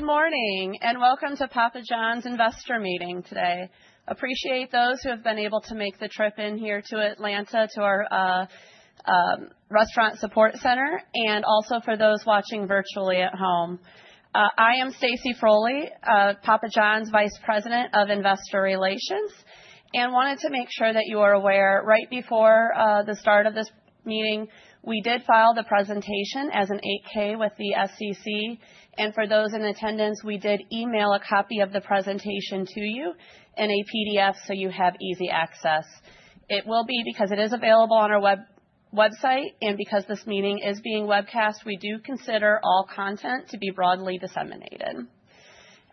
Good morning and welcome to Papa John's Investor Meeting today. I appreciate those who have been able to make the trip in here to Atlanta to our Restaurant Support Center and also for those watching virtually at home. I am Stacey Frole, Papa John's Vice President of Investor Relations, and wanted to make sure that you are aware right before the start of this meeting we did file the presentation as an 8-K with the SEC, and for those in attendance we did email a copy of the presentation to you in a PDF so you have easy access. It will be, because it is available on our website and because this meeting is being webcast, we do consider all content to be broadly disseminated.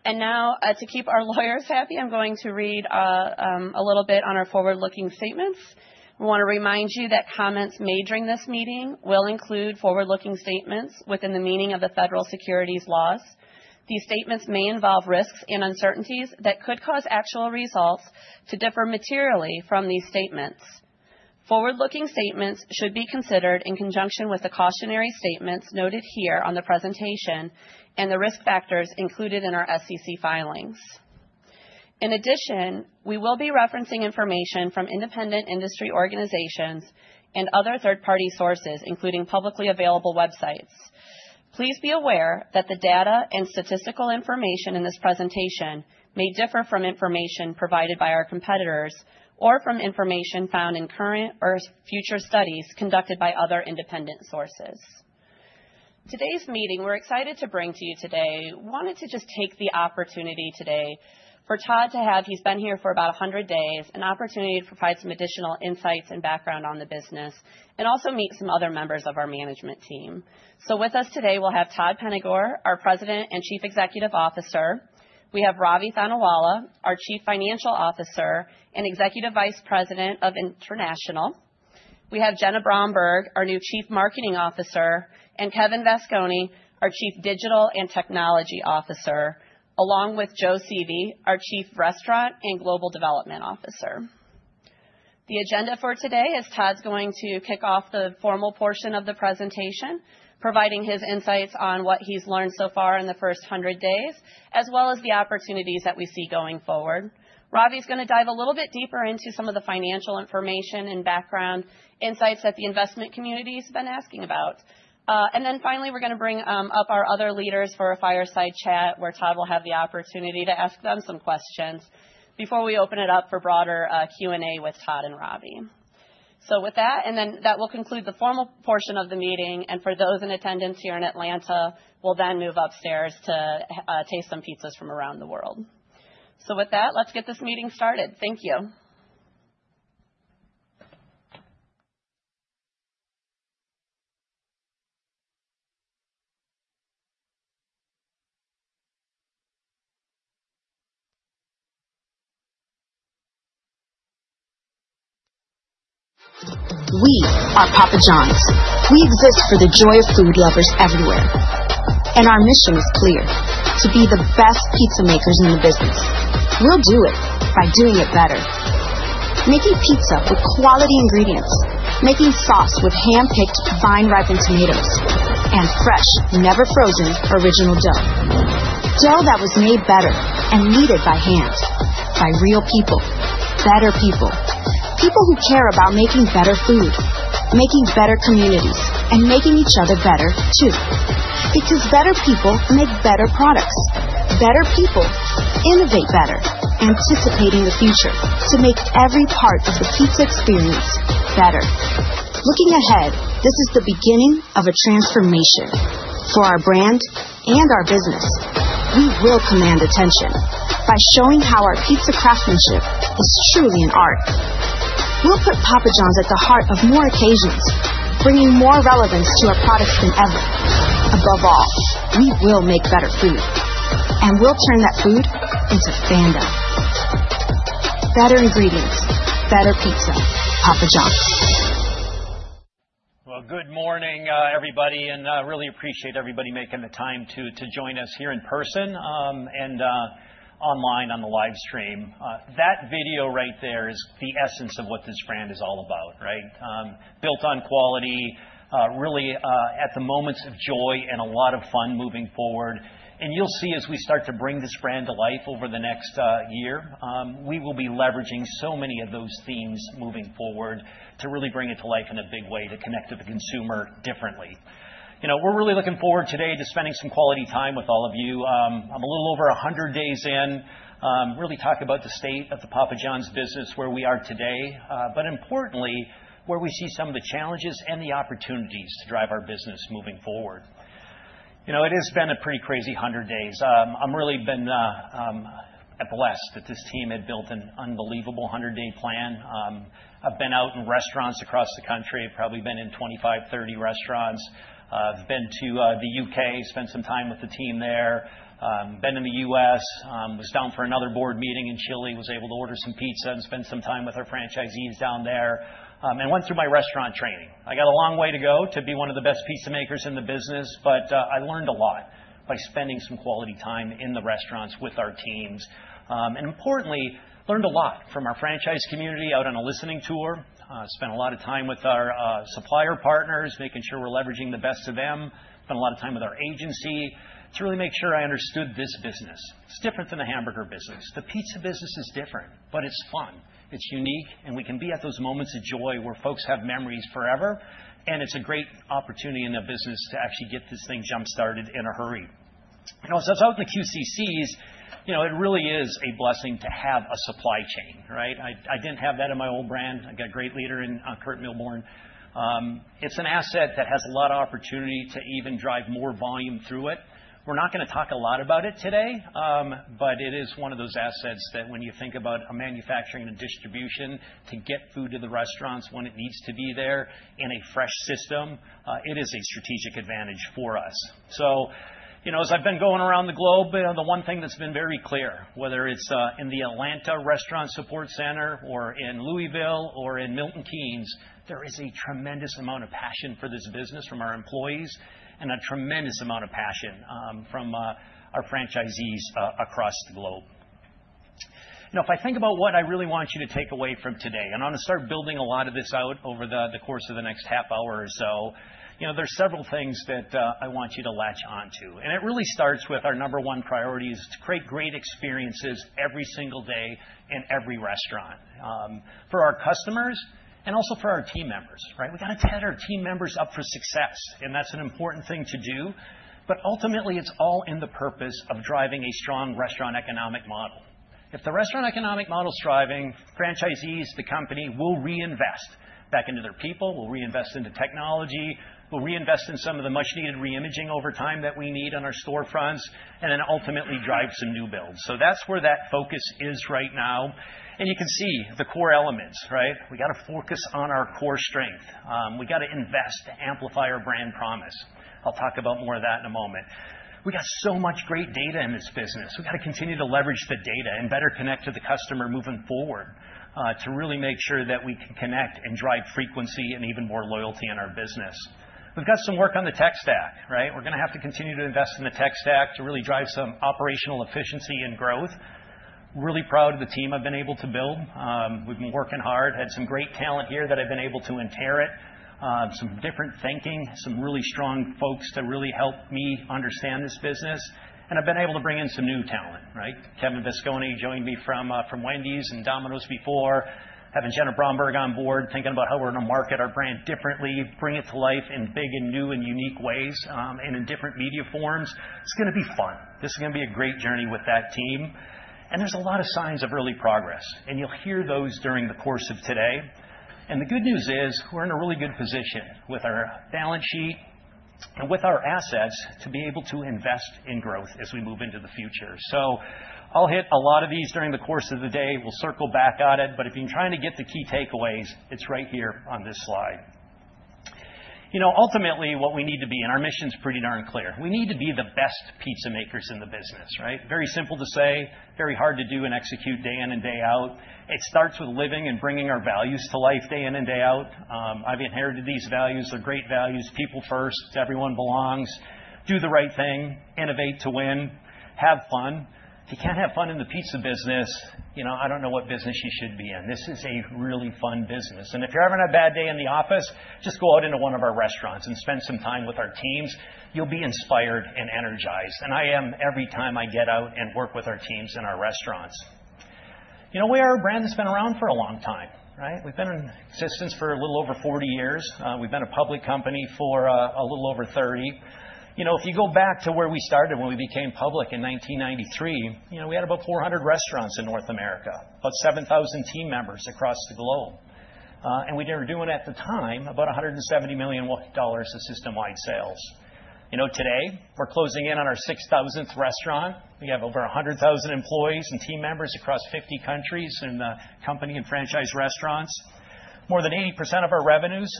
And now, to keep our lawyers happy, I'm going to read a little bit on our forward-looking statements. We want to remind you that comments made during this meeting will include forward-looking statements within the meaning of the federal securities laws. These statements may involve risks and uncertainties that could cause actual results to differ materially from these statements. Forward-looking statements should be considered in conjunction with the cautionary statements noted here on the presentation and the risk factors included in our SEC filings. In addition, we will be referencing information from independent industry organizations and other third-party sources including publicly available websites. Please be aware that the data and statistical information in this presentation may differ from information provided by our competitors or from information found in current or future studies conducted by other independent sources. Today's meeting, we're excited to bring to you. Today wanted to just take the opportunity today for Todd to have, he's been here for about 100 days, an opportunity to provide some additional insights and background on the business and also meet some other members of our management team, so with us today we'll have Todd Penegor, our President and Chief Executive Officer. We have Ravi Thanawala, our Chief Financial Officer and Executive Vice President of International. We have Jenna Bromberg, our new Chief Marketing Officer, and Kevin Vascone, our Chief Digital and Technology Officer, along with Joe Sieve, our Chief Restaurant and Global Development Officer. The agenda for today is Todd's going to kick off the formal portion of the presentation providing his insights on what he's learned so far in the first 100 days as well as the opportunities that we see going forward. Ravi's going to dive a little bit deeper into some of the financial information and background insights that the investment community has been asking about, and then finally we're going to bring up our other leaders for a fireside chat where Todd will have the opportunity to ask them some questions before we open it up for broader Q&A with Todd and Ravi, so with that, and then that will conclude the formal portion of the meeting, and for those in attendance here in Atlanta we'll then move upstairs to taste some pizzas from around the world, so with that, let's get this meeting started. Thank you. We are Papa John's. We exist for the joy of food lovers everywhere, and our mission is clear: to be the best pizza makers in the business. We'll do it by doing it better. Making pizza with quality ingredients, making sauce with hand-picked vine-ripened tomatoes, and fresh, never-frozen original dough. Dough that was made better and kneaded by hand. By real people. Better people. People who care about making better food, making better communities, and making each other better, too. Because better people make better products. Better people innovate better, anticipating the future to make every part of the pizza experience better. Looking ahead, this is the beginning of a transformation for our brand and our business. We will command attention by showing how our pizza craftsmanship is truly an art. We'll put Papa John's at the heart of more occasions, bringing more relevance to our products than ever. Above all, we will make better food. And we'll turn that food into fandom. Better ingredients, better pizza, Papa John's. Good morning, everybody, and I really appreciate everybody making the time to join us here in person and online on the live stream. That video right there is the essence of what this brand is all about, right? Built on quality, really at the moments of joy and a lot of fun moving forward. You'll see as we start to bring this brand to life over the next year, we will be leveraging so many of those themes moving forward to really bring it to life in a big way to connect to the consumer differently. You know, we're really looking forward today to spending some quality time with all of you. I'm a little over 100 days in, really talking about the state of the Papa John's business, where we are today, but importantly where we see some of the challenges and the opportunities to drive our business moving forward. You know, it has been a pretty crazy 100 days. I've really been blessed that this team had built an unbelievable 100-day plan. I've been out in restaurants across the country, probably been in 25, 30 restaurants. I've been to the U.K., spent some time with the team there. Been in the US, was down for another board meeting in Chile, was able to order some pizza and spend some time with our franchisees down there and went through my restaurant training. I got a long way to go to be one of the best pizza makers in the business, but I learned a lot by spending some quality time in the restaurants with our teams. Importantly, I learned a lot from our franchise community out on a listening tour. I spent a lot of time with our supplier partners, making sure we're leveraging the best of them. I spent a lot of time with our agency to really make sure I understood this business. It's different than the hamburger business. The pizza business is different, but it's fun. It's unique, and we can be at those moments of joy where folks have memories forever. It's a great opportunity in their business to actually get this thing jump-started in a hurry. You know, so it's out in the QCCs, you know, it really is a blessing to have a supply chain, right? I didn't have that in my old brand. I got a great leader in Kurt Milburn. It's an asset that has a lot of opportunity to even drive more volume through it. We're not going to talk a lot about it today, but it is one of those assets that when you think about a manufacturing and distribution to get food to the restaurants when it needs to be there in a fresh system, it is a strategic advantage for us. So, you know, as I've been going around the globe, the one thing that's been very clear, whether it's in the Atlanta restaurant support center or in Louisville or in Milton Keynes, there is a tremendous amount of passion for this business from our employees and a tremendous amount of passion from our franchisees across the globe. Now, if I think about what I really want you to take away from today, and I'm going to start building a lot of this out over the course of the next half hour or so, you know, there's several things that I want you to latch onto, and it really starts with our number one priority is to create great experiences every single day in every restaurant for our customers and also for our team members, right? We got to set our team members up for success, and that's an important thing to do, but ultimately, it's all in the purpose of driving a strong restaurant economic model. If the restaurant economic model's thriving, franchisees, the company will reinvest back into their people, will reinvest into technology, will reinvest in some of the much-needed reimaging over time that we need on our storefronts, and then ultimately drive some new builds, so that's where that focus is right now and you can see the core elements, right? We got to focus on our core strength. We got to invest to amplify our brand promise. I'll talk about more of that in a moment. We got so much great data in this business. We got to continue to leverage the data and better connect to the customer moving forward to really make sure that we can connect and drive frequency and even more loyalty in our business. We've got some work on the tech stack, right? We're going to have to continue to invest in the tech stack to really drive some operational efficiency and growth. Really proud of the team I've been able to build. We've been working hard. Had some great talent here that I've been able to inherit. Some different thinking, some really strong folks to really help me understand this business. And I've been able to bring in some new talent, right? Kevin Vascone joined me from Wendy's and Domino's before. Having Jenna Bromberg on board, thinking about how we're going to market our brand differently, bring it to life in big and new and unique ways and in different media forms. It's going to be fun. This is going to be a great journey with that team. And there's a lot of signs of early progress, and you'll hear those during the course of today. The good news is we're in a really good position with our balance sheet and with our assets to be able to invest in growth as we move into the future. I'll hit a lot of these during the course of the day. We'll circle back on it, but if you're trying to get the key takeaways, it's right here on this slide. You know, ultimately what we need to be, and our mission's pretty darn clear, we need to be the best pizza makers in the business, right? Very simple to say, very hard to do and execute day in and day out. It starts with living and bringing our values to life day in and day out. I've inherited these values. They're great values. People first. Everyone belongs. Do the right thing. Innovate to win. Have fun. If you can't have fun in the pizza business, you know, I don't know what business you should be in. This is a really fun business, and if you're having a bad day in the office, just go out into one of our restaurants and spend some time with our teams. You'll be inspired and energized, and I am every time I get out and work with our teams in our restaurants. You know, we are a brand that's been around for a long time, right? We've been in existence for a little over 40 years. We've been a public company for a little over 30. You know, if you go back to where we started when we became public in 1993, you know, we had about 400 restaurants in North America, about 7,000 team members across the globe. We were doing at the time about $170 million of system-wide sales. You know, today we're closing in on our 6,000th restaurant. We have over 100,000 employees and team members across 50 countries in the company and franchise restaurants. More than 80% of our revenues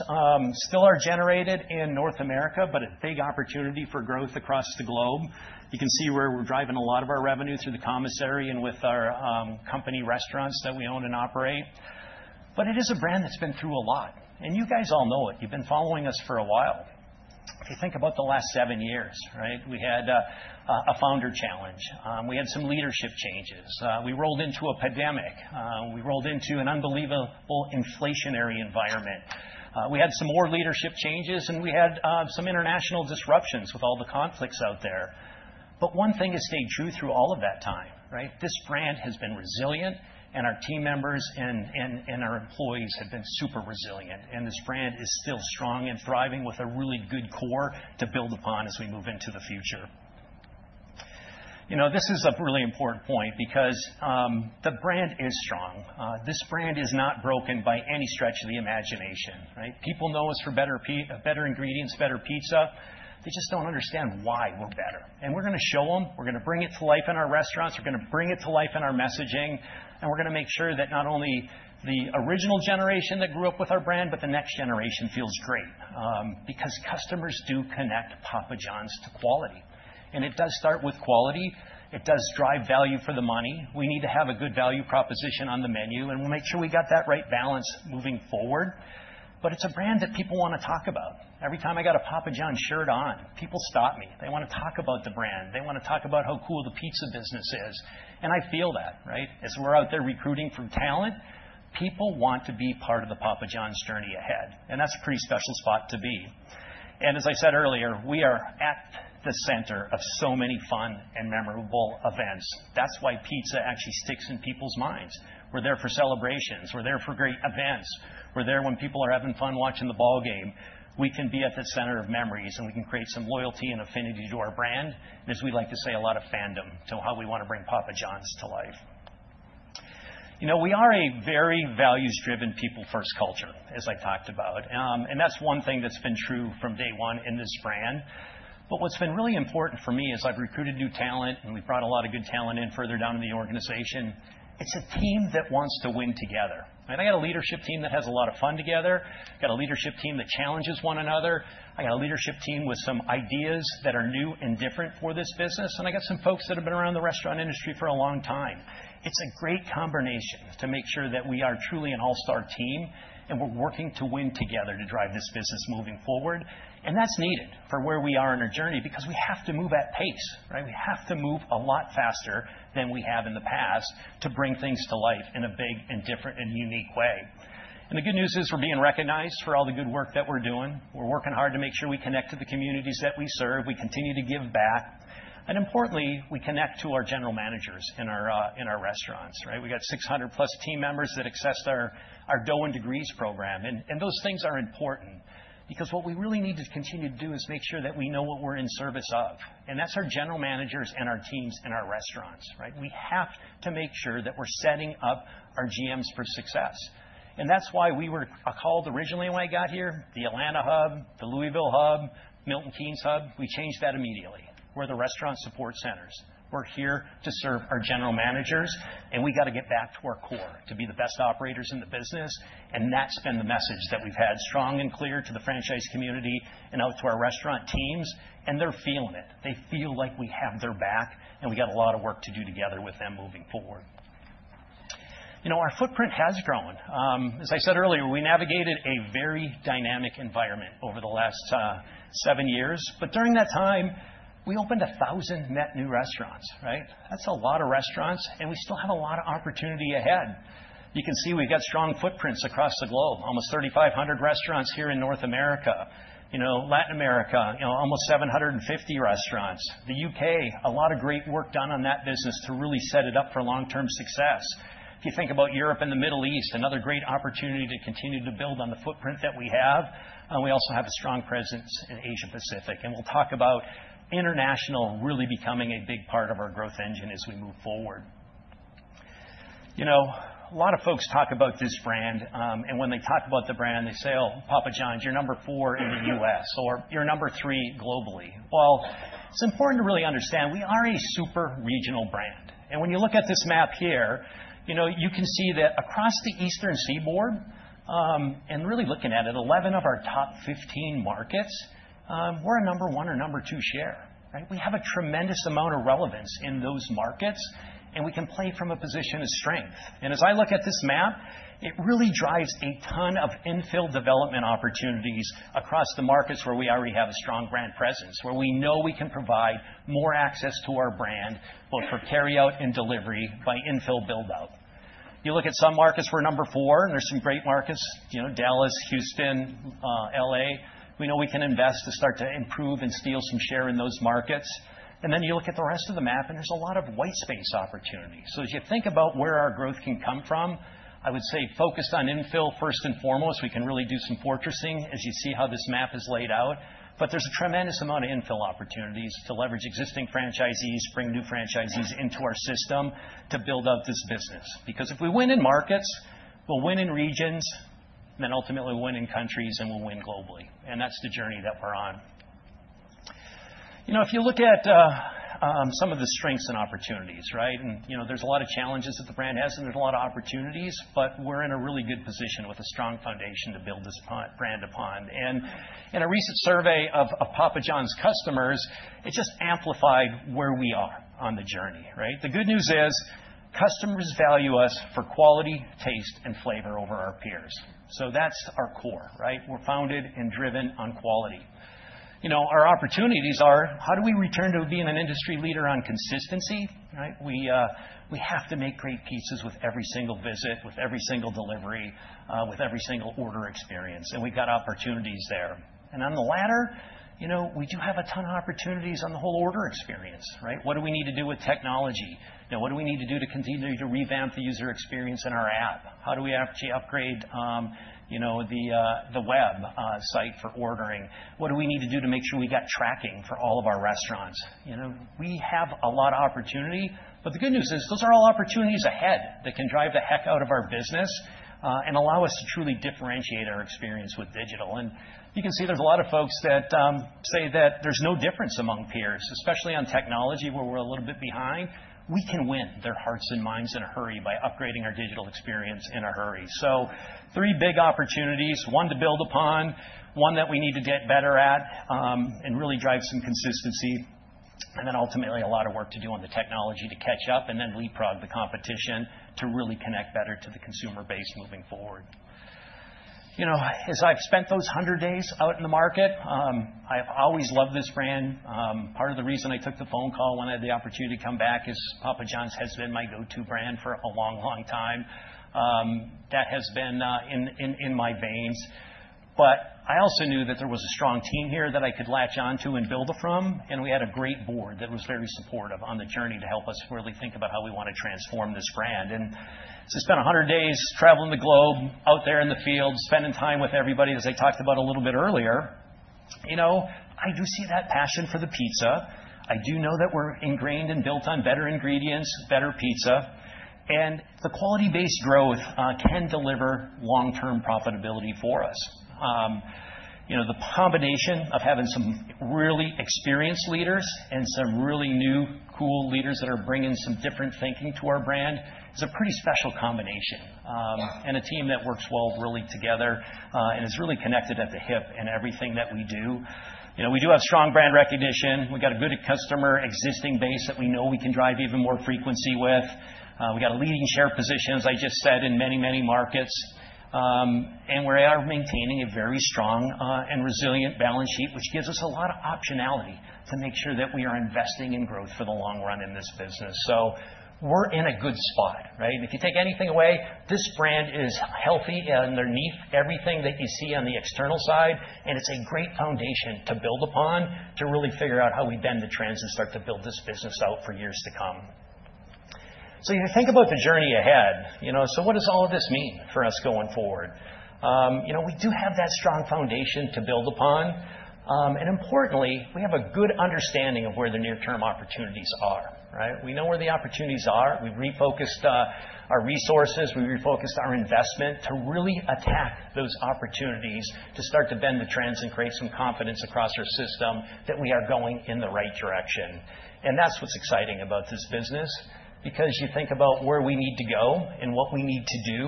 still are generated in North America, but a big opportunity for growth across the globe. You can see where we're driving a lot of our revenue through the commissary and with our company restaurants that we own and operate. It is a brand that's been through a lot. You guys all know it. You've been following us for a while. If you think about the last seven years, right, we had a founder challenge. We had some leadership changes. We rolled into a pandemic. We rolled into an unbelievable inflationary environment. We had some more leadership changes and we had some international disruptions with all the conflicts out there. But one thing has stayed true through all of that time, right? This brand has been resilient and our team members and our employees have been super resilient. And this brand is still strong and thriving with a really good core to build upon as we move into the future. You know, this is a really important point because the brand is strong. This brand is not broken by any stretch of the imagination, right? People know us for better ingredients, better pizza. They just don't understand why we're better. And we're going to show them. We're going to bring it to life in our restaurants. We're going to bring it to life in our messaging. We're going to make sure that not only the original generation that grew up with our brand, but the next generation feels great. Because customers do connect Papa John's to quality. It does start with quality. It does drive value for the money. We need to have a good value proposition on the menu and we'll make sure we got that right balance moving forward. It's a brand that people want to talk about. Every time I got a Papa John's shirt on, people stop me. They want to talk about the brand. They want to talk about how cool the pizza business is. I feel that, right? As we're out there recruiting for talent, people want to be part of the Papa John's journey ahead. That's a pretty special spot to be. And as I said earlier, we are at the center of so many fun and memorable events. That's why pizza actually sticks in people's minds. We're there for celebrations. We're there for great events. We're there when people are having fun watching the ball game. We can be at the center of memories and we can create some loyalty and affinity to our brand. And as we like to say, a lot of fandom to how we want to bring Papa John's to life. You know, we are a very values-driven, people-first culture, as I talked about. And that's one thing that's been true from day one in this brand. But what's been really important for me as I've recruited new talent and we've brought a lot of good talent in further down in the organization, it's a team that wants to win together. And I got a leadership team that has a lot of fun together. I got a leadership team that challenges one another. I got a leadership team with some ideas that are new and different for this business. And I got some folks that have been around the restaurant industry for a long time. It's a great combination to make sure that we are truly an all-star team and we're working to win together to drive this business moving forward. And that's needed for where we are in our journey because we have to move at pace, right? We have to move a lot faster than we have in the past to bring things to life in a big and different and unique way. And the good news is we're being recognized for all the good work that we're doing. We're working hard to make sure we connect to the communities that we serve. We continue to give back. And importantly, we connect to our general managers in our restaurants, right? We got 600-plus team members that accessed our Dough & Degrees program. And those things are important because what we really need to continue to do is make sure that we know what we're in service of. And that's our general managers and our teams and our restaurants, right? We have to make sure that we're setting up our GMs for success. And that's why we were called originally when I got here, the Atlanta hub, the Louisville hub, Milton Keynes hub. We changed that immediately. We're the restaurant support centers. We're here to serve our general managers. And we got to get back to our core to be the best operators in the business. And that's been the message that we've had strong and clear to the franchise community and out to our restaurant teams. And they're feeling it. They feel like we have their back and we got a lot of work to do together with them moving forward. You know, our footprint has grown. As I said earlier, we navigated a very dynamic environment over the last seven years. But during that time, we opened 1,000 net new restaurants, right? That's a lot of restaurants. And we still have a lot of opportunity ahead. You can see we've got strong footprints across the globe. Almost 3,500 restaurants here in North America. You know, Latin America, you know, almost 750 restaurants. The U.K., a lot of great work done on that business to really set it up for long-term success. If you think about Europe and the Middle East, another great opportunity to continue to build on the footprint that we have. We also have a strong presence in Asia-Pacific, and we'll talk about international really becoming a big part of our growth engine as we move forward. You know, a lot of folks talk about this brand, and when they talk about the brand, they say, "Oh, Papa John's, you're number four in the U.S. or you're number three globally." Well, it's important to really understand we are a super regional brand, and when you look at this map here, you know, you can see that across the Eastern Seaboard, and really looking at it, 11 of our top 15 markets, we're a number one or number two share, right? We have a tremendous amount of relevance in those markets, and we can play from a position of strength. And as I look at this map, it really drives a ton of infill development opportunities across the markets where we already have a strong brand presence, where we know we can provide more access to our brand, both for carryout and delivery by infill buildout. You look at some markets, we're number four, and there's some great markets, you know, Dallas, Houston, LA. We know we can invest to start to improve and steal some share in those markets. And then you look at the rest of the map, and there's a lot of white space opportunity. So as you think about where our growth can come from, I would say focus on infill first and foremost. We can really do some fortressing as you see how this map is laid out. But there's a tremendous amount of infill opportunities to leverage existing franchisees, bring new franchisees into our system to build up this business. Because if we win in markets, we'll win in regions, then ultimately we'll win in countries and we'll win globally. And that's the journey that we're on. You know, if you look at some of the strengths and opportunities, right? And you know, there's a lot of challenges that the brand has and there's a lot of opportunities, but we're in a really good position with a strong foundation to build this brand upon. And in a recent survey of Papa John's customers, it just amplified where we are on the journey, right? The good news is customers value us for quality, taste, and flavor over our peers. So that's our core, right? We're founded and driven on quality. You know, our opportunities are how do we return to being an industry leader on consistency, right? We have to make great pizzas with every single visit, with every single delivery, with every single order experience. And we've got opportunities there. And on the latter, you know, we do have a ton of opportunities on the whole order experience, right? What do we need to do with technology? You know, what do we need to do to continue to revamp the user experience in our app? How do we actually upgrade, you know, the website for ordering? What do we need to do to make sure we got tracking for all of our restaurants? You know, we have a lot of opportunity. But the good news is those are all opportunities ahead that can drive the heck out of our business and allow us to truly differentiate our experience with digital. And you can see there's a lot of folks that say that there's no difference among peers, especially on technology where we're a little bit behind. We can win their hearts and minds in a hurry by upgrading our digital experience in a hurry. So three big opportunities, one to build upon, one that we need to get better at and really drive some consistency. And then ultimately a lot of work to do on the technology to catch up and then leapfrog the competition to really connect better to the consumer base moving forward. You know, as I've spent those 100 days out in the market, I have always loved this brand. Part of the reason I took the phone call when I had the opportunity to come back is Papa John's has been my go-to brand for a long, long time. That has been in my veins. But I also knew that there was a strong team here that I could latch onto and build up from. And we had a great board that was very supportive on the journey to help us really think about how we want to transform this brand. And so I spent 100 days traveling the globe out there in the field, spending time with everybody as I talked about a little bit earlier. You know, I do see that passion for the pizza. I do know that we're ingrained and built on better ingredients, better pizza. And the quality-based growth can deliver long-term profitability for us. You know, the combination of having some really experienced leaders and some really new, cool leaders that are bringing some different thinking to our brand is a pretty special combination. And a team that works well really together and is really connected at the hip in everything that we do. You know, we do have strong brand recognition. We've got a good customer existing base that we know we can drive even more frequency with. We've got leading share positions, I just said, in many, many markets. And we are maintaining a very strong and resilient balance sheet, which gives us a lot of optionality to make sure that we are investing in growth for the long run in this business. So we're in a good spot, right? And if you take anything away, this brand is healthy and underneath everything that you see on the external side. It's a great foundation to build upon to really figure out how we bend the trends and start to build this business out for years to come. You think about the journey ahead, you know, so what does all of this mean for us going forward? You know, we do have that strong foundation to build upon. Importantly, we have a good understanding of where the near-term opportunities are, right? We know where the opportunities are. We've refocused our resources. We've refocused our investment to really attack those opportunities to start to bend the trends and create some confidence across our system that we are going in the right direction. That's what's exciting about this business. Because you think about where we need to go and what we need to do,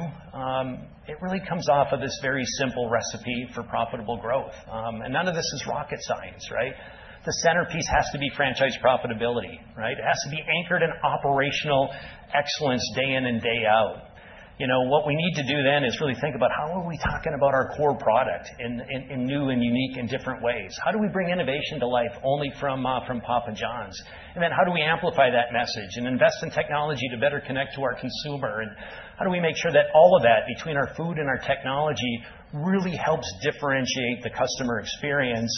it really comes off of this very simple recipe for profitable growth. And none of this is rocket science, right? The centerpiece has to be franchise profitability, right? It has to be anchored in operational excellence day in and day out. You know, what we need to do then is really think about how are we talking about our core product in new and unique and different ways? How do we bring innovation to life only from Papa John's? And then how do we amplify that message and invest in technology to better connect to our consumer? And how do we make sure that all of that between our food and our technology really helps differentiate the customer experience?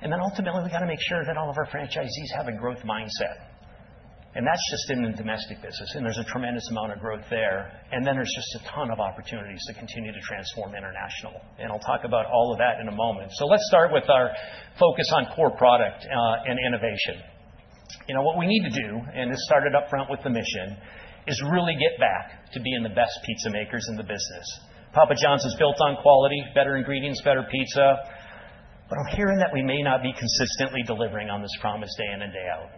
And then ultimately, we got to make sure that all of our franchisees have a growth mindset. And that's just in the domestic business. And there's a tremendous amount of growth there. And then there's just a ton of opportunities to continue to transform international. And I'll talk about all of that in a moment. So let's start with our focus on core product and innovation. You know, what we need to do, and this started upfront with the mission, is really get back to being the best pizza makers in the business. Papa John's is built on quality, better ingredients, better pizza. But I'm hearing that we may not be consistently delivering on this promise day in and day out.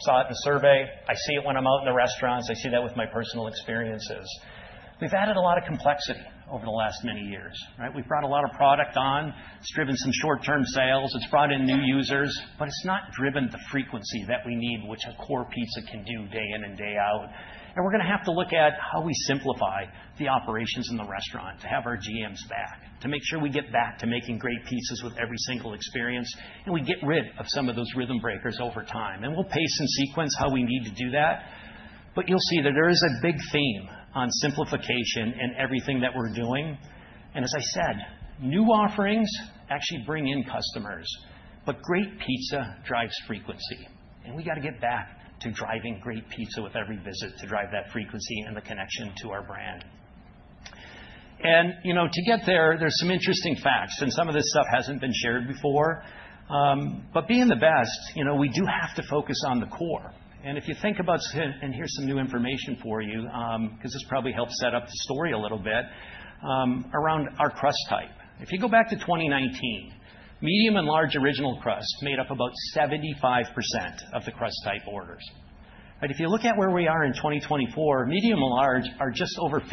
I saw it in a survey. I see it when I'm out in the restaurants. I see that with my personal experiences. We've added a lot of complexity over the last many years, right? We've brought a lot of product on. It's driven some short-term sales. It's brought in new users. But it's not driven the frequency that we need, which a core pizza can do day in and day out. And we're going to have to look at how we simplify the operations in the restaurant to have our GMs back, to make sure we get back to making great pizzas with every single experience. And we get rid of some of those rhythm breakers over time. And we'll pace and sequence how we need to do that. But you'll see that there is a big theme on simplification in everything that we're doing. And as I said, new offerings actually bring in customers. But great pizza drives frequency. And we got to get back to driving great pizza with every visit to drive that frequency and the connection to our brand. And you know, to get there, there's some interesting facts. And some of this stuff hasn't been shared before. But being the best, you know, we do have to focus on the core. And if you think about, and here's some new information for you, because this probably helps set up the story a little bit, around our crust type. If you go back to 2019, medium and large original crust made up about 75% of the crust type orders. But if you look at where we are in 2024, medium and large are just over 50%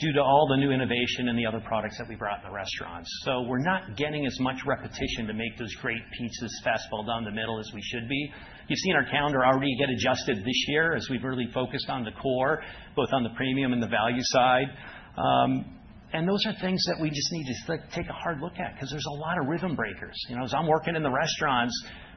due to all the new innovation and the other products that we brought in the restaurants. So we're not getting as much repetition to make those great pizzas fastballed down the middle as we should be. You've seen our calendar already get adjusted this year as we've really focused on the core, both on the premium and the value side. And those are things that we just need to take a hard look at because there's a lot of rhythm breakers. You know, as I'm working in the restaurants,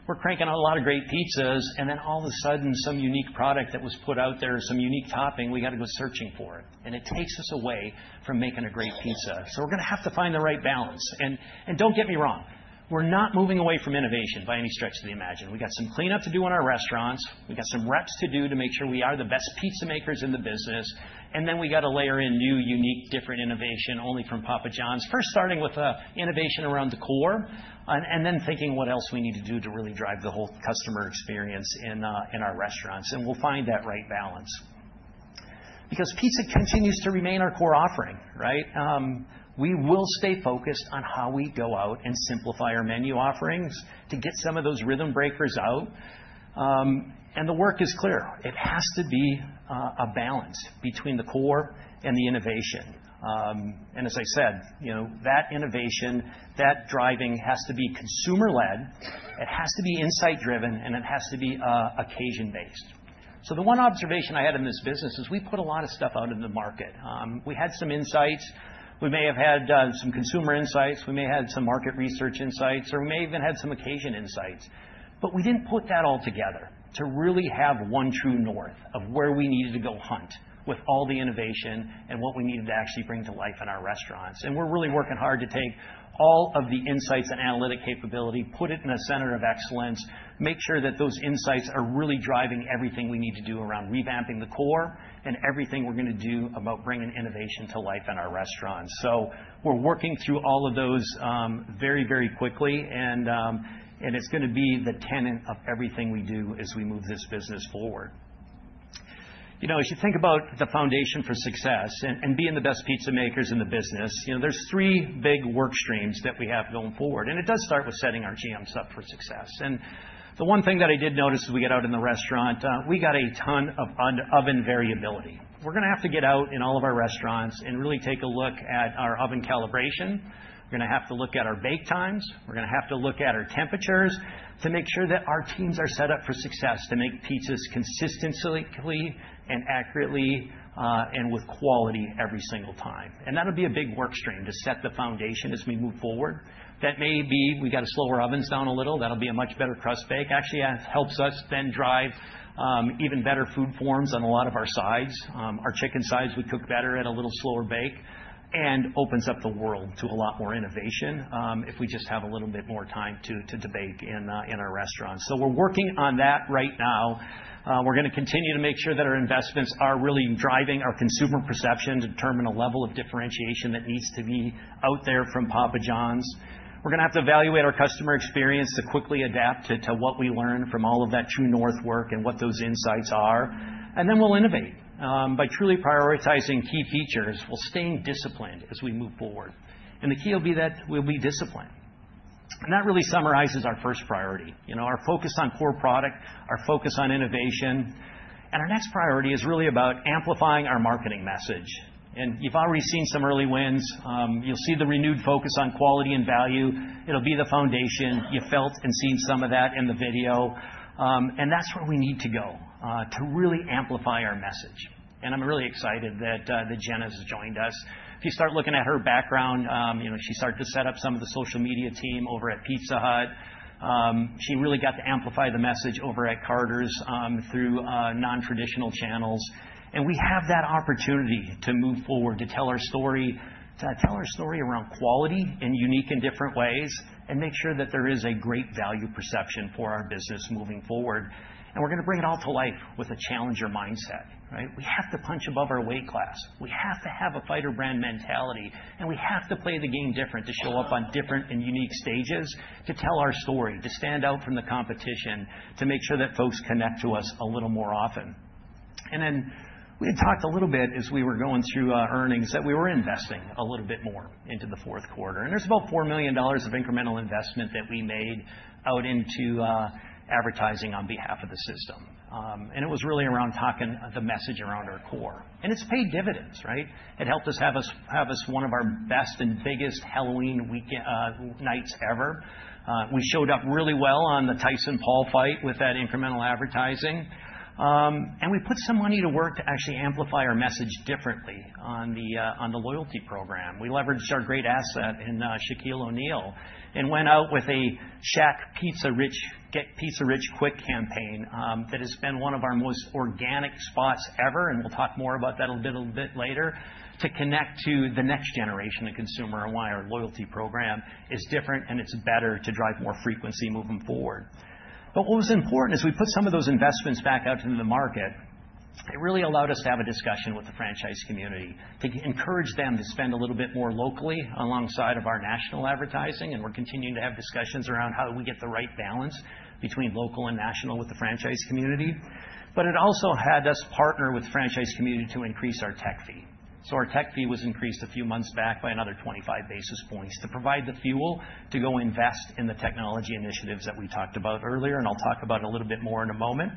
we're cranking out a lot of great pizzas. And then all of a sudden, some unique product that was put out there, some unique topping, we got to go searching for it. And it takes us away from making a great pizza. So we're going to have to find the right balance. And don't get me wrong. We're not moving away from innovation by any stretch of the imagination. We got some cleanup to do in our restaurants. We got some reps to do to make sure we are the best pizza makers in the business. and then we got to layer in new, unique, different innovation only from Papa John's, first starting with innovation around the core and then thinking what else we need to do to really drive the whole customer experience in our restaurants. And we'll find that right balance. Because pizza continues to remain our core offering, right? We will stay focused on how we go out and simplify our menu offerings to get some of those rhythm breakers out. And the work is clear. It has to be a balance between the core and the innovation. And as I said, you know, that innovation, that driving has to be consumer-led. It has to be insight-driven, and it has to be occasion-based. So the one observation I had in this business is we put a lot of stuff out in the market. We had some insights. We may have had some consumer insights. We may have had some market research insights, or we may have even had some occasion insights, but we didn't put that all together to really have one true north of where we needed to go hunt with all the innovation and what we needed to actually bring to life in our restaurants. We're really working hard to take all of the insights and analytic capability, put it in a center of excellence, make sure that those insights are really driving everything we need to do around revamping the core and everything we're going to do about bringing innovation to life in our restaurants, so we're working through all of those very, very quickly. It's going to be the tenet of everything we do as we move this business forward. You know, as you think about the foundation for success and being the best pizza makers in the business, you know, there's three big work streams that we have going forward. And it does start with setting our GMs up for success. And the one thing that I did notice as we get out in the restaurant, we got a ton of oven variability. We're going to have to get out in all of our restaurants and really take a look at our oven calibration. We're going to have to look at our bake times. We're going to have to look at our temperatures to make sure that our teams are set up for success to make pizzas consistently and accurately and with quality every single time. And that'll be a big work stream to set the foundation as we move forward. That may be we got to slow our ovens down a little. That'll be a much better crust bake. Actually, it helps us then drive even better food forms on a lot of our sides. Our chicken sides would cook better at a little slower bake and opens up the world to a lot more innovation if we just have a little bit more time to bake in our restaurants. So we're working on that right now. We're going to continue to make sure that our investments are really driving our consumer perception to determine a level of differentiation that needs to be out there from Papa John's. We're going to have to evaluate our customer experience to quickly adapt to what we learn from all of that true north work and what those insights are, and then we'll innovate by truly prioritizing key features. We'll stay disciplined as we move forward, and the key will be that we'll be disciplined, and that really summarizes our first priority. You know, our focus on core product, our focus on innovation, and our next priority is really about amplifying our marketing message, and you've already seen some early wins. You'll see the renewed focus on quality and value. It'll be the foundation. You felt and seen some of that in the video, and that's where we need to go to really amplify our message, and I'm really excited that Jenna has joined us. If you start looking at her background, you know, she started to set up some of the social media team over at Pizza Hut. She really got to amplify the message over at Carter's through non-traditional channels. And we have that opportunity to move forward to tell our story, to tell our story around quality in unique and different ways and make sure that there is a great value perception for our business moving forward. And we're going to bring it all to life with a challenger mindset, right? We have to punch above our weight class. We have to have a fighter brand mentality. And we have to play the game different to show up on different and unique stages to tell our story, to stand out from the competition, to make sure that folks connect to us a little more often. And then we had talked a little bit as we were going through earnings that we were investing a little bit more into the fourth quarter. There's about $4 million of incremental investment that we made out into advertising on behalf of the system. It was really around talking the message around our core. It's paid dividends, right? It helped us have one of our best and biggest Halloween nights ever. We showed up really well on the Tyson Paul fight with that incremental advertising. We put some money to work to actually amplify our message differently on the loyalty program. We leveraged our great asset in Shaquille O'Neal and went out with a Shaq Pizza Rich Quick campaign that has been one of our most organic spots ever. We'll talk more about that a little bit later to connect to the next generation of consumer and why our loyalty program is different and it's better to drive more frequency moving forward. But what was important is we put some of those investments back out into the market. It really allowed us to have a discussion with the franchise community to encourage them to spend a little bit more locally alongside of our national advertising. And we're continuing to have discussions around how do we get the right balance between local and national with the franchise community. But it also had us partner with the franchise community to increase our tech fee. So our tech fee was increased a few months back by another 25 basis points to provide the fuel to go invest in the technology initiatives that we talked about earlier. And I'll talk about it a little bit more in a moment.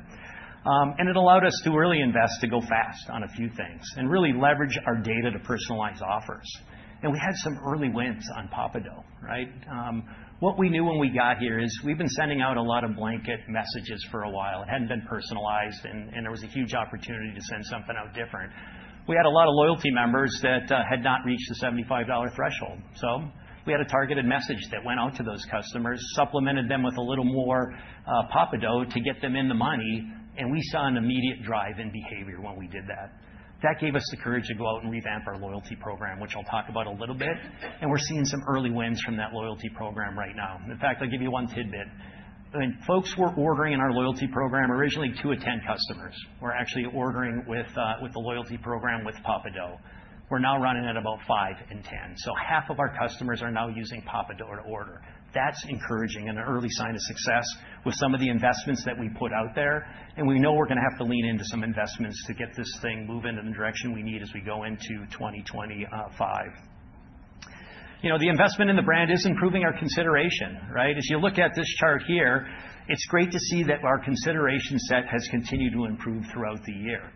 And it allowed us to really invest to go fast on a few things and really leverage our data to personalize offers. And we had some early wins on Papa Dough, right? What we knew when we got here is we've been sending out a lot of blanket messages for a while. It hadn't been personalized. And there was a huge opportunity to send something out different. We had a lot of loyalty members that had not reached the $75 threshold. So we had a targeted message that went out to those customers, supplemented them with a little more Papa Dough to get them in the money. And we saw an immediate drive in behavior when we did that. That gave us the courage to go out and revamp our loyalty program, which I'll talk about a little bit. And we're seeing some early wins from that loyalty program right now. In fact, I'll give you one tidbit. When folks were ordering in our loyalty program, originally two in ten customers were actually ordering with the loyalty program with Papa Dough. We're now running at about five in ten. So half of our customers are now using Papa Dough to order. That's encouraging and an early sign of success with some of the investments that we put out there. And we know we're going to have to lean into some investments to get this thing moving in the direction we need as we go into 2025. You know, the investment in the brand is improving our consideration, right? As you look at this chart here, it's great to see that our consideration set has continued to improve throughout the year.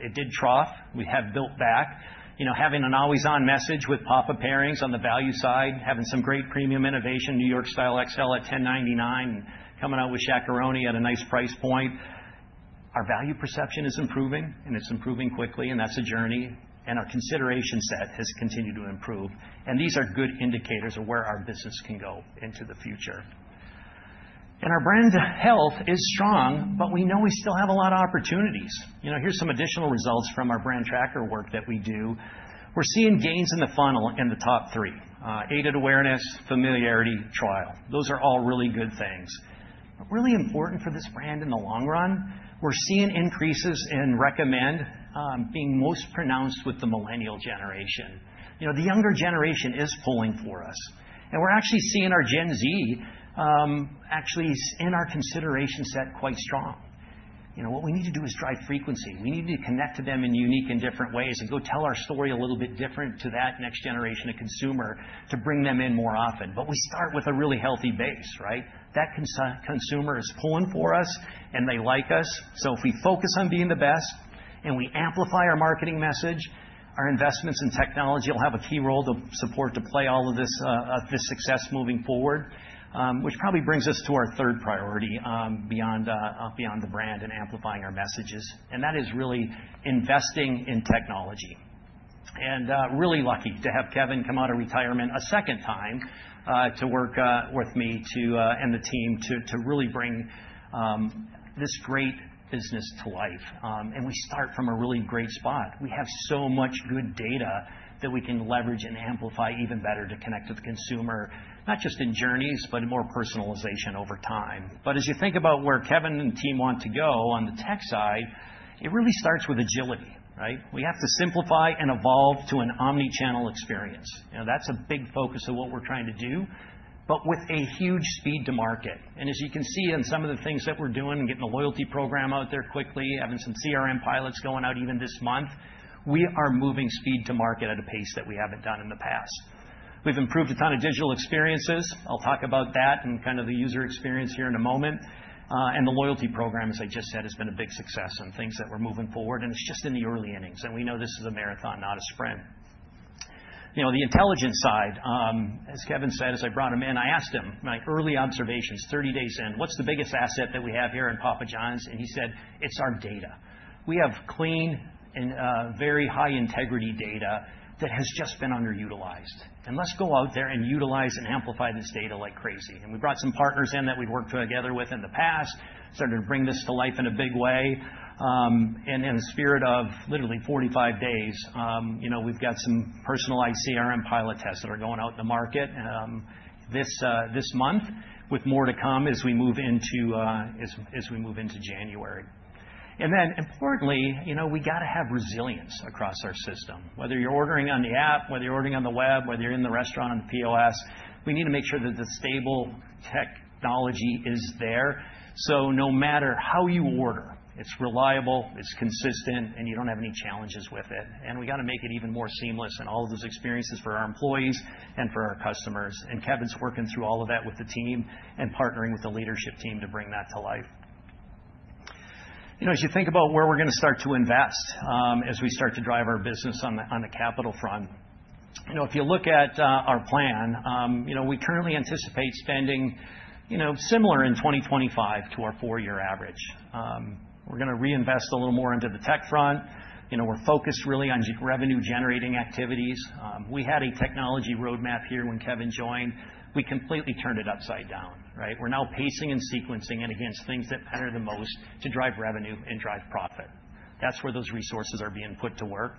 It did trough. We have built back. You know, having an always-on message with Papa Pairings on the value side, having some great premium innovation, New York Style XL at $10.99, and coming out with Shaq-a-Roni at a nice price point. Our value perception is improving, and it's improving quickly. And that's a journey. And our consideration set has continued to improve. And these are good indicators of where our business can go into the future. And our brand health is strong, but we know we still have a lot of opportunities. You know, here's some additional results from our brand tracker work that we do. We're seeing gains in the funnel in the top three: aided awareness, familiarity, trial. Those are all really good things. But really important for this brand in the long run, we're seeing increases in recommend being most pronounced with the millennial generation. You know, the younger generation is pulling for us. And we're actually seeing our Gen Z actually in our consideration set quite strong. You know, what we need to do is drive frequency. We need to connect to them in unique and different ways and go tell our story a little bit different to that next generation of consumer to bring them in more often. But we start with a really healthy base, right? That consumer is pulling for us, and they like us. So if we focus on being the best and we amplify our marketing message, our investments in technology will have a key role to support to play all of this success moving forward, which probably brings us to our third priority beyond the brand and amplifying our messages. And that is really investing in technology. And really lucky to have Kevin come out of retirement a second time to work with me and the team to really bring this great business to life. And we start from a really great spot. We have so much good data that we can leverage and amplify even better to connect with the consumer, not just in journeys, but more personalization over time. But as you think about where Kevin and team want to go on the tech side, it really starts with agility, right? We have to simplify and evolve to an omnichannel experience. You know, that's a big focus of what we're trying to do, but with a huge speed to market. As you can see in some of the things that we're doing and getting a loyalty program out there quickly, having some CRM pilots going out even this month, we are moving speed to market at a pace that we haven't done in the past. We've improved a ton of digital experiences. I'll talk about that and kind of the user experience here in a moment. The loyalty program, as I just said, has been a big success and things that we're moving forward. It's just in the early innings. We know this is a marathon, not a sprint. You know, the intelligence side, as Kevin said, as I brought him in, I asked him my early observations, 30 days in, what's the biggest asset that we have here in Papa John's? He said, it's our data. We have clean and very high integrity data that has just been underutilized, and let's go out there and utilize and amplify this data like crazy, and we brought some partners in that we've worked together with in the past, started to bring this to life in a big way, and in the spirit of literally 45 days, you know, we've got some personalized CRM pilot tests that are going out in the market this month with more to come as we move into January, and then importantly, you know, we got to have resilience across our system. Whether you're ordering on the app, whether you're ordering on the web, whether you're in the restaurant on the POS, we need to make sure that the stable technology is there, so no matter how you order, it's reliable, it's consistent, and you don't have any challenges with it. We got to make it even more seamless and all of those experiences for our employees and for our customers. Kevin's working through all of that with the team and partnering with the leadership team to bring that to life. You know, as you think about where we're going to start to invest as we start to drive our business on the capital front, you know, if you look at our plan, you know, we currently anticipate spending, you know, similar in 2025 to our four-year average. We're going to reinvest a little more into the tech front. You know, we're focused really on revenue-generating activities. We had a technology roadmap here when Kevin joined. We completely turned it upside down, right? We're now pacing and sequencing it against things that matter the most to drive revenue and drive profit. That's where those resources are being put to work.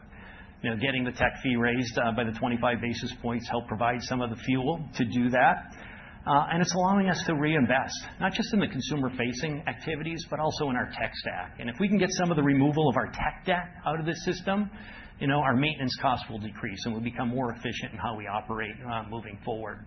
You know, getting the tech fee raised by the 25 basis points helped provide some of the fuel to do that. And it's allowing us to reinvest, not just in the consumer-facing activities, but also in our tech stack. And if we can get some of the removal of our tech debt out of the system, you know, our maintenance costs will decrease and we'll become more efficient in how we operate moving forward.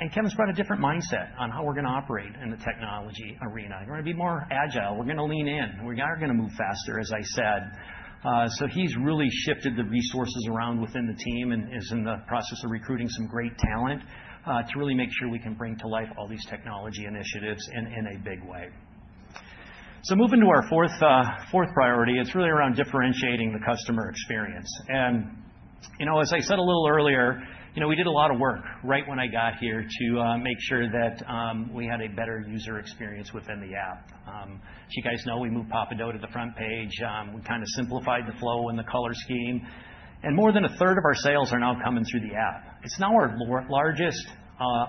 And Kevin's brought a different mindset on how we're going to operate in the technology arena. We're going to be more agile. We're going to lean in. We are going to move faster, as I said. So he's really shifted the resources around within the team and is in the process of recruiting some great talent to really make sure we can bring to life all these technology initiatives in a big way. So moving to our fourth priority, it's really around differentiating the customer experience. And, you know, as I said a little earlier, you know, we did a lot of work right when I got here to make sure that we had a better user experience within the app. As you guys know, we moved Papa Dough to the front page. We kind of simplified the flow and the color scheme. And more than a third of our sales are now coming through the app. It's now our largest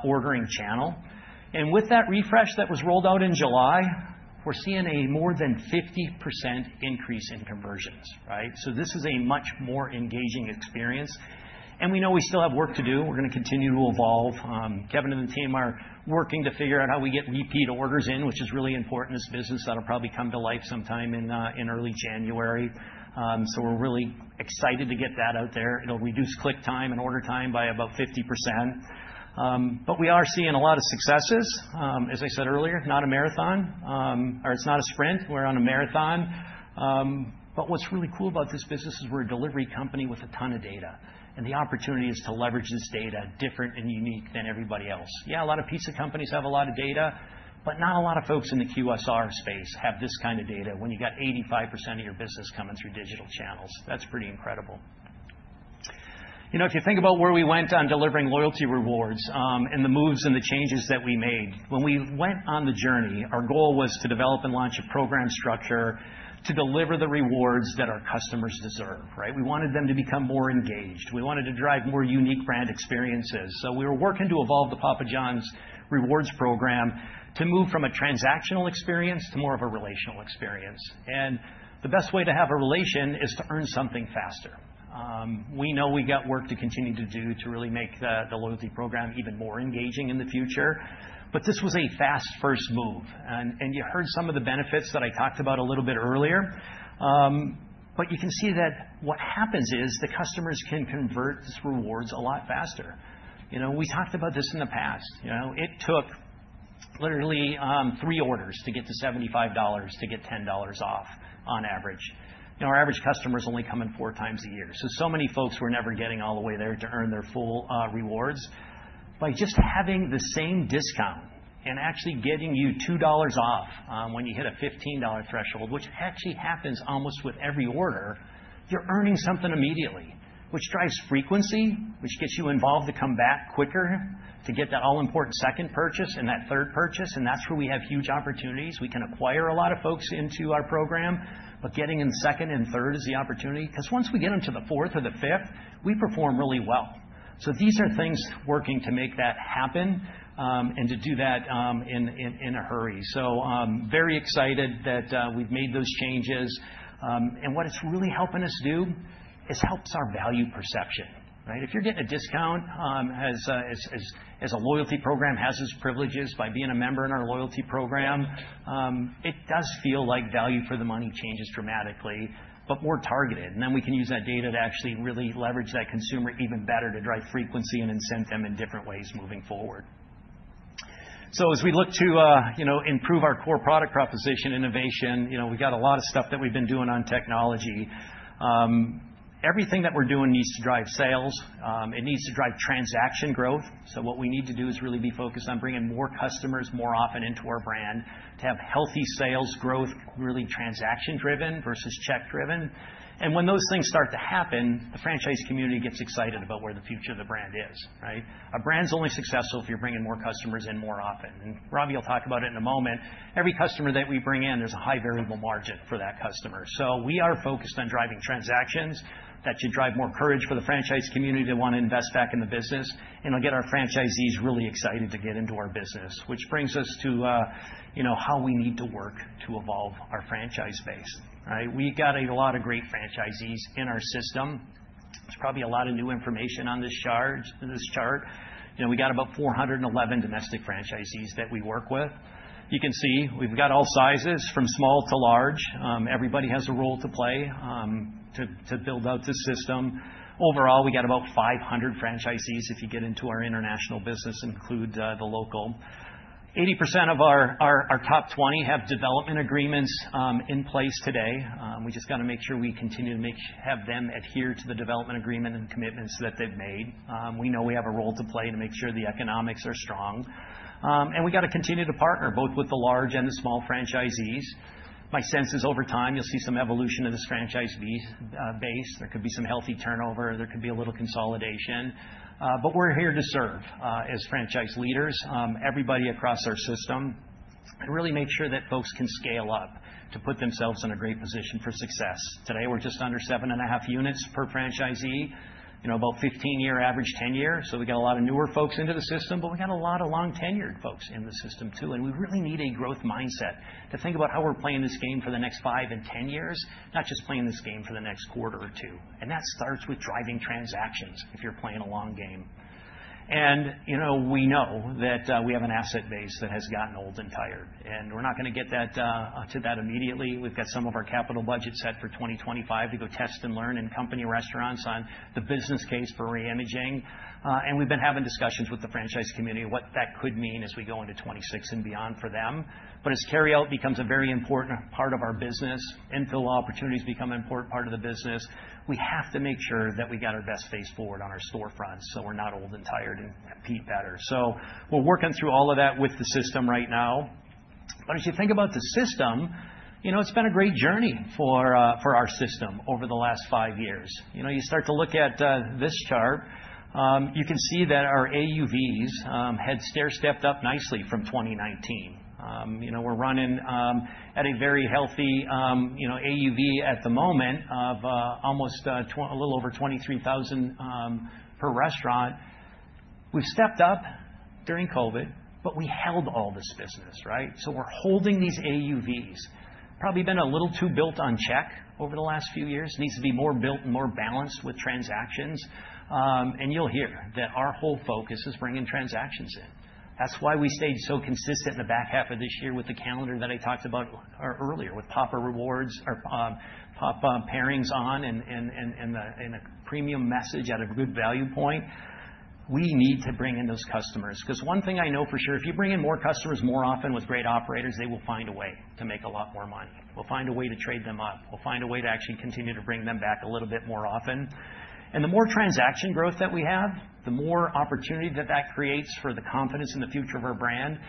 ordering channel. And with that refresh that was rolled out in July, we're seeing a more than 50% increase in conversions, right? So this is a much more engaging experience. And we know we still have work to do. We're going to continue to evolve. Kevin and the team are working to figure out how we get repeat orders in, which is really important in this business that'll probably come to life sometime in early January. So we're really excited to get that out there. It'll reduce click time and order time by about 50%. But we are seeing a lot of successes. As I said earlier, not a marathon, or it's not a sprint. We're on a marathon. But what's really cool about this business is we're a delivery company with a ton of data. And the opportunity is to leverage this data different and unique than everybody else. Yeah, a lot of pizza companies have a lot of data, but not a lot of folks in the QSR space have this kind of data when you got 85% of your business coming through digital channels. That's pretty incredible. You know, if you think about where we went on delivering loyalty rewards and the moves and the changes that we made, when we went on the journey, our goal was to develop and launch a program structure to deliver the rewards that our customers deserve, right? We wanted them to become more engaged. We wanted to drive more unique brand experiences. So we were working to evolve the Papa John's rewards program to move from a transactional experience to more of a relational experience. And the best way to have a relation is to earn something faster. We know we got work to continue to do to really make the loyalty program even more engaging in the future. But this was a fast first move. And you heard some of the benefits that I talked about a little bit earlier. But you can see that what happens is the customers can convert these rewards a lot faster. You know, we talked about this in the past. You know, it took literally three orders to get to $75 to get $10 off on average. You know, our average customers only come in four times a year. So so many folks were never getting all the way there to earn their full rewards. By just having the same discount and actually getting you $2 off when you hit a $15 threshold, which actually happens almost with every order, you're earning something immediately, which drives frequency, which gets you involved to come back quicker to get that all-important second purchase and that third purchase. And that's where we have huge opportunities. We can acquire a lot of folks into our program, but getting in second and third is the opportunity. Because once we get into the fourth or the fifth, we perform really well. So these are things working to make that happen and to do that in a hurry. So very excited that we've made those changes. And what it's really helping us do is helps our value perception, right? If you're getting a discount, as a loyalty program has its privileges by being a member in our loyalty program, it does feel like value for the money changes dramatically, but more targeted, and then we can use that data to actually really leverage that consumer even better to drive frequency and incent them in different ways moving forward, so as we look to, you know, improve our core product proposition innovation, you know, we've got a lot of stuff that we've been doing on technology. Everything that we're doing needs to drive sales. It needs to drive transaction growth. So what we need to do is really be focused on bringing more customers more often into our brand to have healthy sales growth, really transaction-driven versus check-driven, and when those things start to happen, the franchise community gets excited about where the future of the brand is, right? A brand's only successful if you're bringing more customers in more often, and Ravi will talk about it in a moment. Every customer that we bring in, there's a high variable margin for that customer, so we are focused on driving transactions that should drive more coverage for the franchise community to want to invest back in the business, and it'll get our franchisees really excited to get into our business, which brings us to, you know, how we need to work to evolve our franchise base, right? We've got a lot of great franchisees in our system. There's probably a lot of new information on this chart. You know, we got about 411 domestic franchisees that we work with. You can see we've got all sizes from small to large. Everybody has a role to play to build out this system. Overall, we got about 500 franchisees if you get into our international business, including the local. 80% of our top 20 have development agreements in place today. We just got to make sure we continue to have them adhere to the development agreement and commitments that they've made. We know we have a role to play to make sure the economics are strong. And we got to continue to partner both with the large and the small franchisees. My sense is over time you'll see some evolution of this franchise base. There could be some healthy turnover. There could be a little consolidation. But we're here to serve as franchise leaders, everybody across our system, to really make sure that folks can scale up to put themselves in a great position for success. Today, we're just under seven and a half units per franchisee, you know, about 15-year average, 10-year. So we got a lot of newer folks into the system, but we got a lot of long-tenured folks in the system too. And we really need a growth mindset to think about how we're playing this game for the next five and 10 years, not just playing this game for the next quarter or two. And that starts with driving transactions if you're playing a long game. And, you know, we know that we have an asset base that has gotten old and tired. And we're not going to get to that immediately. We've got some of our capital budget set for 2025 to go test and learn in company restaurants on the business case for reimaging. And we've been having discussions with the franchise community of what that could mean as we go into 2026 and beyond for them. But as carryout becomes a very important part of our business, infill opportunities become an important part of the business, we have to make sure that we got our best face forward on our storefronts so we're not old and tired and beat battered, so we're working through all of that with the system right now, but as you think about the system, you know, it's been a great journey for our system over the last five years. You know, you start to look at this chart, you can see that our AUVs had stair-stepped up nicely from 2019. You know, we're running at a very healthy, you know, AUV at the moment of almost a little over $23,000 per restaurant. We've stepped up during COVID, but we held all this business, right, so we're holding these AUVs. Probably been a little too built on check over the last few years. Needs to be more built and more balanced with transactions, and you'll hear that our whole focus is bringing transactions in. That's why we stayed so consistent in the back half of this year with the calendar that I talked about earlier with Papa Rewards or Papa Pairings on and a premium message at a good value point. We need to bring in those customers. Because one thing I know for sure, if you bring in more customers more often with great operators, they will find a way to make a lot more money. We'll find a way to trade them up. We'll find a way to actually continue to bring them back a little bit more often. And the more transaction growth that we have, the more opportunity that that creates for the confidence in the future of our brand.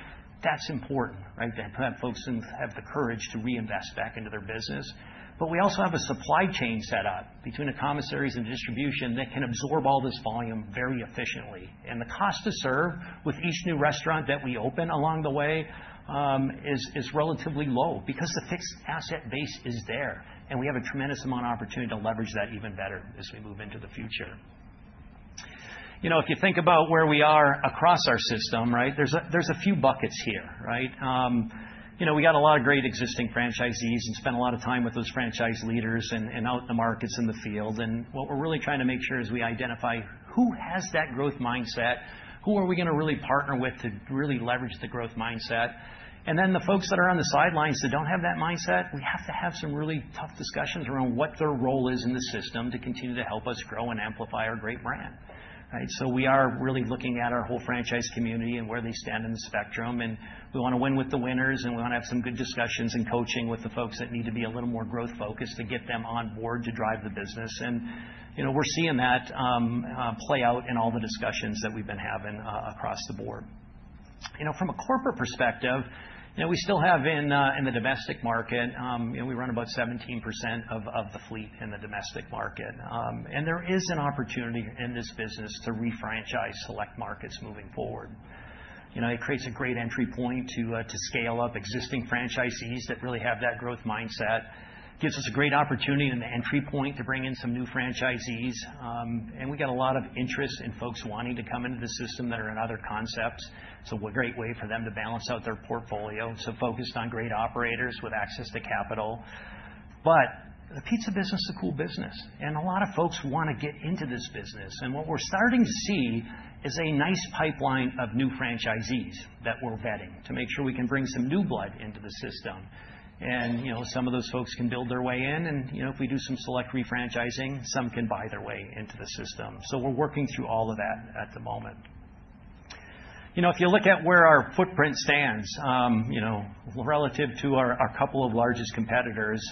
That's important, right? That folks have the courage to reinvest back into their business. But we also have a supply chain set up between the commissaries and distribution that can absorb all this volume very efficiently. And the cost to serve with each new restaurant that we open along the way is relatively low because the fixed asset base is there. And we have a tremendous amount of opportunity to leverage that even better as we move into the future. You know, if you think about where we are across our system, right, there's a few buckets here, right? You know, we got a lot of great existing franchisees and spent a lot of time with those franchise leaders and out in the markets in the field. What we're really trying to make sure is we identify who has that growth mindset, who are we going to really partner with to really leverage the growth mindset. Then the folks that are on the sidelines that don't have that mindset, we have to have some really tough discussions around what their role is in the system to continue to help us grow and amplify our great brand, right? We are really looking at our whole franchise community and where they stand in the spectrum. We want to win with the winners. We want to have some good discussions and coaching with the folks that need to be a little more growth-focused to get them on board to drive the business. You know, we're seeing that play out in all the discussions that we've been having across the board. You know, from a corporate perspective, you know, we still have in the domestic market, you know, we run about 17% of the fleet in the domestic market. And there is an opportunity in this business to refranchise select markets moving forward. You know, it creates a great entry point to scale up existing franchisees that really have that growth mindset. Gives us a great opportunity in the entry point to bring in some new franchisees. And we got a lot of interest in folks wanting to come into the system that are in other concepts. It's a great way for them to balance out their portfolio. So focused on great operators with access to capital. But the pizza business is a cool business. And a lot of folks want to get into this business. And what we're starting to see is a nice pipeline of new franchisees that we're vetting to make sure we can bring some new blood into the system. And, you know, some of those folks can build their way in. And, you know, if we do some select refranchising, some can buy their way into the system. So we're working through all of that at the moment. You know, if you look at where our footprint stands, you know, relative to our couple of largest competitors,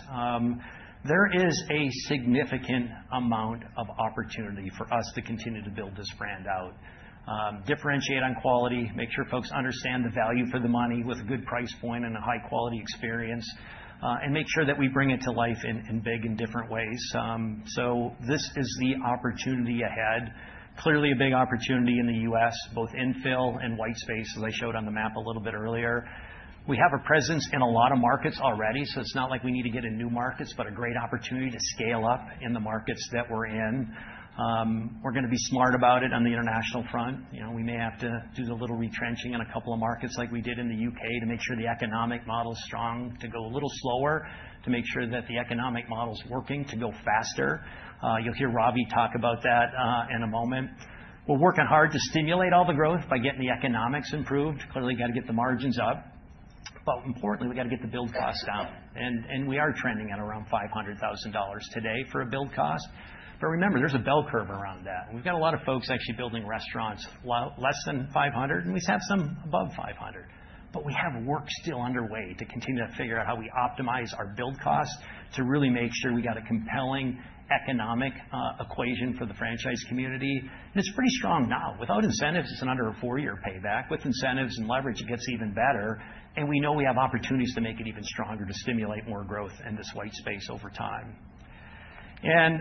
there is a significant amount of opportunity for us to continue to build this brand out. Differentiate on quality. Make sure folks understand the value for the money with a good price point and a high-quality experience. And make sure that we bring it to life in big and different ways. So this is the opportunity ahead. Clearly a big opportunity in the U.S., both infill and white space, as I showed on the map a little bit earlier. We have a presence in a lot of markets already. So it's not like we need to get in new markets, but a great opportunity to scale up in the markets that we're in. We're going to be smart about it on the international front. You know, we may have to do a little retrenching in a couple of markets like we did in the U.K. to make sure the economic model is strong, to go a little slower, to make sure that the economic model is working to go faster. You'll hear Ravi talk about that in a moment. We're working hard to stimulate all the growth by getting the economics improved. Clearly, we got to get the margins up. But importantly, we got to get the build cost down. And we are trending at around $500,000 today for a build cost. But remember, there's a bell curve around that. We've got a lot of folks actually building restaurants less than $500. And we have some above $500. But we have work still underway to continue to figure out how we optimize our build cost to really make sure we got a compelling economic equation for the franchise community. And it's pretty strong now. Without incentives, it's under a four-year payback. With incentives and leverage, it gets even better. And we know we have opportunities to make it even stronger to stimulate more growth in this white space over time. And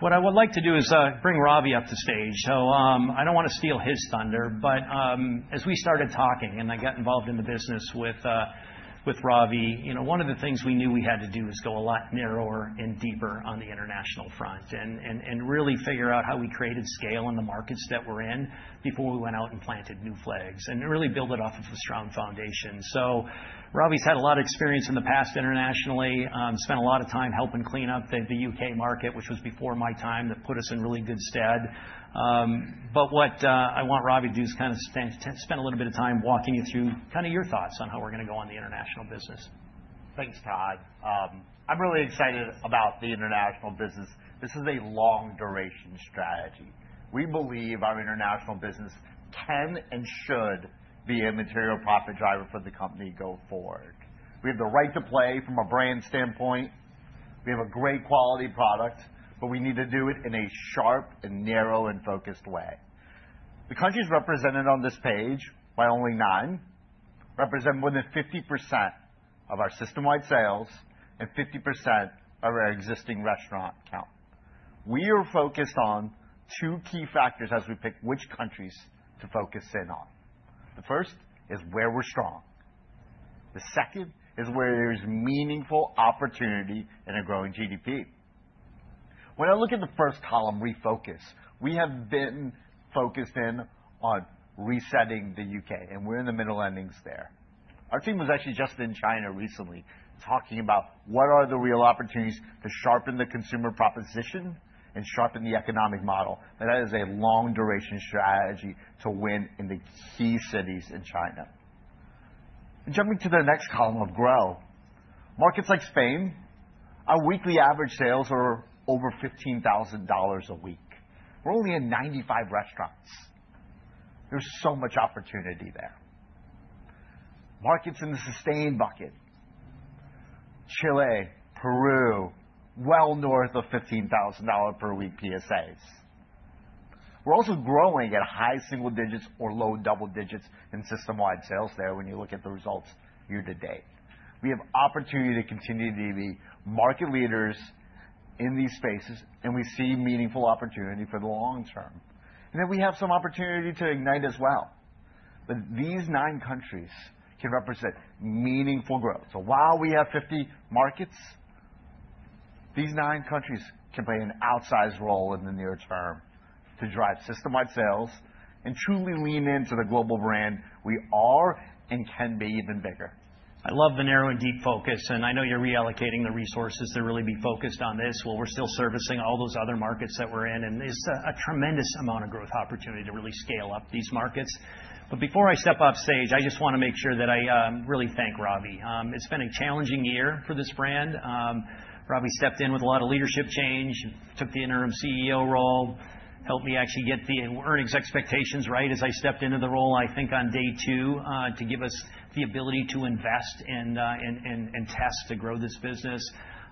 what I would like to do is bring Ravi up to stage. So I don't want to steal his thunder. But as we started talking and I got involved in the business with Ravi, you know, one of the things we knew we had to do is go a lot narrower and deeper on the international front and really figure out how we created scale in the markets that we're in before we went out and planted new flags and really build it off of a strong foundation. So Ravi's had a lot of experience in the past internationally. Spent a lot of time helping clean up the U.K. market, which was before my time, that put us in really good stead. But what I want Ravi to do is kind of spend a little bit of time walking you through kind of your thoughts on how we're going to go on the international business. Thanks, Todd. I'm really excited about the international business. This is a long-duration strategy. We believe our international business can and should be a material profit driver for the company going forward. We have the right to play from a brand standpoint. We have a great quality product, but we need to do it in a sharp and narrow and focused way. The countries represented on this page by only nine represent more than 50% of our system-wide sales and 50% of our existing restaurant count. We are focused on two key factors as we pick which countries to focus in on. The first is where we're strong. The second is where there's meaningful opportunity and a growing GDP. When I look at the first column, refocus, we have been focused in on resetting the U.K., and we're in the middle innings there. Our team was actually just in China recently talking about what are the real opportunities to sharpen the consumer proposition and sharpen the economic model, and that is a long-duration strategy to win in the key cities in China, and jumping to the next column of grow, markets like Spain, our weekly average sales are over $15,000 a week. We're only in 95 restaurants. There's so much opportunity there. Markets in the sustained bucket, Chile, Peru, well north of $15,000 per week WPSA. We're also growing at high single digits or low double digits in system-wide sales there when you look at the results year to date. We have opportunity to continue to be market leaders in these spaces, and we see meaningful opportunity for the long term, and then we have some opportunity to ignite as well, but these nine countries can represent meaningful growth. So while we have 50 markets, these nine countries can play an outsized role in the near term to drive system-wide sales and truly lean into the global brand we are and can be even bigger. I love the narrow and deep focus. And I know you're reallocating the resources to really be focused on this while we're still servicing all those other markets that we're in. And it's a tremendous amount of growth opportunity to really scale up these markets. But before I step off stage, I just want to make sure that I really thank Ravi. It's been a challenging year for this brand. Ravi stepped in with a lot of leadership change, took the interim CEO role, helped me actually get the earnings expectations right as I stepped into the role, I think on day two, to give us the ability to invest and test to grow this business.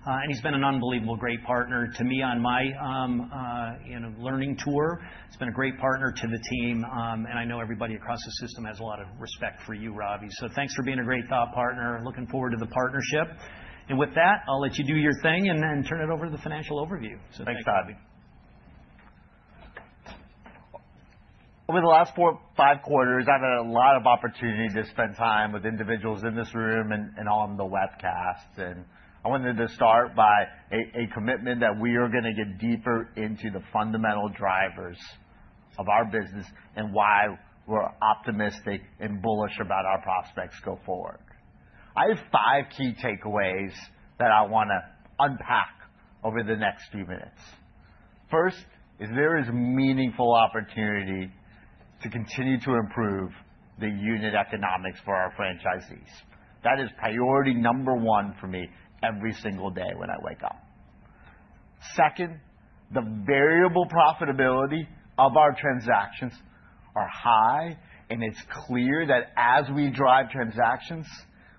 And he's been an unbelievably great partner to me on my learning tour. He's been a great partner to the team. And I know everybody across the system has a lot of respect for you, Ravi. So thanks for being a great thought partner. Looking forward to the partnership. And with that, I'll let you do your thing and then turn it over to the financial overview. Thanks, Todd. Over the last four or five quarters, I've had a lot of opportunity to spend time with individuals in this room and on the webcasts. I wanted to start by a commitment that we are going to get deeper into the fundamental drivers of our business and why we're optimistic and bullish about our prospects going forward. I have five key takeaways that I want to unpack over the next few minutes. First, there is meaningful opportunity to continue to improve the unit economics for our franchisees. That is priority number one for me every single day when I wake up. Second, the variable profitability of our transactions is high. And it's clear that as we drive transactions,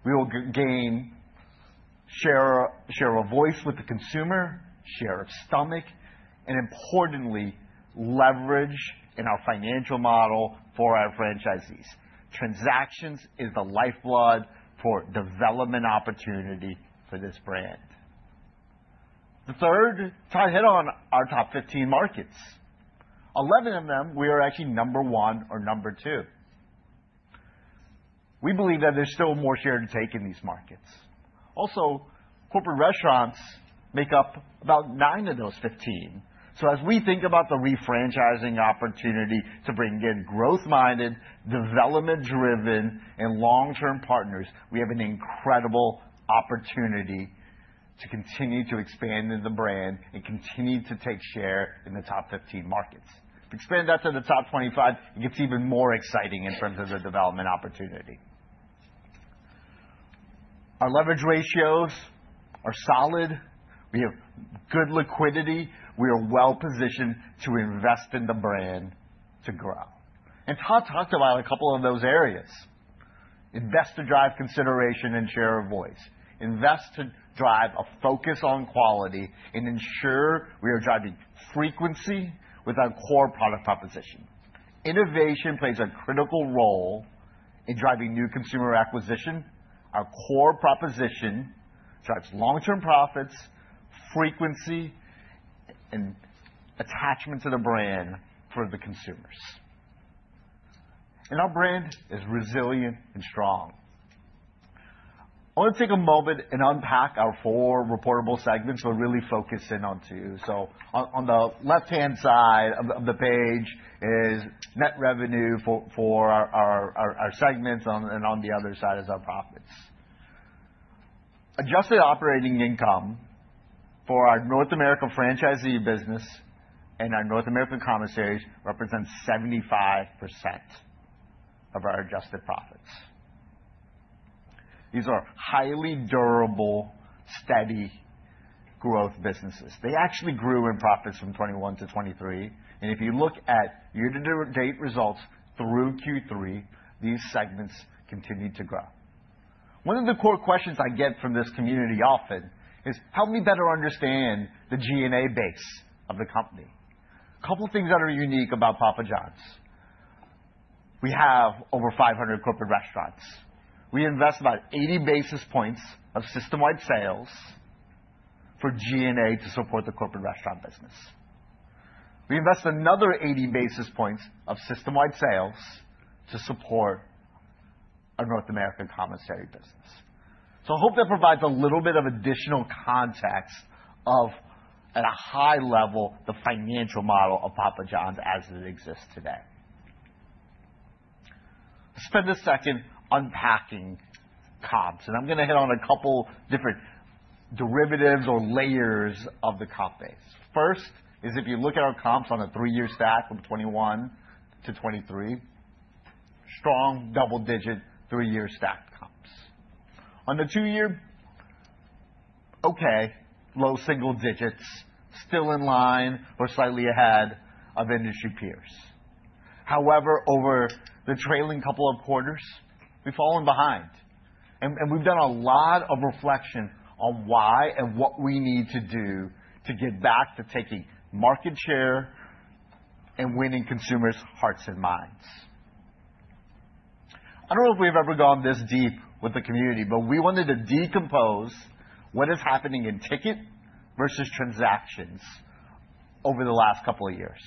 we will gain share of voice with the consumer, share of stomach, and importantly, leverage in our financial model for our franchisees. Transactions are the lifeblood for development opportunity for this brand. The third, Todd hit on our top 15 markets. 11 of them, we are actually number one or number two. We believe that there's still more share to take in these markets. Also, corporate restaurants make up about nine of those 15. So as we think about the refranchising opportunity to bring in growth-minded, development-driven, and long-term partners, we have an incredible opportunity to continue to expand in the brand and continue to take share in the top 15 markets. If we expand that to the top 25, it gets even more exciting in terms of the development opportunity. Our leverage ratios are solid. We have good liquidity. We are well-positioned to invest in the brand to grow. And Todd talked about a couple of those areas. Invest to drive consideration and share of voice. Invest to drive a focus on quality and ensure we are driving frequency with our core product proposition. Innovation plays a critical role in driving new consumer acquisition. Our core proposition drives long-term profits, frequency, and attachment to the brand for the consumers, and our brand is resilient and strong. I want to take a moment and unpack our four reportable segments, but really focus in on two. On the left-hand side of the page is net revenue for our segments, and on the other side is our profits. Adjusted operating income for our North American franchisee business and our North American commissaries represents 75% of our adjusted profits. These are highly durable, steady growth businesses. They actually grew in profits from 2021 to 2023, and if you look at year-to-date results through Q3, these segments continue to grow. One of the core questions I get from this community often is, help me better understand the G&A base of the company. A couple of things that are unique about Papa John's. We have over 500 corporate restaurants. We invest about 80 basis points of system-wide sales for G&A to support the corporate restaurant business. We invest another 80 basis points of system-wide sales to support our North American commissary business. So I hope that provides a little bit of additional context of, at a high level, the financial model of Papa John's as it exists today. Let's spend a second unpacking comps. And I'm going to hit on a couple of different derivatives or layers of the comp base. First is if you look at our comps on a three-year stack from 2021 to 2023, strong double-digit three-year stacked comps. On the two-year, okay, low single digits, still in line or slightly ahead of industry peers. However, over the trailing couple of quarters, we've fallen behind. And we've done a lot of reflection on why and what we need to do to get back to taking market share and winning consumers' hearts and minds. I don't know if we've ever gone this deep with the community, but we wanted to decompose what is happening in ticket versus transactions over the last couple of years.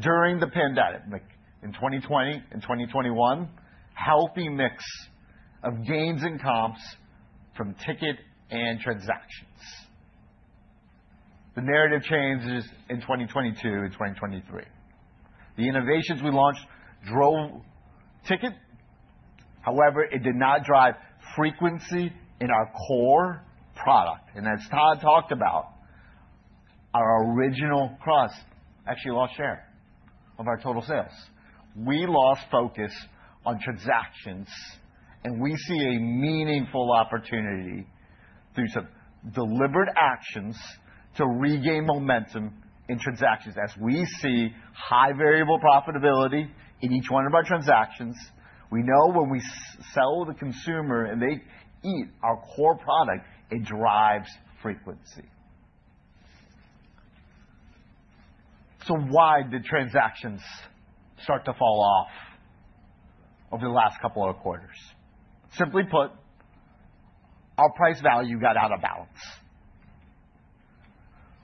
During the pandemic, in 2020 and 2021, a healthy mix of gains and comps from ticket and transactions. The narrative changes in 2022 and 2023. The innovations we launched drove ticket. However, it did not drive frequency in our core product. And as Todd talked about, our original crust actually lost share of our total sales. We lost focus on transactions. And we see a meaningful opportunity through some deliberate actions to regain momentum in transactions. As we see high variable profitability in each one of our transactions, we know when we sell to the consumer and they eat our core product, it drives frequency. So why did transactions start to fall off over the last couple of quarters? Simply put, our price value got out of balance.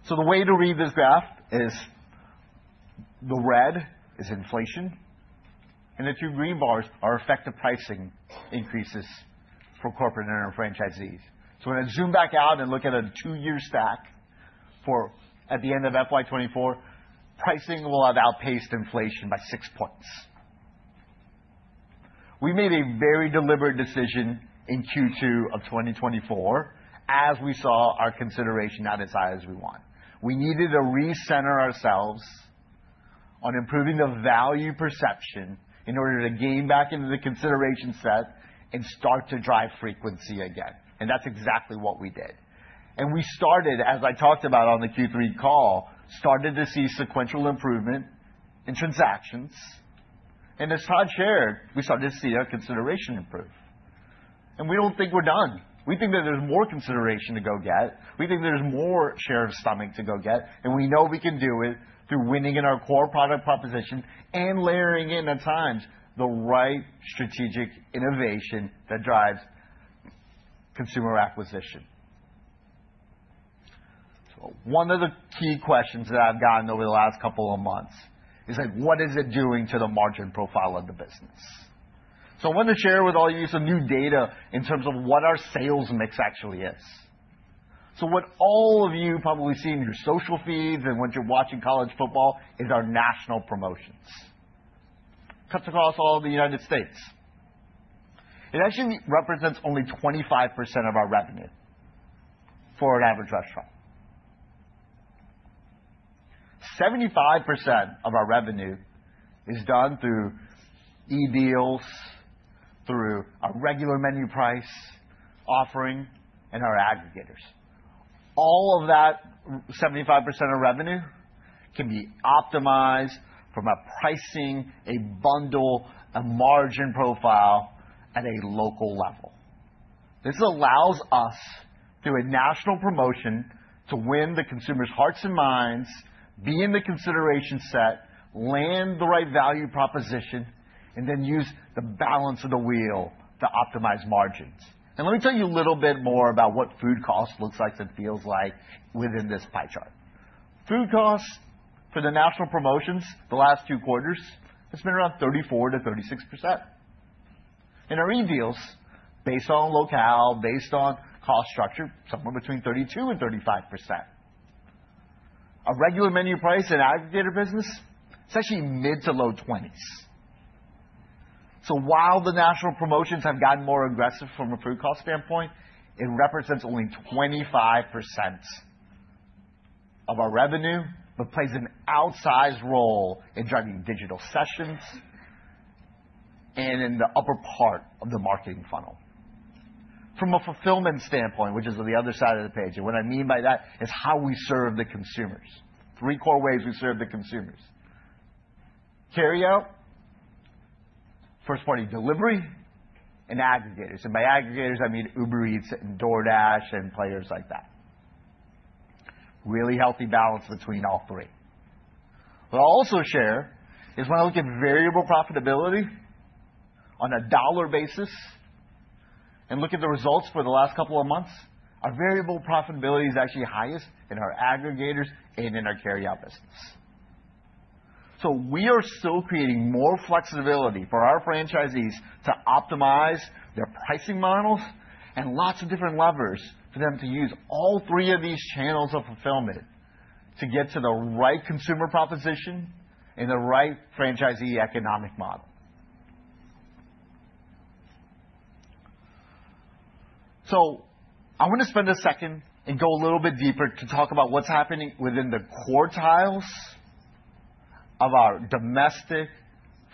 So the way to read this graph is the red is inflation. And the two green bars are effective pricing increases for corporate and franchisees. So when I zoom back out and look at a two-year stack for at the end of FY24, pricing will have outpaced inflation by six points. We made a very deliberate decision in Q2 of 2024 as we saw our consideration not as high as we want. We needed to recenter ourselves on improving the value perception in order to gain back into the consideration set and start to drive frequency again. And that's exactly what we did. And we started, as I talked about on the Q3 call, started to see sequential improvement in transactions. And as Todd shared, we started to see our consideration improve. And we don't think we're done. We think that there's more consideration to go get. We think there's more share of stomach to go get. And we know we can do it through winning in our core product proposition and layering in, at times, the right strategic innovation that drives consumer acquisition. So one of the key questions that I've gotten over the last couple of months is, what is it doing to the margin profile of the business? So I want to share with all of you some new data in terms of what our sales mix actually is. So what all of you probably see in your social feeds and what you're watching college football is our national promotions. It cuts across all of the United States. It actually represents only 25% of our revenue for an average restaurant. 75% of our revenue is done through e-deals, through our regular menu price offering, and our aggregators. All of that 75% of revenue can be optimized from a pricing, a bundle, a margin profile at a local level. This allows us, through a national promotion, to win the consumers' hearts and minds, be in the consideration set, land the right value proposition, and then use the balance of the wheel to optimize margins. And let me tell you a little bit more about what food cost looks like and feels like within this pie chart. Food costs for the national promotions the last two quarters has been around 34%-36%, and our e-deals, based on locale, based on cost structure, somewhere between 32% and 35%. Our regular menu price and aggregator business, it's actually mid- to low 20s, so while the national promotions have gotten more aggressive from a food cost standpoint, it represents only 25% of our revenue, but plays an outsized role in driving digital sessions and in the upper part of the marketing funnel. From a fulfillment standpoint, which is on the other side of the page, and what I mean by that is how we serve the consumers. Three core ways we serve the consumers: carryout, first-party delivery, and aggregators, and by aggregators, I mean Uber Eats and DoorDash and players like that. Really healthy balance between all three. What I'll also share is when I look at variable profitability on a dollar basis and look at the results for the last couple of months, our variable profitability is actually highest in our aggregators and in our carryout business. So we are still creating more flexibility for our franchisees to optimize their pricing models and lots of different levers for them to use all three of these channels of fulfillment to get to the right consumer proposition and the right franchisee economic model. So I want to spend a second and go a little bit deeper to talk about what's happening within the quartiles of our domestic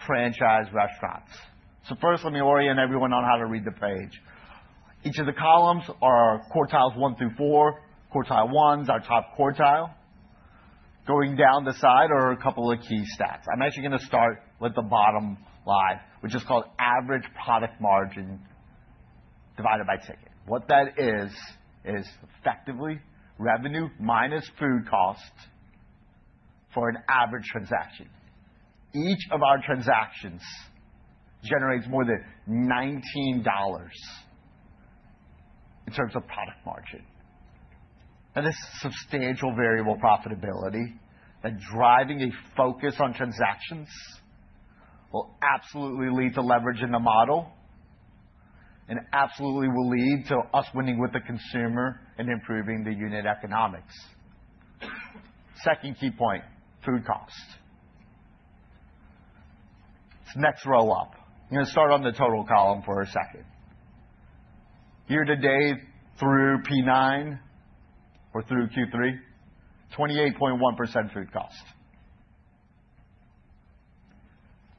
franchise restaurants. So first, let me orient everyone on how to read the page. Each of the columns are quartiles one through four. Quartile one is our top quartile. Going down the side are a couple of key stats. I'm actually going to start with the bottom line, which is called average product margin divided by ticket. What that is, is effectively revenue minus food cost for an average transaction. Each of our transactions generates more than $19 in terms of product margin. That is substantial variable profitability that driving a focus on transactions will absolutely lead to leverage in the model and absolutely will lead to us winning with the consumer and improving the unit economics. Second key point, food cost. It's next row up. I'm going to start on the total column for a second. Year-to-date through P9 or through Q3, 28.1% food cost.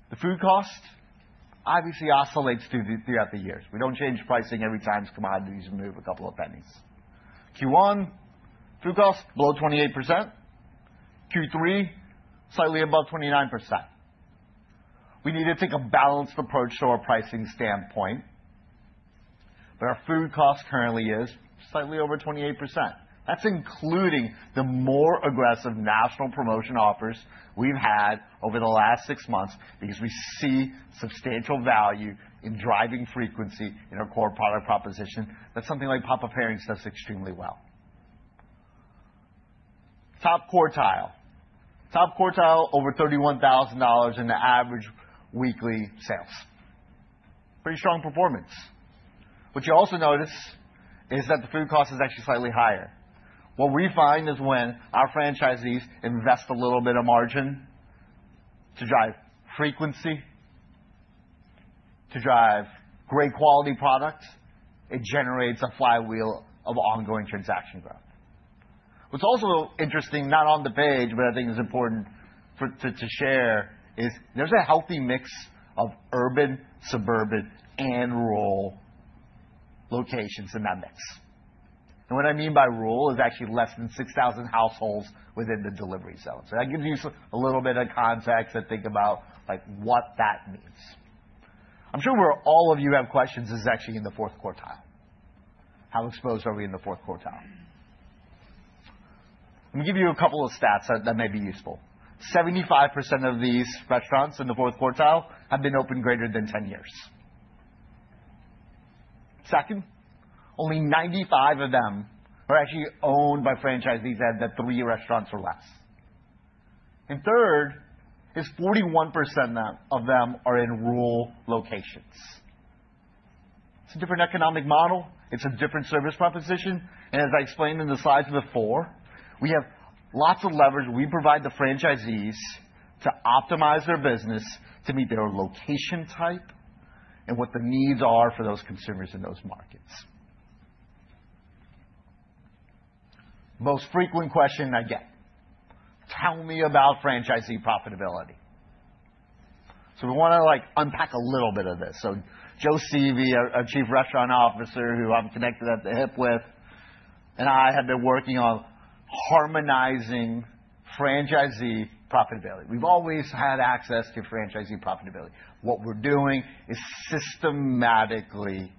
The food cost obviously oscillates throughout the years. We don't change pricing every time commodities move a couple of pennies. Q1, food cost below 28%. Q3, slightly above 29%. We need to take a balanced approach to our pricing standpoint. But our food cost currently is slightly over 28%. That's including the more aggressive national promotion offers we've had over the last six months because we see substantial value in driving frequency in our core product proposition that something like Papa Pairings does extremely well. Top quartile. Top quartile over $31,000 in the average weekly sales. Pretty strong performance. What you also notice is that the food cost is actually slightly higher. What we find is when our franchisees invest a little bit of margin to drive frequency, to drive great quality products, it generates a flywheel of ongoing transaction growth. What's also interesting, not on the page, but I think it's important to share, is there's a healthy mix of urban, suburban, and rural locations in that mix. And what I mean by rural is actually less than 6,000 households within the delivery zone. So that gives you a little bit of context to think about what that means. I'm sure where all of you have questions is actually in the fourth quartile. How exposed are we in the fourth quartile? Let me give you a couple of stats that may be useful. 75% of these restaurants in the fourth quartile have been open greater than 10 years. Second, only 95% of them are actually owned by franchisees at the three restaurants or less. And third is 41% of them are in rural locations. It's a different economic model. It's a different service proposition. And as I explained in the slides before, we have lots of leverage. We provide the franchisees to optimize their business to meet their location type and what the needs are for those consumers in those markets. Most frequent question I get, tell me about franchisee profitability. So we want to unpack a little bit of this. Joe Sieve, our Chief Restaurant Officer, who I'm connected at the hip with, and I have been working on harmonizing franchisee profitability. We've always had access to franchisee profitability. What we're doing is systematically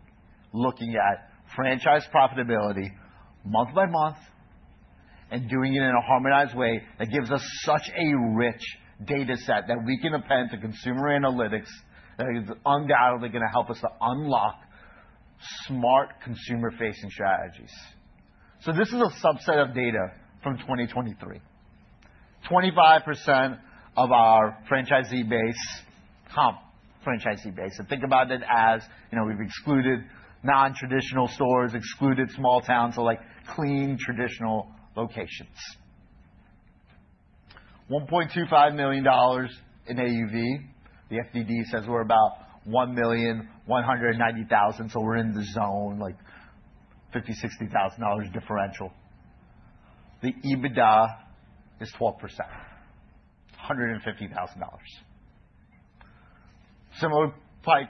looking at franchise profitability month by month and doing it in a harmonized way that gives us such a rich data set that we can append to consumer analytics that is undoubtedly going to help us to unlock smart consumer-facing strategies. This is a subset of data from 2023. 25% of our franchisee base, comp franchisee base, and think about it as we've excluded non-traditional stores, excluded small towns, so clean traditional locations. $1.25 million in AUV. The FDD says we're about $1,190,000. So we're in the zone like $50,000-$60,000 differential. The EBITDA is 12%, $150,000. Similar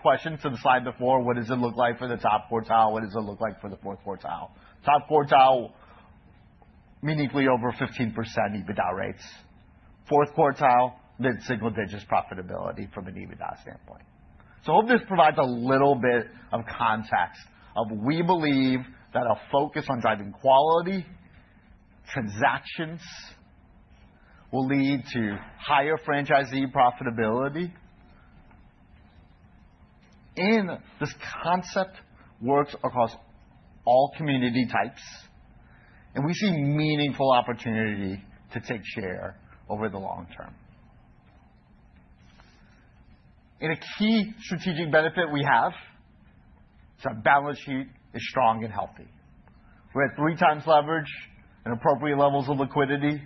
question to the slide before. What does it look like for the top quartile? What does it look like for the fourth quartile? Top quartile, meaningfully over 15% EBITDA rates. Fourth quartile, mid-single digits profitability from an EBITDA standpoint. So I hope this provides a little bit of context of we believe that a focus on driving quality transactions will lead to higher franchisee profitability. And this concept works across all community types. And we see meaningful opportunity to take share over the long term. And a key strategic benefit we have is our balance sheet is strong and healthy. We have three times leverage and appropriate levels of liquidity.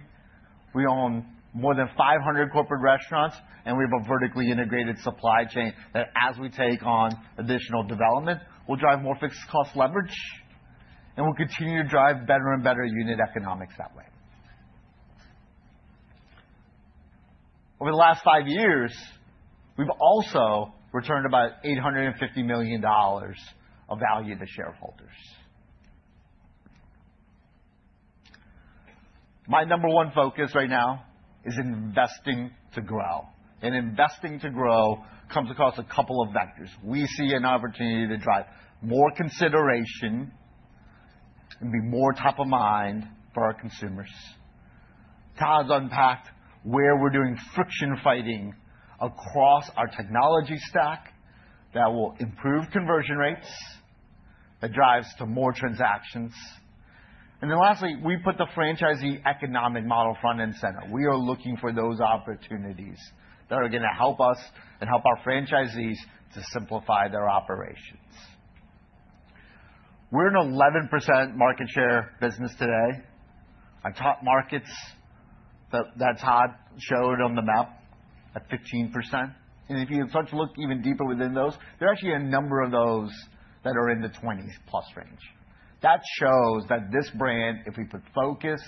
We own more than 500 corporate restaurants. And we have a vertically integrated supply chain that, as we take on additional development, will drive more fixed cost leverage. And we'll continue to drive better and better unit economics that way. Over the last five years, we've also returned about $850 million of value to shareholders. My number one focus right now is investing to grow. And investing to grow comes across a couple of vectors. We see an opportunity to drive more consideration and be more top of mind for our consumers. Todd's unpacked where we're doing friction fighting across our technology stack that will improve conversion rates, that drives to more transactions. And then lastly, we put the franchisee economic model front and center. We are looking for those opportunities that are going to help us and help our franchisees to simplify their operations. We're an 11% market share business today. Our top markets that Todd showed on the map at 15%. And if you start to look even deeper within those, there are actually a number of those that are in the 20+ range. That shows that this brand, if we put focus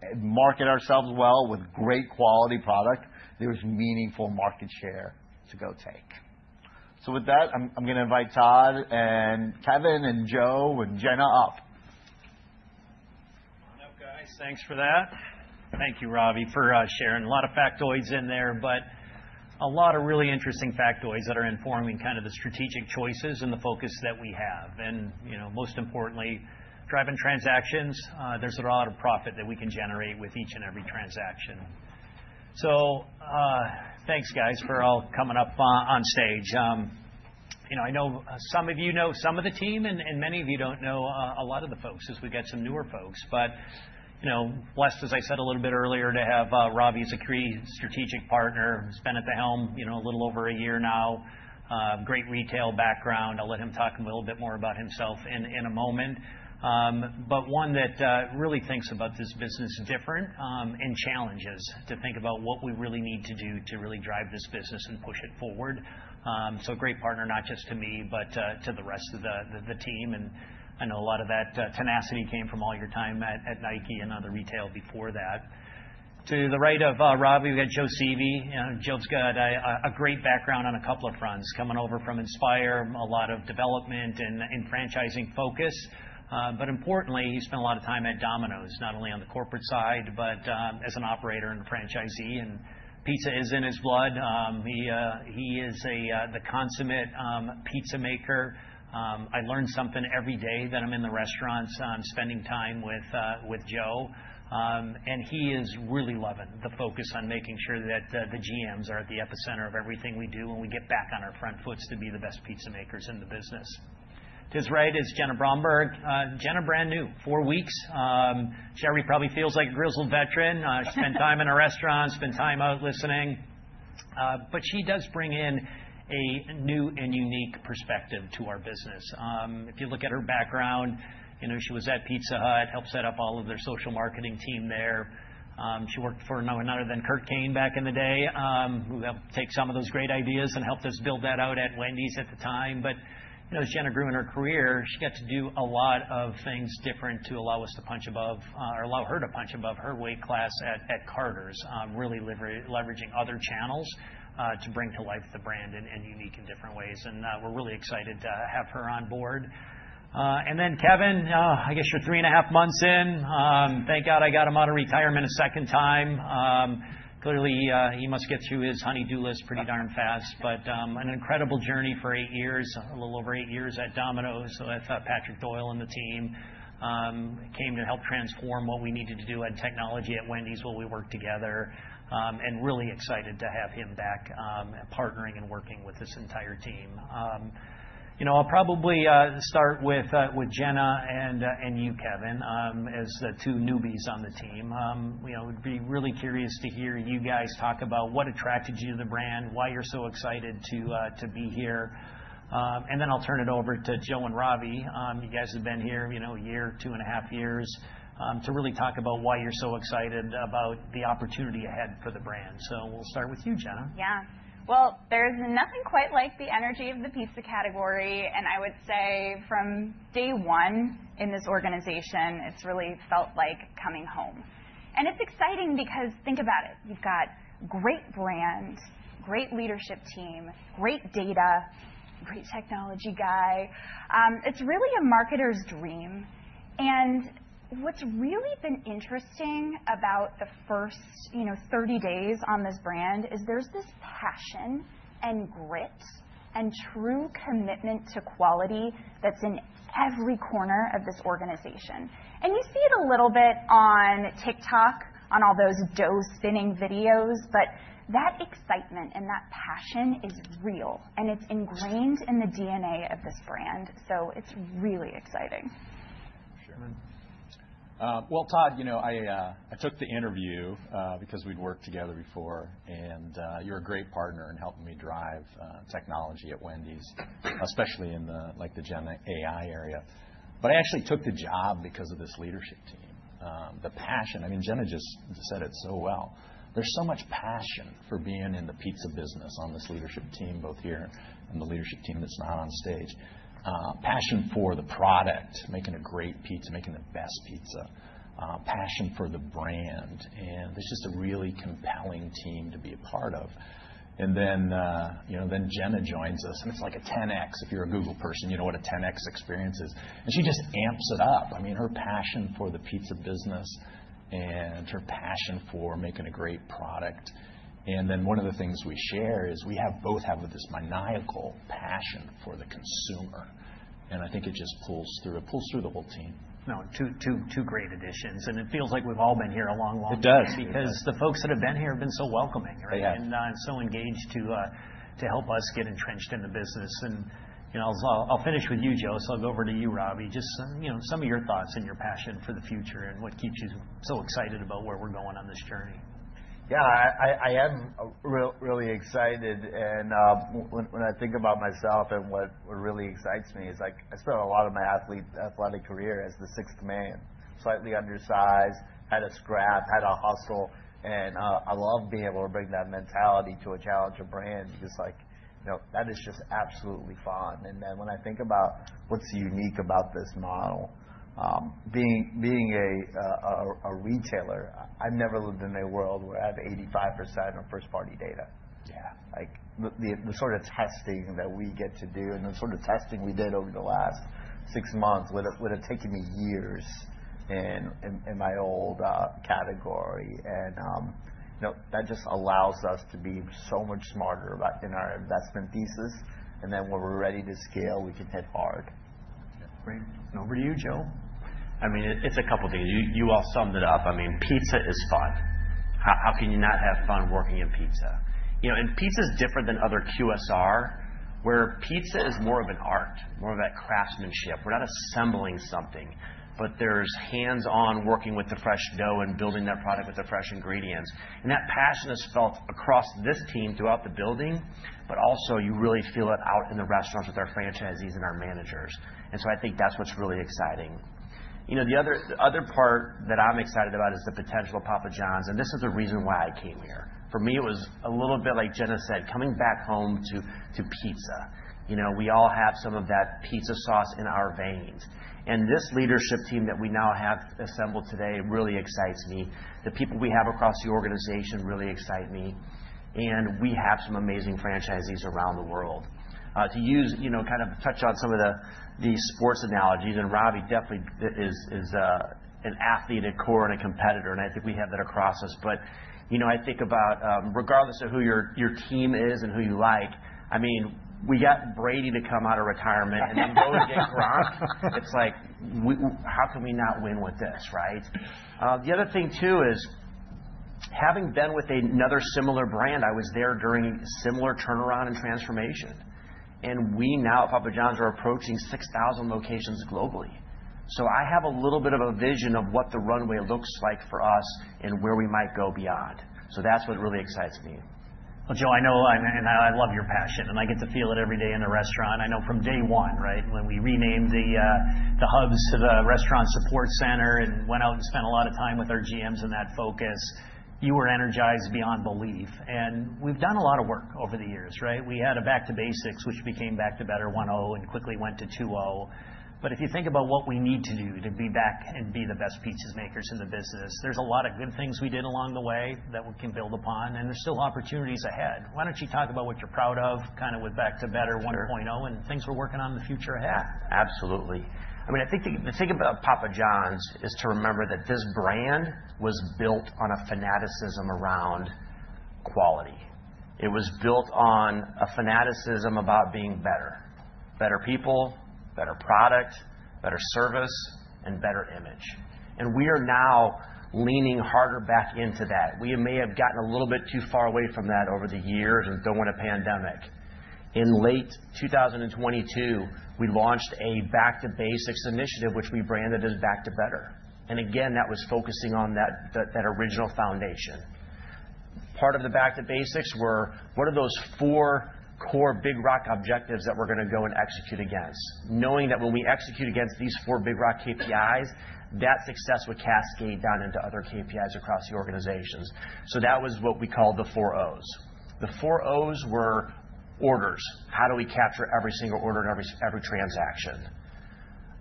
and market ourselves well with great quality product, there's meaningful market share to go take. So with that, I'm going to invite Todd and Kevin and Joe and Jenna up. What up, guys? Thanks for that. Thank you, Ravi, for sharing. A lot of factoids in there, but a lot of really interesting factoids that are informing kind of the strategic choices and the focus that we have. And most importantly, driving transactions, there's a lot of profit that we can generate with each and every transaction. So thanks, guys, for all coming up on stage. I know some of you know some of the team, and many of you don't know a lot of the folks as we get some newer folks. But blessed, as I said a little bit earlier, to have Ravi as a key, strategic partner. He's been at the helm a little over a year now, great retail background. I'll let him talk a little bit more about himself in a moment. But one that really thinks about this business different and challenges to think about what we really need to do to really drive this business and push it forward. So a great partner, not just to me, but to the rest of the team. And I know a lot of that tenacity came from all your time at Nike and other retail before that. To the right of Ravi, we've got Joe Sieve. Joe's got a great background on a couple of fronts, coming over from Inspire Brands, a lot of development and franchising focus. But importantly, he spent a lot of time at Domino's, not only on the corporate side, but as an operator and a franchisee. And pizza is in his blood. He is the consummate pizza maker. I learn something every day that I'm in the restaurants spending time with Joe, and he is really loving the focus on making sure that the GMs are at the epicenter of everything we do when we get back on our front foot to be the best pizza makers in the business. To his right is Jenna Bromberg. Jenna, brand new, four weeks. She probably feels like a grizzled veteran. She spent time in a restaurant, spent time out listening, but she does bring in a new and unique perspective to our business. If you look at her background, she was at Pizza Hut, helped set up all of their social marketing team there. She worked for none other than Kurt Kane back in the day, who helped take some of those great ideas and helped us build that out at Wendy's at the time. But as Jenna grew in her career, she got to do a lot of things different to allow us to punch above or allow her to punch above her weight class at Carter's, really leveraging other channels to bring to life the brand in unique and different ways. We're really excited to have her on board. Then Kevin, I guess you're three and a half months in. Thank God I got him out of retirement a second time. Clearly, he must get through his honey-do list pretty darn fast. But an incredible journey for eight years, a little over eight years at Domino's. So I thought Patrick Doyle and the team came to help transform what we needed to do on technology at Wendy's while we worked together. And really excited to have him back partnering and working with this entire team. I'll probably start with Jenna and you, Kevin, as the two newbies on the team. I'd be really curious to hear you guys talk about what attracted you to the brand, why you're so excited to be here. And then I'll turn it over to Joe and Ravi. You guys have been here a year, two and a half years to really talk about why you're so excited about the opportunity ahead for the brand. So we'll start with you, Jenna. Yeah. Well, there's nothing quite like the energy of the pizza category. And I would say from day one in this organization, it's really felt like coming home. And it's exciting because think about it. You've got great brand, great leadership team, great data, great technology guy. It's really a marketer's dream. And what's really been interesting about the first 30 days on this brand is there's this passion and grit and true commitment to quality that's in every corner of this organization. And you see it a little bit on TikTok, on all those dough spinning videos. But that excitement and that passion is real. And it's ingrained in the DNA of this brand. So it's really exciting. Well, Todd, I took the interview because we'd worked together before and you're a great partner in helping me drive technology at Wendy's, especially in the Gen AI area, but I actually took the job because of this leadership team. The passion, I mean, Jenna just said it so well. There's so much passion for being in the pizza business on this leadership team, both here and the leadership team that's not on stage. Passion for the product, making a great pizza, making the best pizza. Passion for the brand, and there's just a really compelling team to be a part of, and then Jenna joins us, and it's like a 10X. If you're a Google person, you know what a 10X experience is, and she just amps it up. I mean, her passion for the pizza business and her passion for making a great product. And then one of the things we share is we both have this maniacal passion for the consumer. And I think it just pulls through. It pulls through the whole team. No, two great additions, and it feels like we've all been here a long, long time. It does. Because the folks that have been here have been so welcoming, right? Yeah. And so engaged to help us get entrenched in the business. And I'll finish with you, Joe. So I'll go over to you, Ravi, just some of your thoughts and your passion for the future and what keeps you so excited about where we're going on this journey. Yeah, I am really excited. And when I think about myself and what really excites me is I spent a lot of my athletic career as the sixth man. Slightly undersized, had a scrap, had a hustle. And I love being able to bring that mentality to a challenger brand because that is just absolutely fun. And then when I think about what's unique about this model, being a retailer, I've never lived in a world where I have 85% of first-party data. Yeah, the sort of testing that we get to do and the sort of testing we did over the last six months would have taken me years in my old category. And that just allows us to be so much smarter in our investment thesis. And then when we're ready to scale, we can hit hard. Yeah, great. And over to you, Joe. I mean, it's a couple of things. You all summed it up. I mean, pizza is fun. How can you not have fun working at pizza? And pizza is different than other QSR, where pizza is more of an art, more of that craftsmanship. We're not assembling something, but there's hands-on working with the fresh dough and building that product with the fresh ingredients. And that passion is felt across this team throughout the building, but also you really feel it out in the restaurants with our franchisees and our managers. And so I think that's what's really exciting. The other part that I'm excited about is the potential Papa John's. And this is the reason why I came here. For me, it was a little bit like Jenna said, coming back home to pizza. We all have some of that pizza sauce in our veins. And this leadership team that we now have assembled today really excites me. The people we have across the organization really excite me. And we have some amazing franchisees around the world. To kind of touch on some of the sports analogies, and Ravi definitely is an athlete at core and a competitor. And I think we have that across us. But I think about, regardless of who your team is and who you like, I mean, we got Brady to come out of retirement. And then Bo to get Gronk. It's like, how can we not win with this, right? The other thing, too, is having been with another similar brand. I was there during a similar turnaround and transformation. And we now at Papa John's are approaching 6,000 locations globally. So I have a little bit of a vision of what the runway looks like for us and where we might go beyond. So that's what really excites me. Joe, I know and I love your passion, and I get to feel it every day in the restaurant. I know from day one, right, when we renamed the hubs to the restaurant support center and went out and spent a lot of time with our GMs in that focus, you were energized beyond belief, and we've done a lot of work over the years, right? We had a back to basics, which became back to better 1.0 and quickly went to 2.0, but if you think about what we need to do to be back and be the best pizza makers in the business, there's a lot of good things we did along the way that we can build upon, and there's still opportunities ahead. Why don't you talk about what you're proud of kind of with Back to Better 1.0 and things we're working on in the future ahead? Absolutely. I mean, I think the thing about Papa John's is to remember that this brand was built on a fanaticism around quality. It was built on a fanaticism about being better: better people, better product, better service, and better image. And we are now leaning harder back into that. We may have gotten a little bit too far away from that over the years and the pandemic. In late 2022, we launched a back to basics initiative, which we branded as back to better. And again, that was focusing on that original foundation. Part of the back to basics were what are those four core Big Rock objectives that we're going to go and execute against, knowing that when we execute against these four Big Rock KPIs, that success would cascade down into other KPIs across the organizations. So that was what we called the four Os. The four Os were orders. How do we capture every single order and every transaction?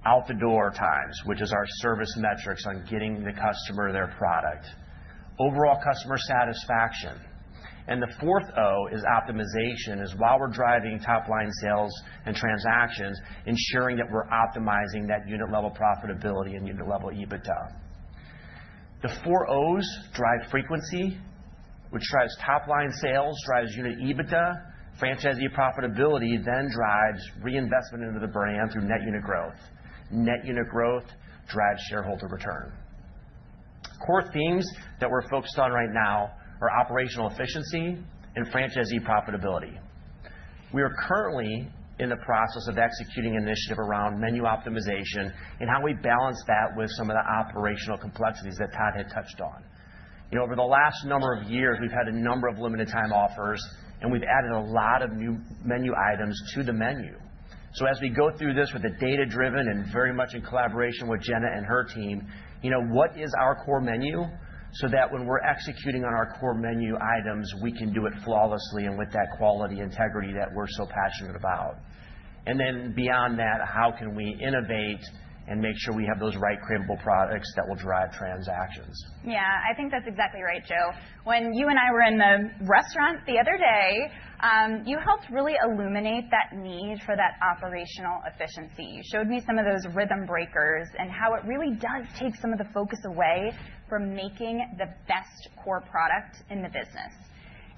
Out the door times, which is our service metrics on getting the customer their product. Overall customer satisfaction. And the fourth O is optimization, is while we're driving top-line sales and transactions, ensuring that we're optimizing that unit-level profitability and unit-level EBITDA. The four Os drive frequency, which drives top-line sales, drives unit EBITDA, franchisee profitability, then drives reinvestment into the brand through net unit growth. Net unit growth drives shareholder return. Core themes that we're focused on right now are operational efficiency and franchisee profitability. We are currently in the process of executing an initiative around menu optimization and how we balance that with some of the operational complexities that Todd had touched on. Over the last number of years, we've had a number of limited-time offers, and we've added a lot of new menu items to the menu, so as we go through this with a data-driven and very much in collaboration with Jenna and her team, what is our core menu so that when we're executing on our core menu items, we can do it flawlessly and with that quality integrity that we're so passionate about, and then beyond that, how can we innovate and make sure we have those right credible products that will drive transactions? Yeah, I think that's exactly right, Joe. When you and I were in the restaurant the other day, you helped really illuminate that need for that operational efficiency. You showed me some of those rhythm breakers and how it really does take some of the focus away from making the best core product in the business,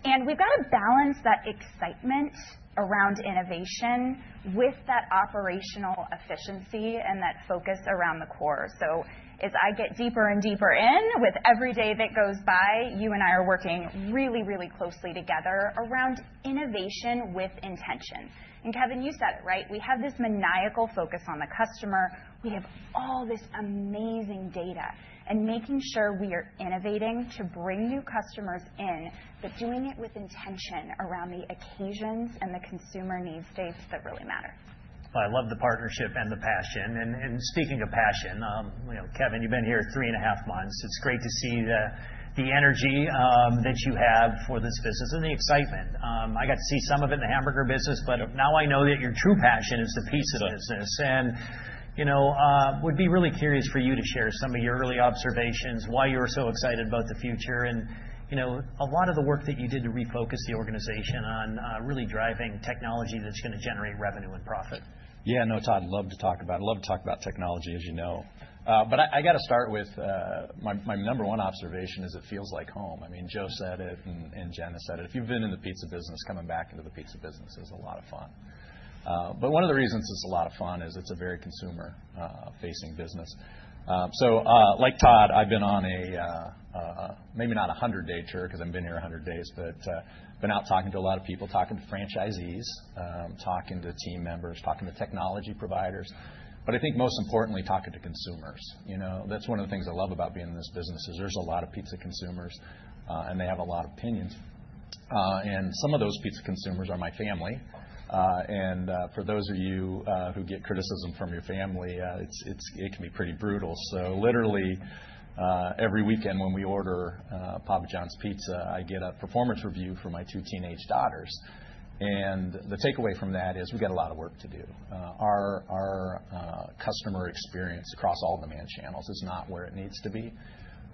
and we've got to balance that excitement around innovation with that operational efficiency and that focus around the core, so as I get deeper and deeper in, with every day that goes by, you and I are working really, really closely together around innovation with intention, and Kevin, you said it, right? We have this maniacal focus on the customer. We have all this amazing data and making sure we are innovating to bring new customers in, but doing it with intention around the occasions and the consumer needs states that really matter. I love the partnership and the passion. And speaking of passion, Kevin, you've been here three and a half months. It's great to see the energy that you have for this business and the excitement. I got to see some of it in the hamburger business, but now I know that your true passion is the pizza business. And I would be really curious for you to share some of your early observations, why you're so excited about the future, and a lot of the work that you did to refocus the organization on really driving technology that's going to generate revenue and profit. Yeah, no, Todd, I'd love to talk about it. I love to talk about technology, as you know. But I got to start with my number one observation: it feels like home. I mean, Joe said it and Jenna said it. If you've been in the pizza business, coming back into the pizza business is a lot of fun. But one of the reasons it's a lot of fun is it's a very consumer-facing business. So like Todd, I've been on a maybe not a 100-day trip because I've been here 100 days, but I've been out talking to a lot of people, talking to franchisees, talking to team members, talking to technology providers. But I think most importantly, talking to consumers. That's one of the things I love about being in this business: there's a lot of pizza consumers, and they have a lot of opinions. And some of those pizza consumers are my family. And for those of you who get criticism from your family, it can be pretty brutal. So literally, every weekend when we order Papa John's pizza, I get a performance review for my two teenage daughters. And the takeaway from that is we've got a lot of work to do. Our customer experience across all demand channels is not where it needs to be.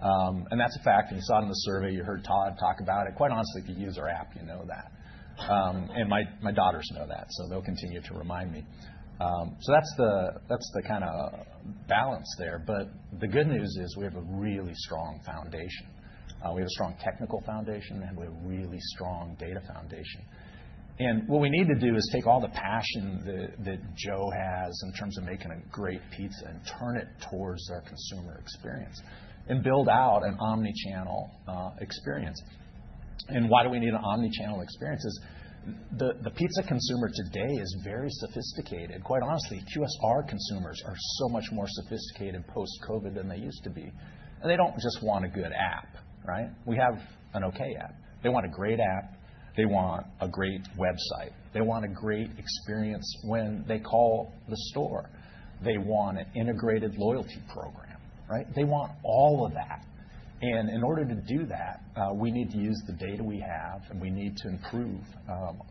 And that's a fact. And you saw it in the survey. You heard Todd talk about it. Quite honestly, if you use our app, you know that. And my daughters know that, so they'll continue to remind me. So that's the kind of balance there. But the good news is we have a really strong foundation. We have a strong technical foundation, and we have a really strong data foundation. What we need to do is take all the passion that Joe has in terms of making a great pizza and turn it towards our consumer experience and build out an omnichannel experience. Why do we need an omnichannel experience? The pizza consumer today is very sophisticated. Quite honestly, QSR consumers are so much more sophisticated post-COVID than they used to be. They don't just want a good app, right? We have an OK app. They want a great app. They want a great website. They want a great experience when they call the store. They want an integrated loyalty program, right? They want all of that. In order to do that, we need to use the data we have, and we need to improve,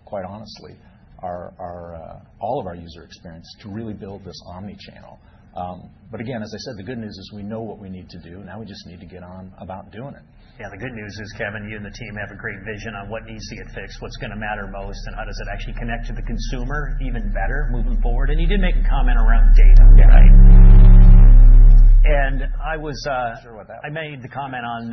quite honestly, all of our user experience to really build this omnichannel. But again, as I said, the good news is we know what we need to do. Now we just need to get on about doing it. Yeah, the good news is, Kevin, you and the team have a great vision on what needs to get fixed, what's going to matter most, and how does it actually connect to the consumer even better moving forward. And you did make a comment around data, right? And I was. I'm not sure what that was. I made the comment on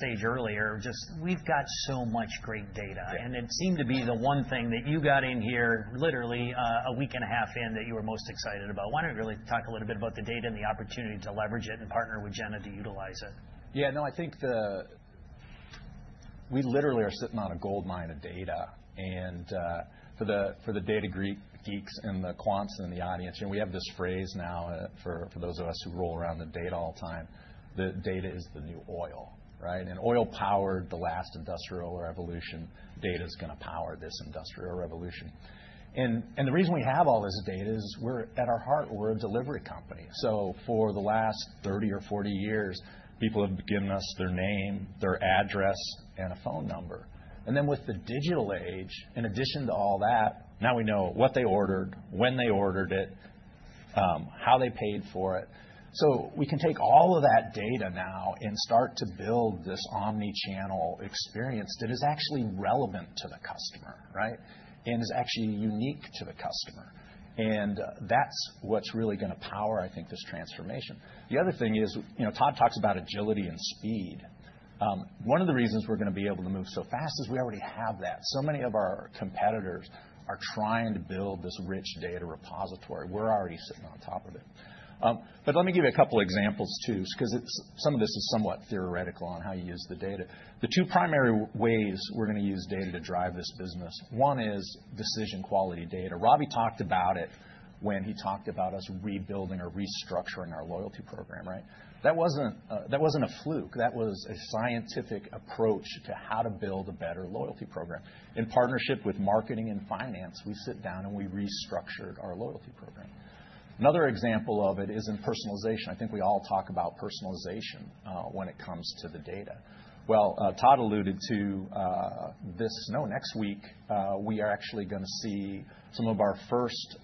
stage earlier. Just we've got so much great data. Yeah. It seemed to be the one thing that you got in here literally a week and a half in that you were most excited about. Why don't you really talk a little bit about the data and the opportunity to leverage it and partner with Jenna to utilize it? Yeah, no, I think we literally are sitting on a gold mine of data. And for the data geeks and the quants in the audience, we have this phrase now for those of us who roll around the data all the time. The data is the new oil, right? And oil powered the last industrial revolution. Data is going to power this industrial revolution. And the reason we have all this data is we're at our heart, we're a delivery company. So for the last 30 or 40 years, people have given us their name, their address, and a phone number. And then with the digital age, in addition to all that, now we know what they ordered, when they ordered it, how they paid for it. So we can take all of that data now and start to build this omnichannel experience that is actually relevant to the customer, right? And is actually unique to the customer. And that's what's really going to power, I think, this transformation. The other thing is Todd talks about agility and speed. One of the reasons we're going to be able to move so fast is we already have that. So many of our competitors are trying to build this rich data repository. We're already sitting on top of it. But let me give you a couple of examples, too, because some of this is somewhat theoretical on how you use the data. The two primary ways we're going to use data to drive this business, one is decision quality data. Ravi talked about it when he talked about us rebuilding or restructuring our loyalty program, right? That wasn't a fluke. That was a scientific approach to how to build a better loyalty program. In partnership with marketing and finance, we sit down and we restructured our loyalty program. Another example of it is in personalization. I think we all talk about personalization when it comes to the data, well, Todd alluded to this. No, next week, we are actually going to see some of our first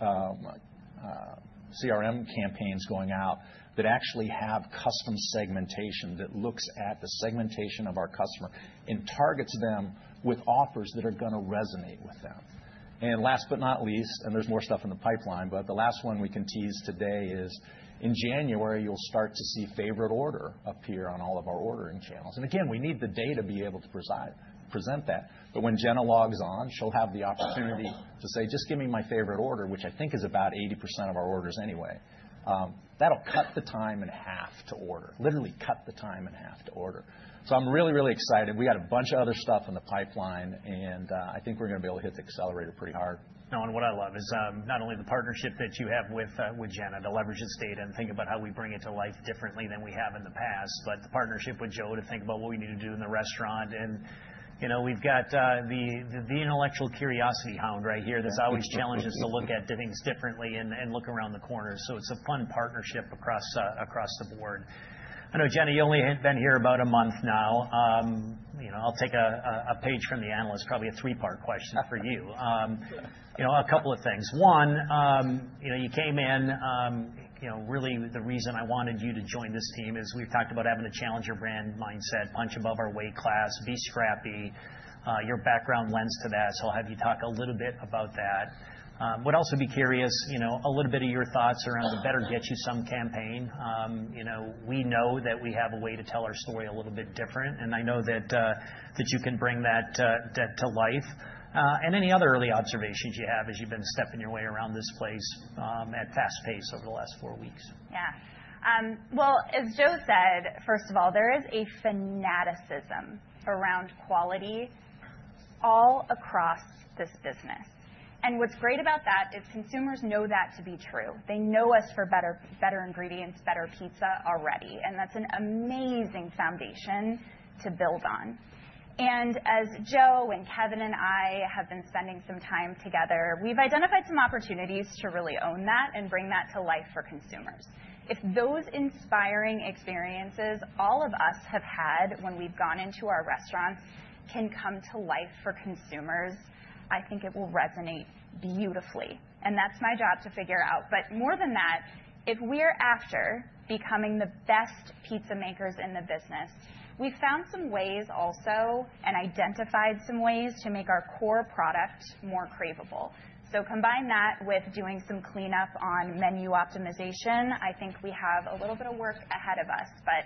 CRM campaigns going out that actually have custom segmentation that looks at the segmentation of our customer and targets them with offers that are going to resonate with them. And last but not least, and there's more stuff in the pipeline, but the last one we can tease today is in January, you'll start to see favorite order appear on all of our ordering channels. And again, we need the data to be able to present that. But when Jenna logs on, she'll have the opportunity to say, "Just give me my favorite order," which I think is about 80% of our orders anyway. That'll cut the time in half to order, literally cut the time in half to order. So I'm really, really excited. We got a bunch of other stuff in the pipeline, and I think we're going to be able to hit the accelerator pretty hard. No, and what I love is not only the partnership that you have with Jenna to leverage this data and think about how we bring it to life differently than we have in the past, but the partnership with Joe to think about what we need to do in the restaurant. And we've got the intellectual curiosity hound right here that's always challenged us to look at things differently and look around the corners. So it's a fun partnership across the board. I know, Jenna, you've only been here about a month now. I'll take a page from the analyst, probably a three-part question for you. A couple of things. One, you came in. Really, the reason I wanted you to join this team is we've talked about having to challenge your brand mindset, punch above our weight class, be scrappy. Your background lends to that, so I'll have you talk a little bit about that. Would also be curious a little bit of your thoughts around the Better Get You Some campaign? We know that we have a way to tell our story a little bit different, and I know that you can bring that to life. And any other early observations you have as you've been stepping your way around this place at fast pace over the last four weeks? Yeah. Well, as Joe said, first of all, there is a fanaticism around quality all across this business. And what's great about that is consumers know that to be true. They know us for better ingredients, better pizza already. And that's an amazing foundation to build on. And as Joe and Kevin and I have been spending some time together, we've identified some opportunities to really own that and bring that to life for consumers. If those inspiring experiences all of us have had when we've gone into our restaurants can come to life for consumers, I think it will resonate beautifully. And that's my job to figure out. But more than that, if we are after becoming the best pizza makers in the business, we've found some ways also and identified some ways to make our core product more craveable. So combine that with doing some cleanup on menu optimization. I think we have a little bit of work ahead of us, but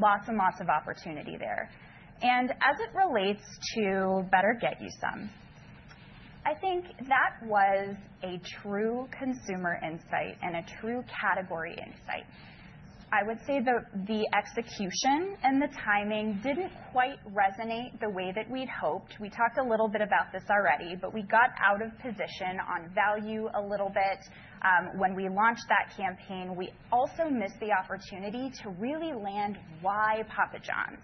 lots and lots of opportunity there. And as it relates to Better Get You Some, I think that was a true consumer insight and a true category insight. I would say that the execution and the timing didn't quite resonate the way that we'd hoped. We talked a little bit about this already, but we got out of position on value a little bit. When we launched that campaign, we also missed the opportunity to really land why Papa John's.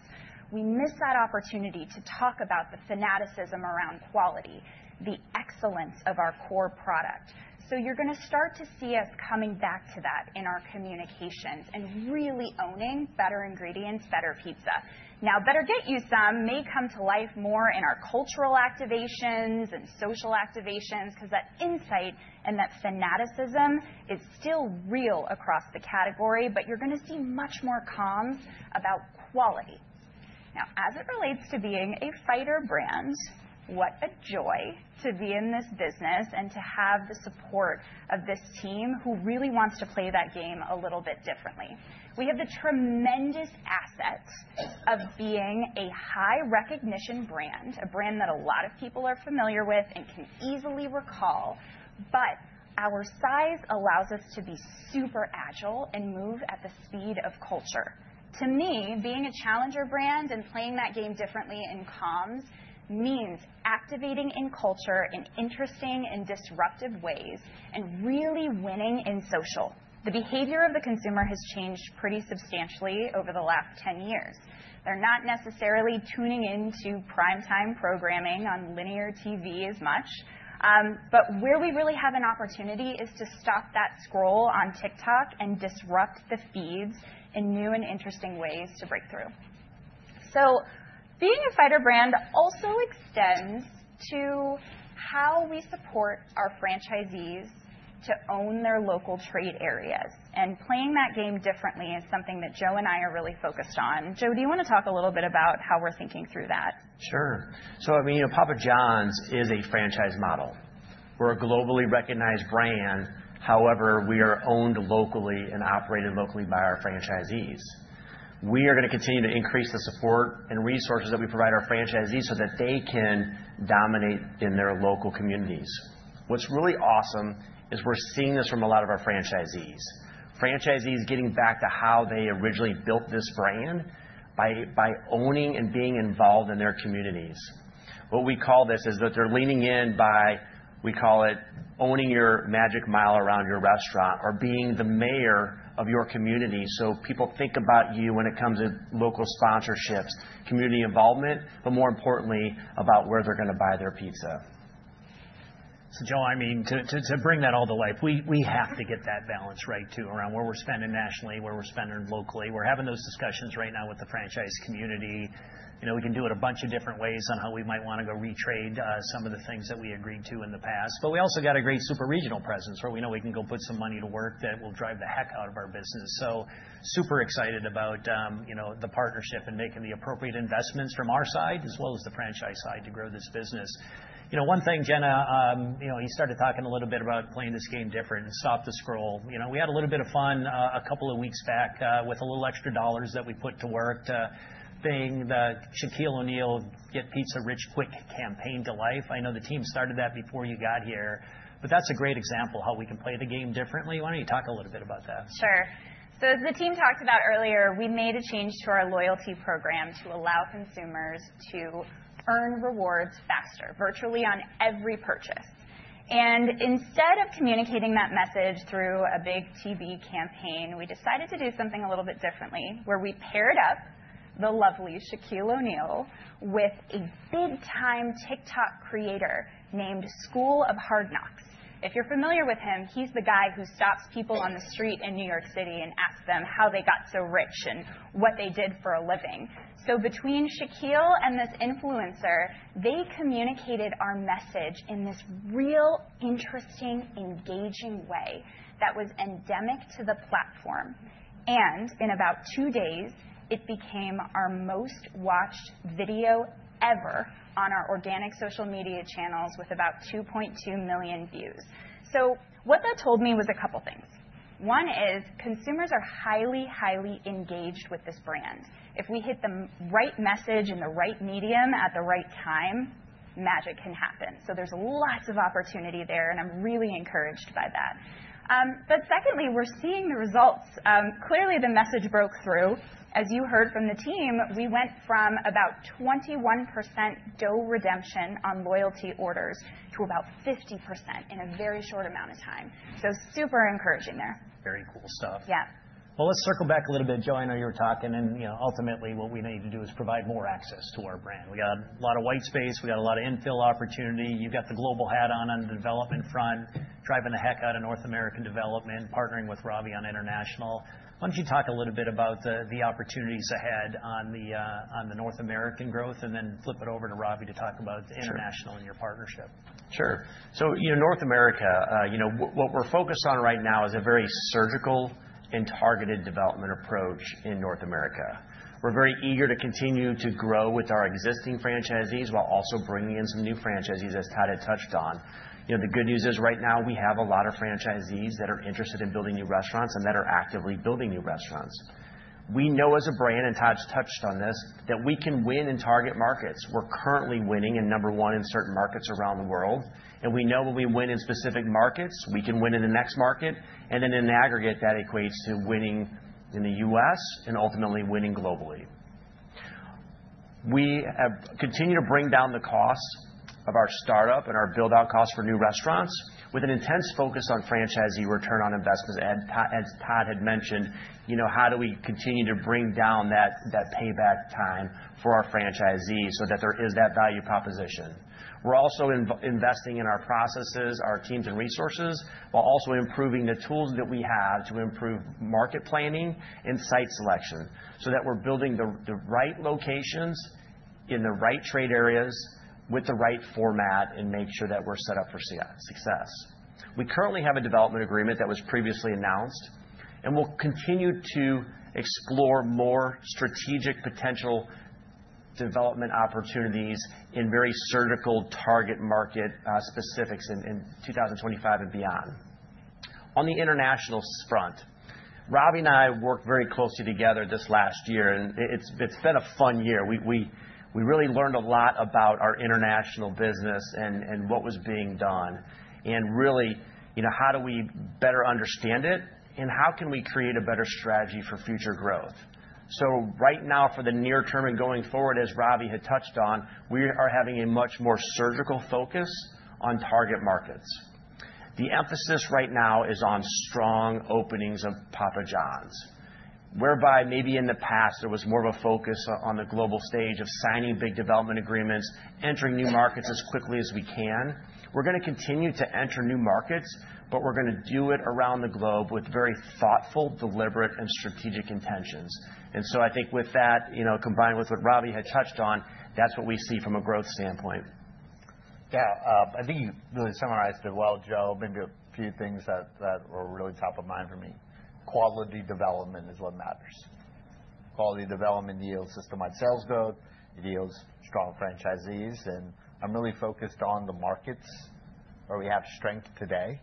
We missed that opportunity to talk about the fanaticism around quality, the excellence of our core product. So you're going to start to see us coming back to that in our communications and really owning better ingredients, better pizza. Now, Better Get You Some may come to life more in our cultural activations and social activations because that insight and that fanaticism is still real across the category, but you're going to see much more comms about quality. Now, as it relates to being a fighter brand, what a joy to be in this business and to have the support of this team who really wants to play that game a little bit differently. We have the tremendous asset of being a high recognition brand, a brand that a lot of people are familiar with and can easily recall, but our size allows us to be super agile and move at the speed of culture. To me, being a challenger brand and playing that game differently in comms means activating in culture in interesting and disruptive ways and really winning in social. The behavior of the consumer has changed pretty substantially over the last 10 years. They're not necessarily tuning into prime-time programming on linear TV as much, but where we really have an opportunity is to stop that scroll on TikTok and disrupt the feeds in new and interesting ways to break through. So being a fighter brand also extends to how we support our franchisees to own their local trade areas. And playing that game differently is something that Joe and I are really focused on. Joe, do you want to talk a little bit about how we're thinking through that? Sure. So I mean, Papa John's is a franchise model. We're a globally recognized brand. However, we are owned locally and operated locally by our franchisees. We are going to continue to increase the support and resources that we provide our franchisees so that they can dominate in their local communities. What's really awesome is we're seeing this from a lot of our franchisees, franchisees getting back to how they originally built this brand by owning and being involved in their communities. What we call this is that they're leaning in by, we call it owning your magic mile around your restaurant or being the mayor of your community. So people think about you when it comes to local sponsorships, community involvement, but more importantly, about where they're going to buy their pizza. So Joe, I mean, to bring that all to life, we have to get that balance right, too, around where we're spending nationally, where we're spending locally. We're having those discussions right now with the franchise community. We can do it a bunch of different ways on how we might want to go retrade some of the things that we agreed to in the past. But we also got a great super regional presence where we know we can go put some money to work that will drive the heck out of our business. So super excited about the partnership and making the appropriate investments from our side as well as the franchise side to grow this business. One thing, Jenna, you started talking a little bit about playing this game different and stop the scroll. We had a little bit of fun a couple of weeks back with a little extra dollars that we put to work to bang the Shaquille O'Neal Pizza Rich Quick campaign to life. I know the team started that before you got here, but that's a great example of how we can play the game differently. Why don't you talk a little bit about that? Sure. So as the team talked about earlier, we made a change to our loyalty program to allow consumers to earn rewards faster virtually on every purchase. And instead of communicating that message through a big TV campaign, we decided to do something a little bit differently where we paired up the lovely Shaquille O'Neal with a big-time TikTok creator named School of Hard Knocks. If you're familiar with him, he's the guy who stops people on the street in New York City and asks them how they got so rich and what they did for a living. So between Shaquille and this influencer, they communicated our message in this real interesting, engaging way that was endemic to the platform. And in about two days, it became our most watched video ever on our organic social media channels with about 2.2 million views. So what that told me was a couple of things. One is consumers are highly, highly engaged with this brand. If we hit the right message in the right medium at the right time, magic can happen. So there's lots of opportunity there, and I'm really encouraged by that. But secondly, we're seeing the results. Clearly, the message broke through. As you heard from the team, we went from about 21% dough redemption on loyalty orders to about 50% in a very short amount of time. So super encouraging there. Very cool stuff. Yeah. Let's circle back a little bit. Joe, I know you were talking. And ultimately, what we need to do is provide more access to our brand. We got a lot of white space. We got a lot of infill opportunity. You've got the global hat on on the development front, driving the heck out of North American development, partnering with Ravi on international. Why don't you talk a little bit about the opportunities ahead on the North American growth and then flip it over to Ravi to talk about the international and your partnership? Sure. So North America, what we're focused on right now is a very surgical and targeted development approach in North America. We're very eager to continue to grow with our existing franchisees while also bringing in some new franchisees, as Todd had touched on. The good news is right now we have a lot of franchisees that are interested in building new restaurants and that are actively building new restaurants. We know as a brand, and Todd's touched on this, that we can win in target markets. We're currently winning in number one in certain markets around the world. And we know when we win in specific markets, we can win in the next market. And then in aggregate, that equates to winning in the U.S. and ultimately winning globally. We continue to bring down the cost of our startup and our build-out cost for new restaurants with an intense focus on franchisee return on investments. As Todd had mentioned, how do we continue to bring down that payback time for our franchisees so that there is that value proposition? We're also investing in our processes, our teams, and resources while also improving the tools that we have to improve market planning and site selection so that we're building the right locations in the right trade areas with the right format and make sure that we're set up for success. We currently have a development agreement that was previously announced, and we'll continue to explore more strategic potential development opportunities in very surgical target market specifics in 2025 and beyond. On the international front, Ravi and I worked very closely together this last year, and it's been a fun year. We really learned a lot about our international business and what was being done and really how do we better understand it and how can we create a better strategy for future growth. So right now, for the near term and going forward, as Ravi had touched on, we are having a much more surgical focus on target markets. The emphasis right now is on strong openings of Papa John's, whereby maybe in the past there was more of a focus on the global stage of signing big development agreements, entering new markets as quickly as we can. We're going to continue to enter new markets, but we're going to do it around the globe with very thoughtful, deliberate, and strategic intentions. And so I think with that, combined with what Ravi had touched on, that's what we see from a growth standpoint. Yeah. I think you really summarized it well, Joe. Maybe a few things that were really top of mind for me. Quality development is what matters. Quality development yields system-wide sales growth. It yields strong franchisees. And I'm really focused on the markets where we have strength today.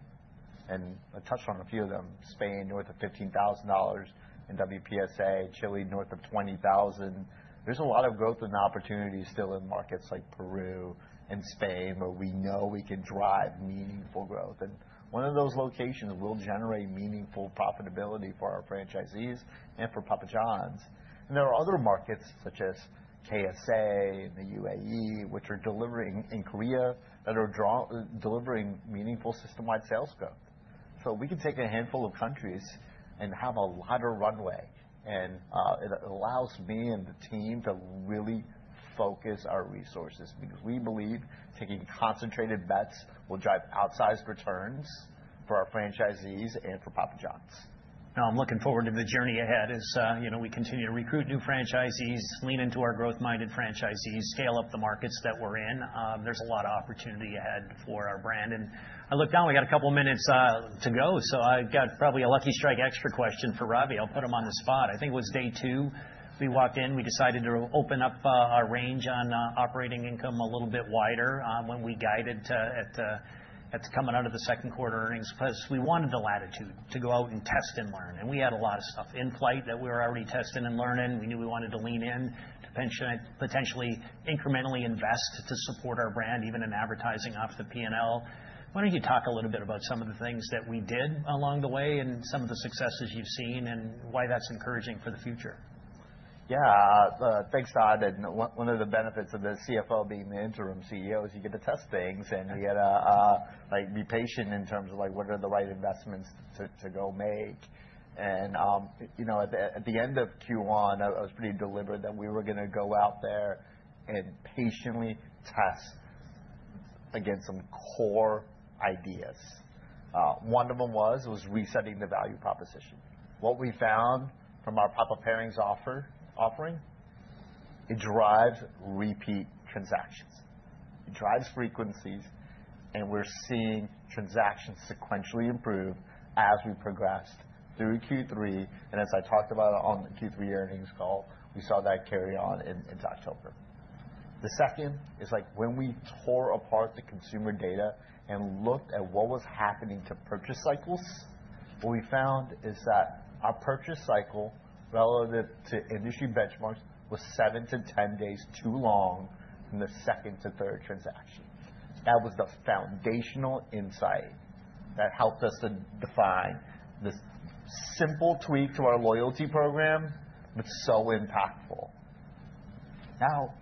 And I touched on a few of them: Spain, north of $15,000 in WPSA. Chile, north of $20,000. There's a lot of growth and opportunity still in markets like Peru and Spain, where we know we can drive meaningful growth. And one of those locations will generate meaningful profitability for our franchisees and for Papa John's. And there are other markets such as KSA and the UAE, which are delivering in Korea that are delivering meaningful system-wide sales growth. So we can take a handful of countries and have a lot of runway. It allows me and the team to really focus our resources because we believe taking concentrated bets will drive outsized returns for our franchisees and for Papa John's. Now, I'm looking forward to the journey ahead as we continue to recruit new franchisees, lean into our growth-minded franchisees, scale up the markets that we're in. There's a lot of opportunity ahead for our brand. And I look down, we got a couple of minutes to go. So I've got probably a lucky strike extra question for Ravi. I'll put him on the spot. I think it was day two. We walked in, we decided to open up our range on operating income a little bit wider when we guided at coming out of the second quarter earnings because we wanted the latitude to go out and test and learn. And we had a lot of stuff in flight that we were already testing and learning. We knew we wanted to lean in to potentially incrementally invest to support our brand, even in advertising off the P&L. Why don't you talk a little bit about some of the things that we did along the way and some of the successes you've seen and why that's encouraging for the future? Yeah. Thanks, Todd. And one of the benefits of the CFO being the interim CEO is you get to test things. And we had to be patient in terms of what are the right investments to go make. And at the end of Q1, I was pretty deliberate that we were going to go out there and patiently test against some core ideas. One of them was resetting the value proposition. What we found from our Papa Pairings offering, it drives repeat transactions. It drives frequencies. And we're seeing transactions sequentially improve as we progressed through Q3. And as I talked about on the Q3 earnings call, we saw that carry on into October. The second is when we tore apart the consumer data and looked at what was happening to purchase cycles. What we found is that our purchase cycle relative to industry benchmarks was 7-10 days too long from the second to third transaction. That was the foundational insight that helped us to define this simple tweak to our loyalty program, but so impactful. Now,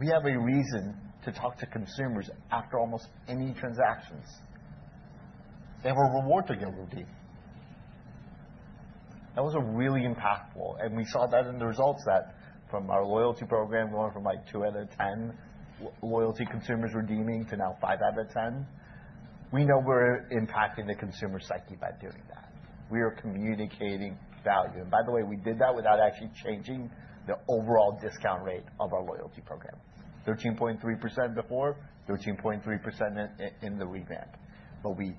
we have a reason to talk to consumers after almost any transactions. They have a reward to give redeem. That was really impactful. And we saw that in the results that from our loyalty program, going from like 2 out of 10 loyalty consumers redeeming to now 5 out of 10. We know we're impacting the consumer psyche by doing that. We are communicating value. And by the way, we did that without actually changing the overall discount rate of our loyalty program: 13.3% before, 13.3% in the revamp. But we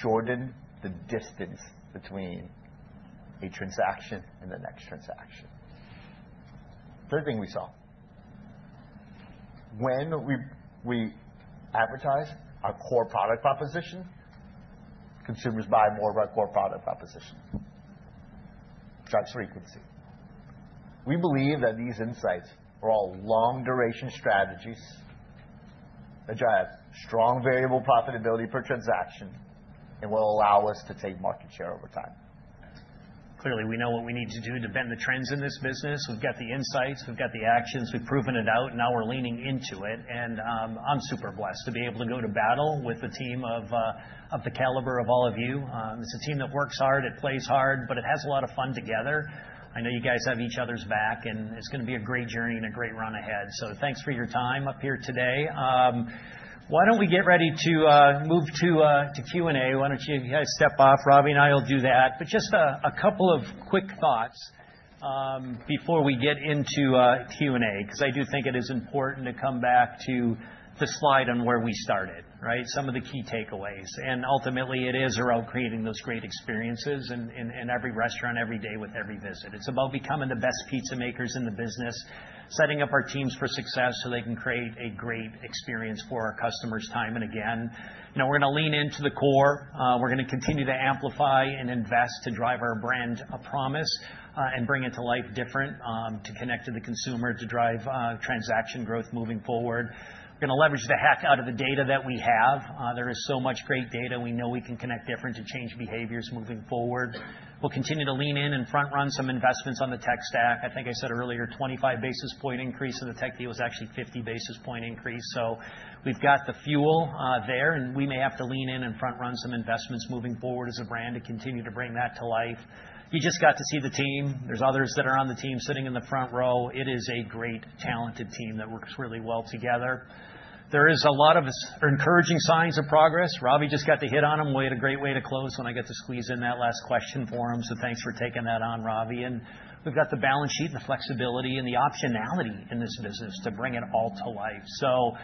shortened the distance between a transaction and the next transaction. Third thing we saw, when we advertise our core product proposition, consumers buy more of our core product proposition. It drives frequency. We believe that these insights are all long-duration strategies that drive strong variable profitability per transaction and will allow us to take market share over time. Clearly, we know what we need to do to bend the trends in this business. We've got the insights. We've got the actions. We've proven it out. Now we're leaning into it. And I'm super blessed to be able to go to battle with a team of the caliber of all of you. It's a team that works hard. It plays hard. But it has a lot of fun together. I know you guys have each other's back. And it's going to be a great journey and a great run ahead. So thanks for your time up here today. Why don't we get ready to move to Q&A? Why don't you guys step off? Ravi and I will do that. But just a couple of quick thoughts before we get into Q&A because I do think it is important to come back to the slide on where we started, right? Some of the key takeaways and ultimately, it is around creating those great experiences in every restaurant every day with every visit. It's about becoming the best pizza makers in the business, setting up our teams for success so they can create a great experience for our customers time and again. We're going to lean into the core. We're going to continue to amplify and invest to drive our brand a promise and bring it to life different to connect to the consumer to drive transaction growth moving forward. We're going to leverage the heck out of the data that we have. There is so much great data. We know we can connect different to change behaviors moving forward. We'll continue to lean in and front-run some investments on the tech stack. I think I said earlier, 25 basis points increase in the tech debt was actually 50 basis points increase, so we've got the fuel there, and we may have to lean in and front-run some investments moving forward as a brand to continue to bring that to life. You just got to see the team. There's others that are on the team sitting in the front row. It is a great, talented team that works really well together. There are a lot of encouraging signs of progress. Ravi just got the hit on him. We had a great way to close when I got to squeeze in that last question for him, so thanks for taking that on, Ravi, and we've got the balance sheet and the flexibility and the optionality in this business to bring it all to life, so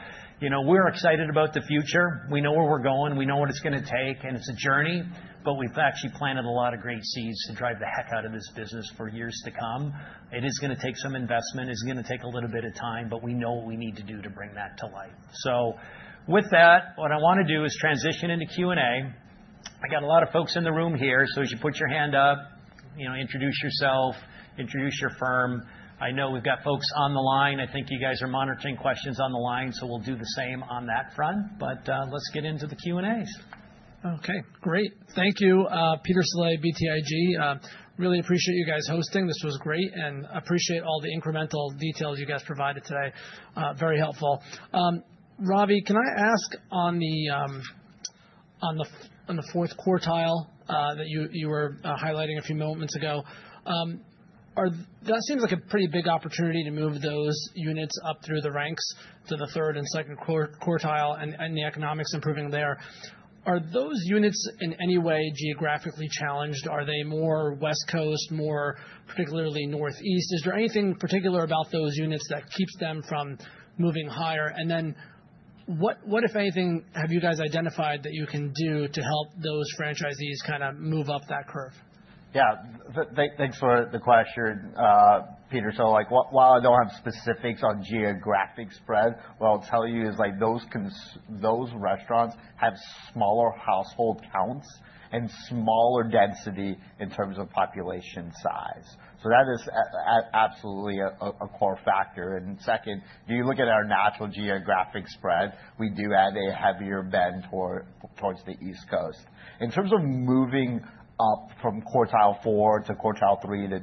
we're excited about the future. We know where we're going. We know what it's going to take. And it's a journey. But we've actually planted a lot of great seeds to drive the heck out of this business for years to come. It is going to take some investment. It's going to take a little bit of time. But we know what we need to do to bring that to life. So with that, what I want to do is transition into Q&A. I got a lot of folks in the room here. So as you put your hand up, introduce yourself, introduce your firm. I know we've got folks on the line. I think you guys are monitoring questions on the line. So we'll do the same on that front. But let's get into the Q&As. Okay. Great. Thank you, Peter Saleh, BTIG. Really appreciate you guys hosting. This was great. And appreciate all the incremental details you guys provided today. Very helpful. Ravi, can I ask on the fourth quartile that you were highlighting a few moments ago? That seems like a pretty big opportunity to move those units up through the ranks to the third and second quartile and the economics improving there. Are those units in any way geographically challenged? Are they more West Coast, more particularly Northeast? Is there anything particular about those units that keeps them from moving higher? And then what, if anything, have you guys identified that you can do to help those franchisees kind of move up that curve? Yeah. Thanks for the question, Peter. So while I don't have specifics on geographic spread, what I'll tell you is those restaurants have smaller household counts and smaller density in terms of population size. So that is absolutely a core factor. And second, if you look at our natural geographic spread, we do have a heavier bend towards the East Coast. In terms of moving up from quartile four to quartile three to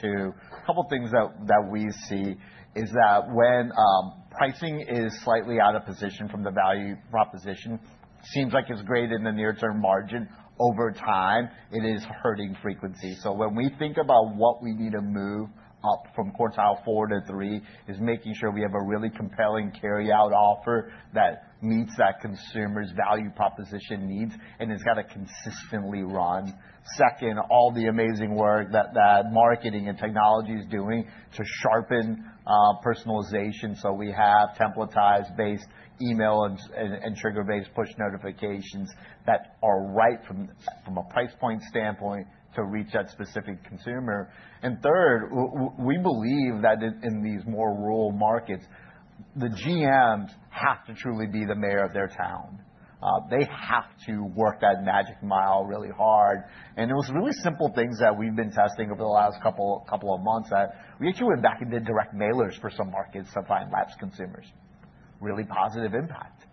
two, a couple of things that we see is that when pricing is slightly out of position from the value proposition, it seems like it's great in the near-term margin. Over time, it is hurting frequency. So when we think about what we need to move up from quartile four to three is making sure we have a really compelling carry-out offer that meets that consumer's value proposition needs and has got to consistently run. Second, all the amazing work that marketing and technology is doing to sharpen personalization. We have template-based email and trigger-based push notifications that are right from a price point standpoint to reach that specific consumer. Third, we believe that in these more rural markets, the GMs have to truly be the mayor of their town. They have to work that magic mile really hard. It was really simple things that we've been testing over the last couple of months that we actually went back and did direct mailers for some markets to find lapsed consumers. Really positive impact.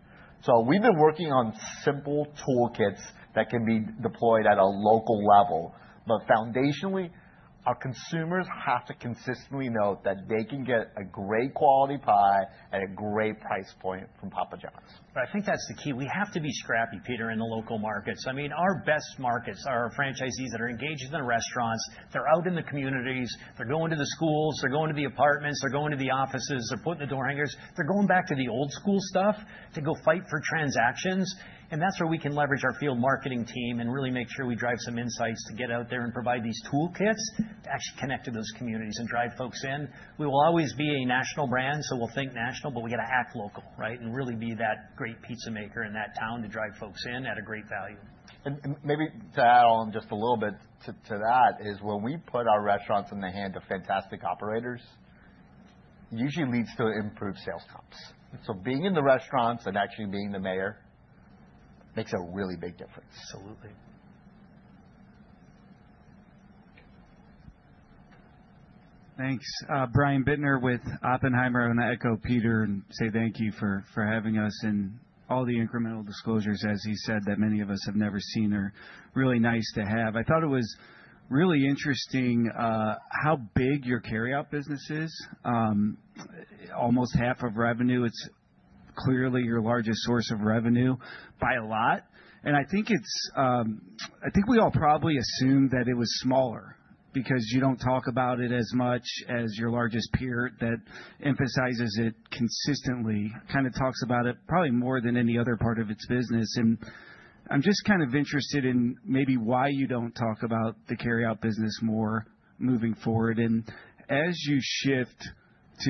We've been working on simple toolkits that can be deployed at a local level. Foundationally, our consumers have to consistently know that they can get a great quality pie at a great price point from Papa John's. But I think that's the key. We have to be scrappy, Peter, in the local markets. I mean, our best markets are our franchisees that are engaged in the restaurants. They're out in the communities. They're going to the schools. They're going to the apartments. They're going to the offices. They're putting the door hangers. They're going back to the old-school stuff to go fight for transactions. And that's where we can leverage our field marketing team and really make sure we drive some insights to get out there and provide these toolkits to actually connect to those communities and drive folks in. We will always be a national brand. So we'll think national, but we got to act local, right, and really be that great pizza maker in that town to drive folks in at a great value. Maybe to add on just a little bit to that is when we put our restaurants in the hand of fantastic operators, it usually leads to improved sales comps. Being in the restaurants and actually being the mayor makes a really big difference. Absolutely. Thanks. Brian Bittner with Oppenheimer. I want to echo Peter and say thank you for having us and all the incremental disclosures, as he said, that many of us have never seen are really nice to have. I thought it was really interesting how big your carry-out business is. Almost half of revenue. It's clearly your largest source of revenue by a lot. And I think we all probably assumed that it was smaller because you don't talk about it as much as your largest peer that emphasizes it consistently, kind of talks about it probably more than any other part of its business. And I'm just kind of interested in maybe why you don't talk about the carry-out business more moving forward. As you shift to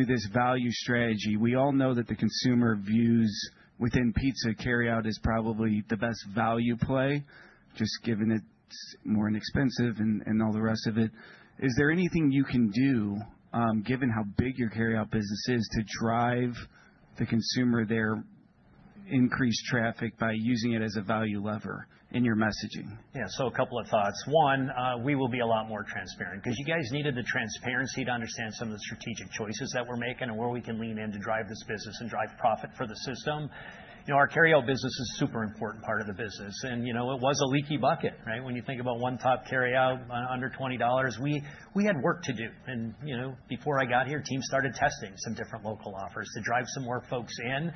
this value strategy, we all know that the consumer views within pizza carry-out is probably the best value play just given it's more inexpensive and all the rest of it. Is there anything you can do, given how big your carry-out business is, to drive the consumer their increased traffic by using it as a value lever in your messaging? Yeah. So a couple of thoughts. One, we will be a lot more transparent because you guys needed the transparency to understand some of the strategic choices that we're making and where we can lean in to drive this business and drive profit for the system. Our carry-out business is a super important part of the business. And it was a leaky bucket, right? When you think about one top carry-out under $20, we had work to do. And before I got here, the team started testing some different local offers to drive some more folks in.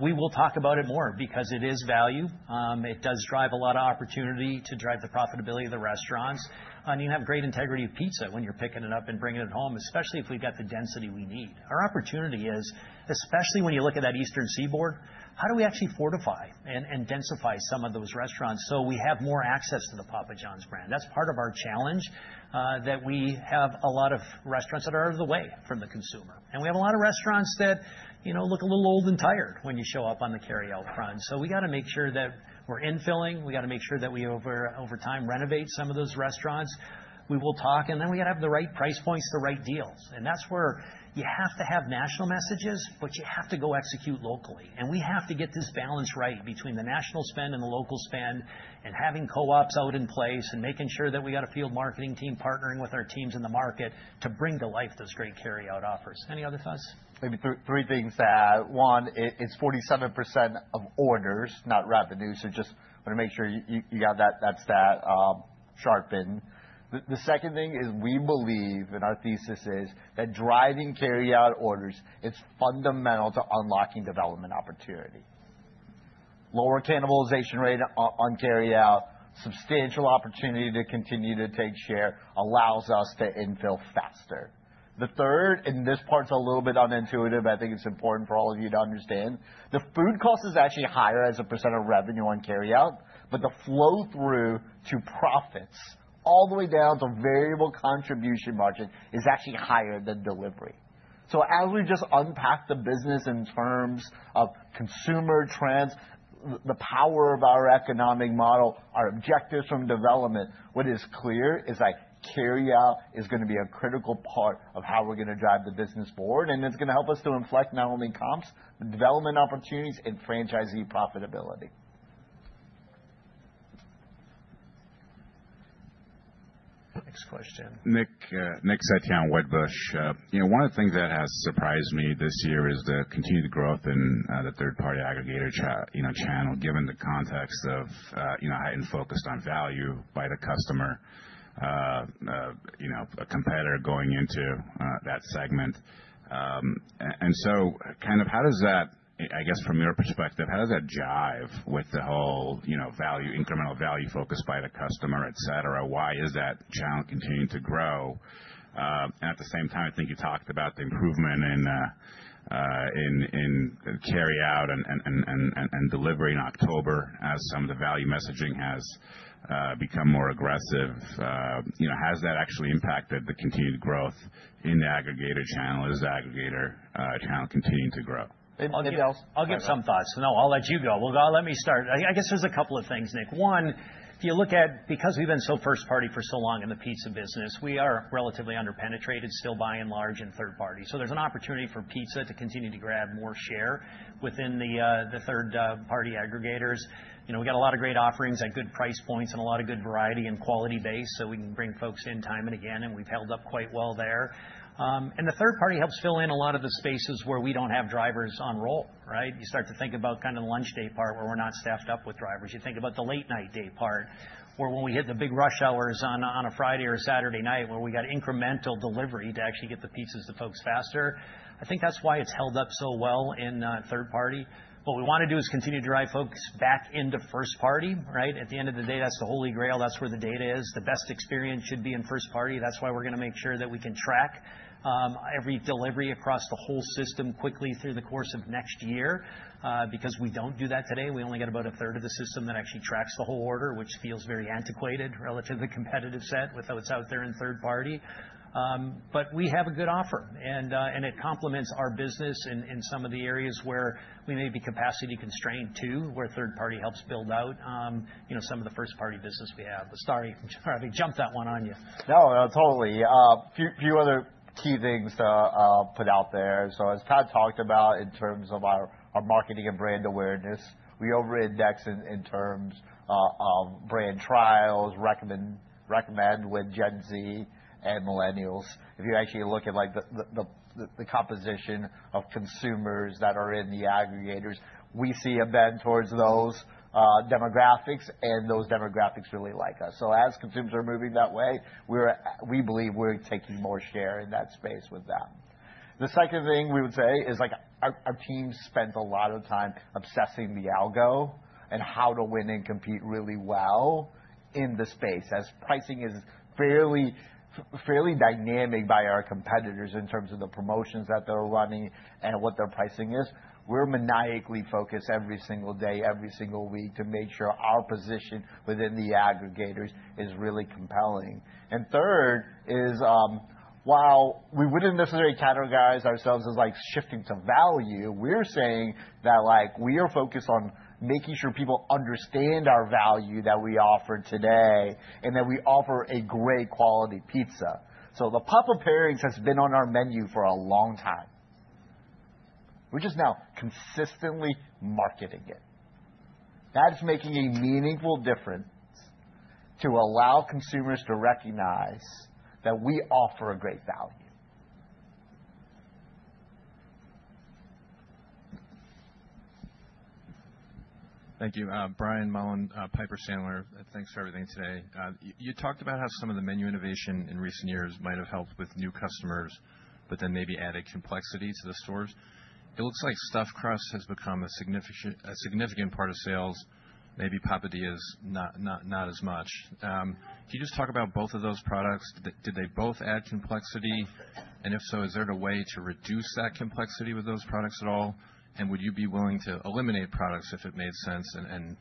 We will talk about it more because it is value. It does drive a lot of opportunity to drive the profitability of the restaurants. And you have great integrity of pizza when you're picking it up and bringing it home, especially if we've got the density we need. Our opportunity is, especially when you look at that Eastern Seaboard, how do we actually fortify and densify some of those restaurants so we have more access to the Papa John's brand? That's part of our challenge that we have a lot of restaurants that are out of the way from the consumer. And we have a lot of restaurants that look a little old and tired when you show up on the carry-out front. So we got to make sure that we're infilling. We got to make sure that we over time renovate some of those restaurants. We will talk. And then we got to have the right price points, the right deals. And that's where you have to have national messages, but you have to go execute locally. We have to get this balance right between the national spend and the local spend and having co-ops out in place and making sure that we got a field marketing team partnering with our teams in the market to bring to life those great carry-out offers. Any other thoughts? Maybe three things to add. One, it's 47% of orders, not revenue. So just want to make sure you got that stat sharpened. The second thing is we believe and our thesis is that driving carry-out orders, it's fundamental to unlocking development opportunity. Lower cannibalization rate on carry-out, substantial opportunity to continue to take share allows us to infill faster. The third, and this part's a little bit unintuitive, I think it's important for all of you to understand. The food cost is actually higher as a % of revenue on carry-out. But the flow through to profits all the way down to variable contribution margin is actually higher than delivery. So as we just unpack the business in terms of consumer trends, the power of our economic model, our objectives from development, what is clear is that carry-out is going to be a critical part of how we're going to drive the business forward. And it's going to help us to inflect not only comps, but development opportunities and franchisee profitability. Next question. Nick Setyan, Wedbush. One of the things that has surprised me this year is the continued growth in the third-party aggregator channel given the context of heightened focus on value by the customer, a competitor going into that segment. And so kind of how does that, I guess from your perspective, how does that jive with the whole incremental value focus by the customer, et cetera? Why is that channel continuing to grow? And at the same time, I think you talked about the improvement in carry-out and delivery in October as some of the value messaging has become more aggressive. Has that actually impacted the continued growth in the aggregator channel? Is the aggregator channel continuing to grow? I'll give some thoughts. So, no. I'll let you go. Well, let me start. I guess there's a couple of things, Nick. One, if you look at because we've been so first-party for so long in the pizza business, we are relatively under-penetrated still by and large in third-party. So, there's an opportunity for pizza to continue to grab more share within the third-party aggregators. We got a lot of great offerings at good price points and a lot of good variety and quality base so we can bring folks in time and again. And we've held up quite well there. And the third-party helps fill in a lot of the spaces where we don't have drivers on roll, right? You start to think about kind of the lunch day part where we're not staffed up with drivers. You think about the late-night day part where when we hit the big rush hours on a Friday or Saturday night where we got incremental delivery to actually get the pizzas to folks faster. I think that's why it's held up so well in third-party. What we want to do is continue to drive folks back into first-party, right? At the end of the day, that's the Holy Grail. That's where the data is. The best experience should be in first-party. That's why we're going to make sure that we can track every delivery across the whole system quickly through the course of next year because we don't do that today. We only got about a third of the system that actually tracks the whole order, which feels very antiquated relative to the competitive set with how it's out there in third-party. But we have a good offer. And it complements our business in some of the areas where we may be capacity constrained too, where third-party helps build out some of the first-party business we have. But sorry, I jumped that one on you. No, totally. A few other key things to put out there. So as Todd talked about in terms of our marketing and brand awareness, we over-index in terms of brand trials, recommend with Gen Z and Millennials. If you actually look at the composition of consumers that are in the aggregators, we see a trend towards those demographics. And those demographics really like us. So as consumers are moving that way, we believe we're taking more share in that space with them. The second thing we would say is our team spent a lot of time obsessing the algo and how to win and compete really well in the space. As pricing is fairly dynamic by our competitors in terms of the promotions that they're running and what their pricing is, we're maniacally focused every single day, every single week to make sure our position within the aggregators is really compelling, and third is while we wouldn't necessarily categorize ourselves as shifting to value, we're saying that we are focused on making sure people understand our value that we offer today and that we offer a great quality pizza, so the Papa Pairings has been on our menu for a long time. We're just now consistently marketing it. That is making a meaningful difference to allow consumers to recognize that we offer a great value. Thank you. Brian Mullan, Piper Sandler, thanks for everything today. You talked about how some of the menu innovation in recent years might have helped with new customers, but then maybe added complexity to the stores. It looks like Stuffed Crust has become a significant part of sales. Maybe Papadias is not as much. Can you just talk about both of those products? Did they both add complexity? And if so, is there a way to reduce that complexity with those products at all? And would you be willing to eliminate products if it made sense? And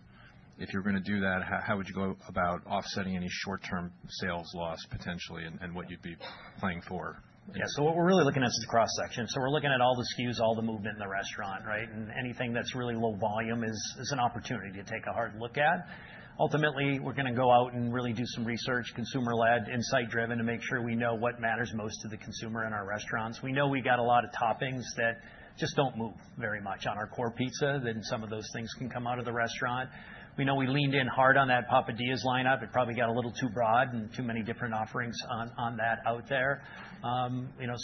if you're going to do that, how would you go about offsetting any short-term sales loss potentially and what you'd be playing for? Yeah. So what we're really looking at is cross-section. So we're looking at all the SKUs, all the movement in the restaurant, right? And anything that's really low volume is an opportunity to take a hard look at. Ultimately, we're going to go out and really do some research, consumer-led, insight-driven to make sure we know what matters most to the consumer in our restaurants. We know we got a lot of toppings that just don't move very much on our core pizza that some of those things can come out of the restaurant. We know we leaned in hard on that Papadias lineup. It probably got a little too broad and too many different offerings on that out there. So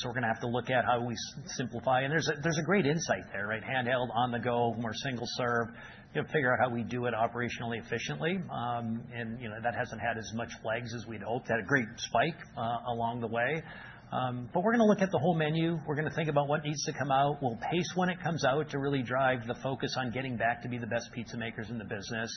we're going to have to look at how we simplify. And there's a great insight there, right? Handheld, on the go, more single-serve. You have to figure out how we do it operationally efficiently, and that hasn't had as much flak as we'd hoped. Had a great spike along the way, but we're going to look at the whole menu. We're going to think about what needs to come out. We'll pace when it comes out to really drive the focus on getting back to be the best pizza makers in the business.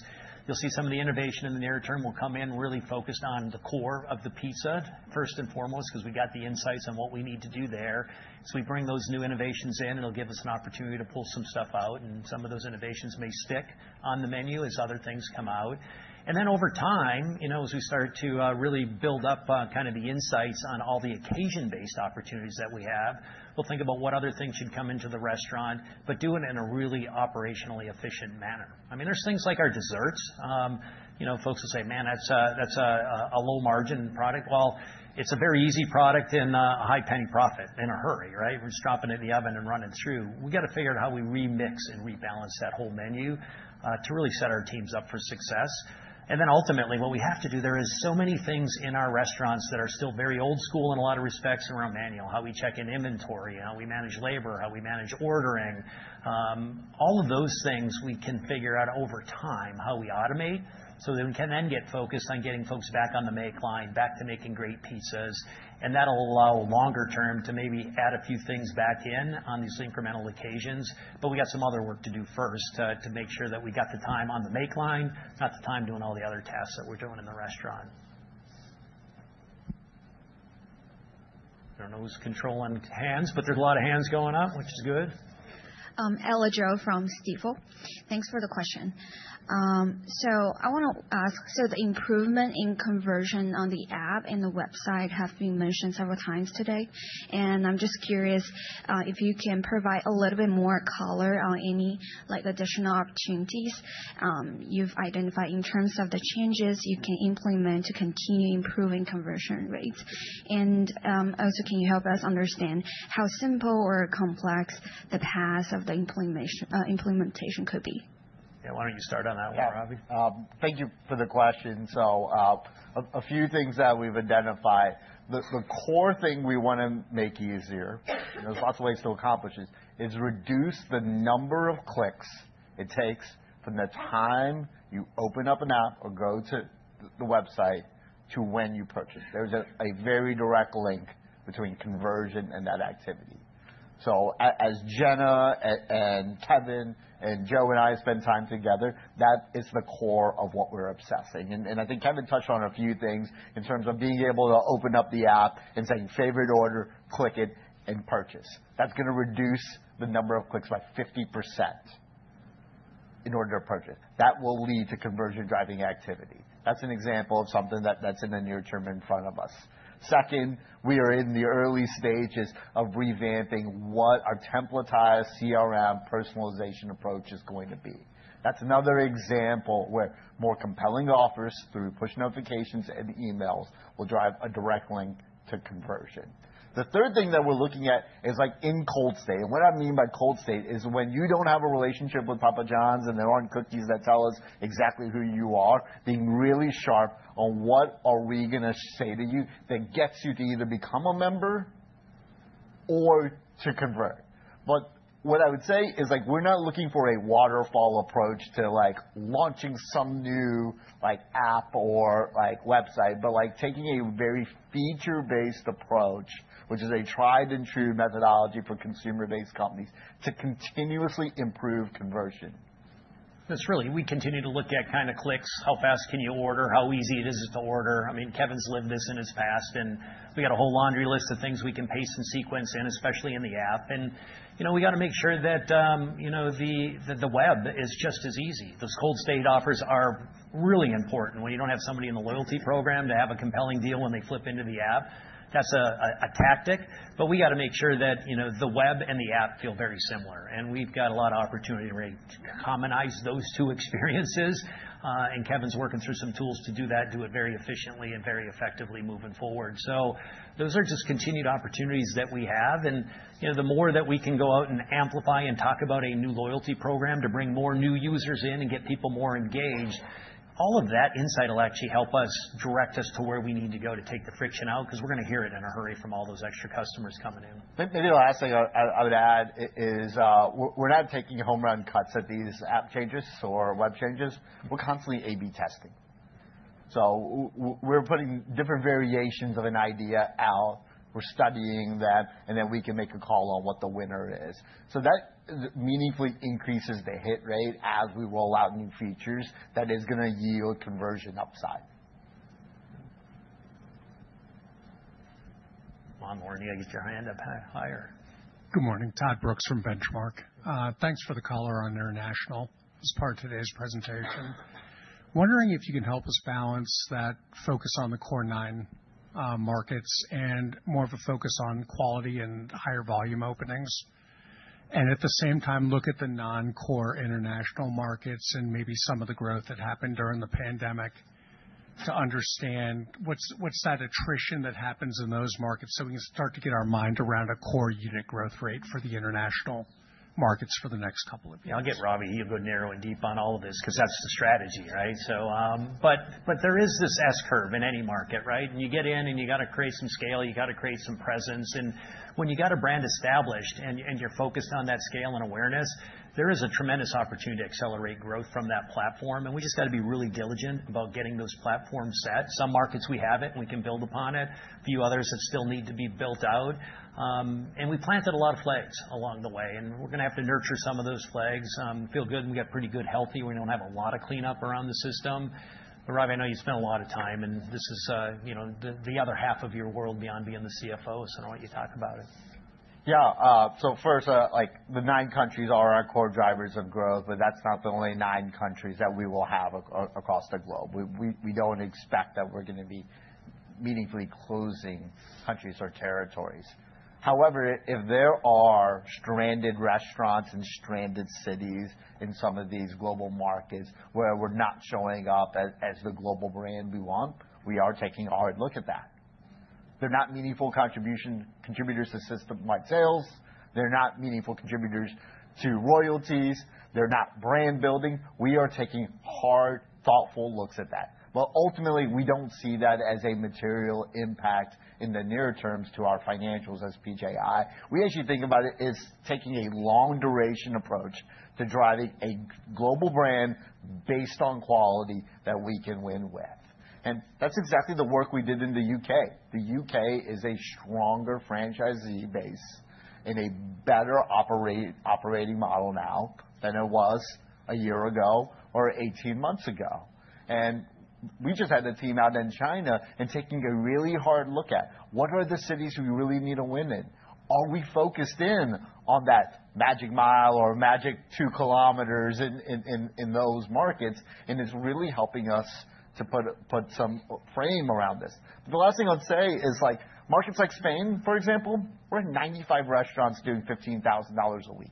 You'll see some of the innovation in the near term will come in really focused on the core of the pizza first and foremost because we got the insights on what we need to do there, so we bring those new innovations in, and it'll give us an opportunity to pull some stuff out, and some of those innovations may stick on the menu as other things come out. And then over time, as we start to really build up kind of the insights on all the occasion-based opportunities that we have, we'll think about what other things should come into the restaurant, but do it in a really operationally efficient manner. I mean, there's things like our desserts. Folks will say, "Man, that's a low-margin product." Well, it's a very easy product and a high-paying profit in a hurry, right? We're just dropping it in the oven and running through. We got to figure out how we remix and rebalance that whole menu to really set our teams up for success. And then ultimately, what we have to do, there are so many things in our restaurants that are still very old-school in a lot of respects around manual, how we check in inventory, how we manage labor, how we manage ordering. All of those things we can figure out over time how we automate so that we can then get focused on getting folks back on the make line, back to making great pizzas, and that'll allow longer-term to maybe add a few things back in on these incremental occasions, but we got some other work to do first to make sure that we got the time on the make line, not the time doing all the other tasks that we're doing in the restaurant. I don't know who's controlling hands, but there's a lot of hands going up, which is good. Ella Ji from Stifel. Thanks for the question. So I want to ask, so the improvement in conversion on the app and the website have been mentioned several times today. And I'm just curious if you can provide a little bit more color on any additional opportunities you've identified in terms of the changes you can implement to continue improving conversion rates. And also, can you help us understand how simple or complex the paths of the implementation could be? Yeah. Why don't you start on that one, Ravi? Yeah. Thank you for the question. So a few things that we've identified. The core thing we want to make easier, there's lots of ways to accomplish this, is reduce the number of clicks it takes from the time you open up an app or go to the website to when you purchase. There's a very direct link between conversion and that activity. So as Jenna and Kevin and Joe and I spend time together, that is the core of what we're obsessing. And I think Kevin touched on a few things in terms of being able to open up the app and say, "Favorite order, click it and purchase." That's going to reduce the number of clicks by 50% in order to purchase. That will lead to conversion-driving activity. That's an example of something that's in the near term in front of us. Second, we are in the early stages of revamping what our templatized CRM personalization approach is going to be. That's another example where more compelling offers through push notifications and emails will drive a direct link to conversion. The third thing that we're looking at is in cold state, and what I mean by cold state is when you don't have a relationship with Papa John's and there aren't cookies that tell us exactly who you are, being really sharp on what are we going to say to you that gets you to either become a member or to convert. But what I would say is we're not looking for a waterfall approach to launching some new app or website, but taking a very feature-based approach, which is a tried-and-true methodology for consumer-based companies to continuously improve conversion. That's really we continue to look at kind of clicks, how fast can you order, how easy it is to order. I mean, Kevin's lived this in his past. And we got a whole laundry list of things we can pace and sequence, and especially in the app. And we got to make sure that the web is just as easy. Those cold state offers are really important when you don't have somebody in the loyalty program to have a compelling deal when they flip into the app. That's a tactic. But we got to make sure that the web and the app feel very similar. And we've got a lot of opportunity to really harmonize those two experiences. And Kevin's working through some tools to do that, do it very efficiently and very effectively moving forward. So those are just continued opportunities that we have. The more that we can go out and amplify and talk about a new loyalty program to bring more new users in and get people more engaged, all of that insight will actually help us direct us to where we need to go to take the friction out because we're going to hear it in a hurry from all those extra customers coming in. Maybe the last thing I would add is we're not taking home run cuts at these app changes or web changes. We're constantly A/B testing, so we're putting different variations of an idea out. We're studying that, and then we can make a call on what the winner is, so that meaningfully increases the hit rate as we roll out new features that is going to yield conversion upside. Good morning, I get your hand up higher. Good morning. Todd Brooks from Benchmark. Thanks for the color on International as part of today's presentation. Wondering if you can help us balance that focus on the core nine markets and more of a focus on quality and higher volume openings. And at the same time, look at the non-core international markets and maybe some of the growth that happened during the pandemic to understand what's that attrition that happens in those markets so we can start to get our mind around a core unit growth rate for the international markets for the next couple of years. Yeah. I'll get Ravi. He'll go narrow and deep on all of this because that's the strategy, right? But there is this S-curve in any market, right? And you get in and you got to create some scale. You got to create some presence. And when you got a brand established and you're focused on that scale and awareness, there is a tremendous opportunity to accelerate growth from that platform. And we just got to be really diligent about getting those platforms set. Some markets we have it and we can build upon it. A few others that still need to be built out. And we planted a lot of flags along the way. And we're going to have to nurture some of those flags. Feel good when we got pretty good healthy when we don't have a lot of cleanup around the system. But Ravi, I know you spent a lot of time. And this is the other half of your world beyond being the CFO. So I don't want you to talk about it. Yeah, so first, the nine countries are our core drivers of growth. But that's not the only nine countries that we will have across the globe. We don't expect that we're going to be meaningfully closing countries or territories. However, if there are stranded restaurants and stranded cities in some of these global markets where we're not showing up as the global brand we want, we are taking a hard look at that. They're not meaningful contributors to system-wide sales. They're not meaningful contributors to royalties. They're not brand building. We are taking hard, thoughtful looks at that. But ultimately, we don't see that as a material impact in the near terms to our financials as PJI. We actually think about it as taking a long-duration approach to driving a global brand based on quality that we can win with, and that's exactly the work we did in the U.K. The U.K. is a stronger franchisee base and a better operating model now than it was a year ago or 18 months ago. And we just had a team out in China and taking a really hard look at what are the cities we really need to win in. Are we focused in on that magic mile or magic two kilometers in those markets? And it's really helping us to put some frame around this. The last thing I'll say is markets like Spain, for example, we're in 95 restaurants doing $15,000 a week.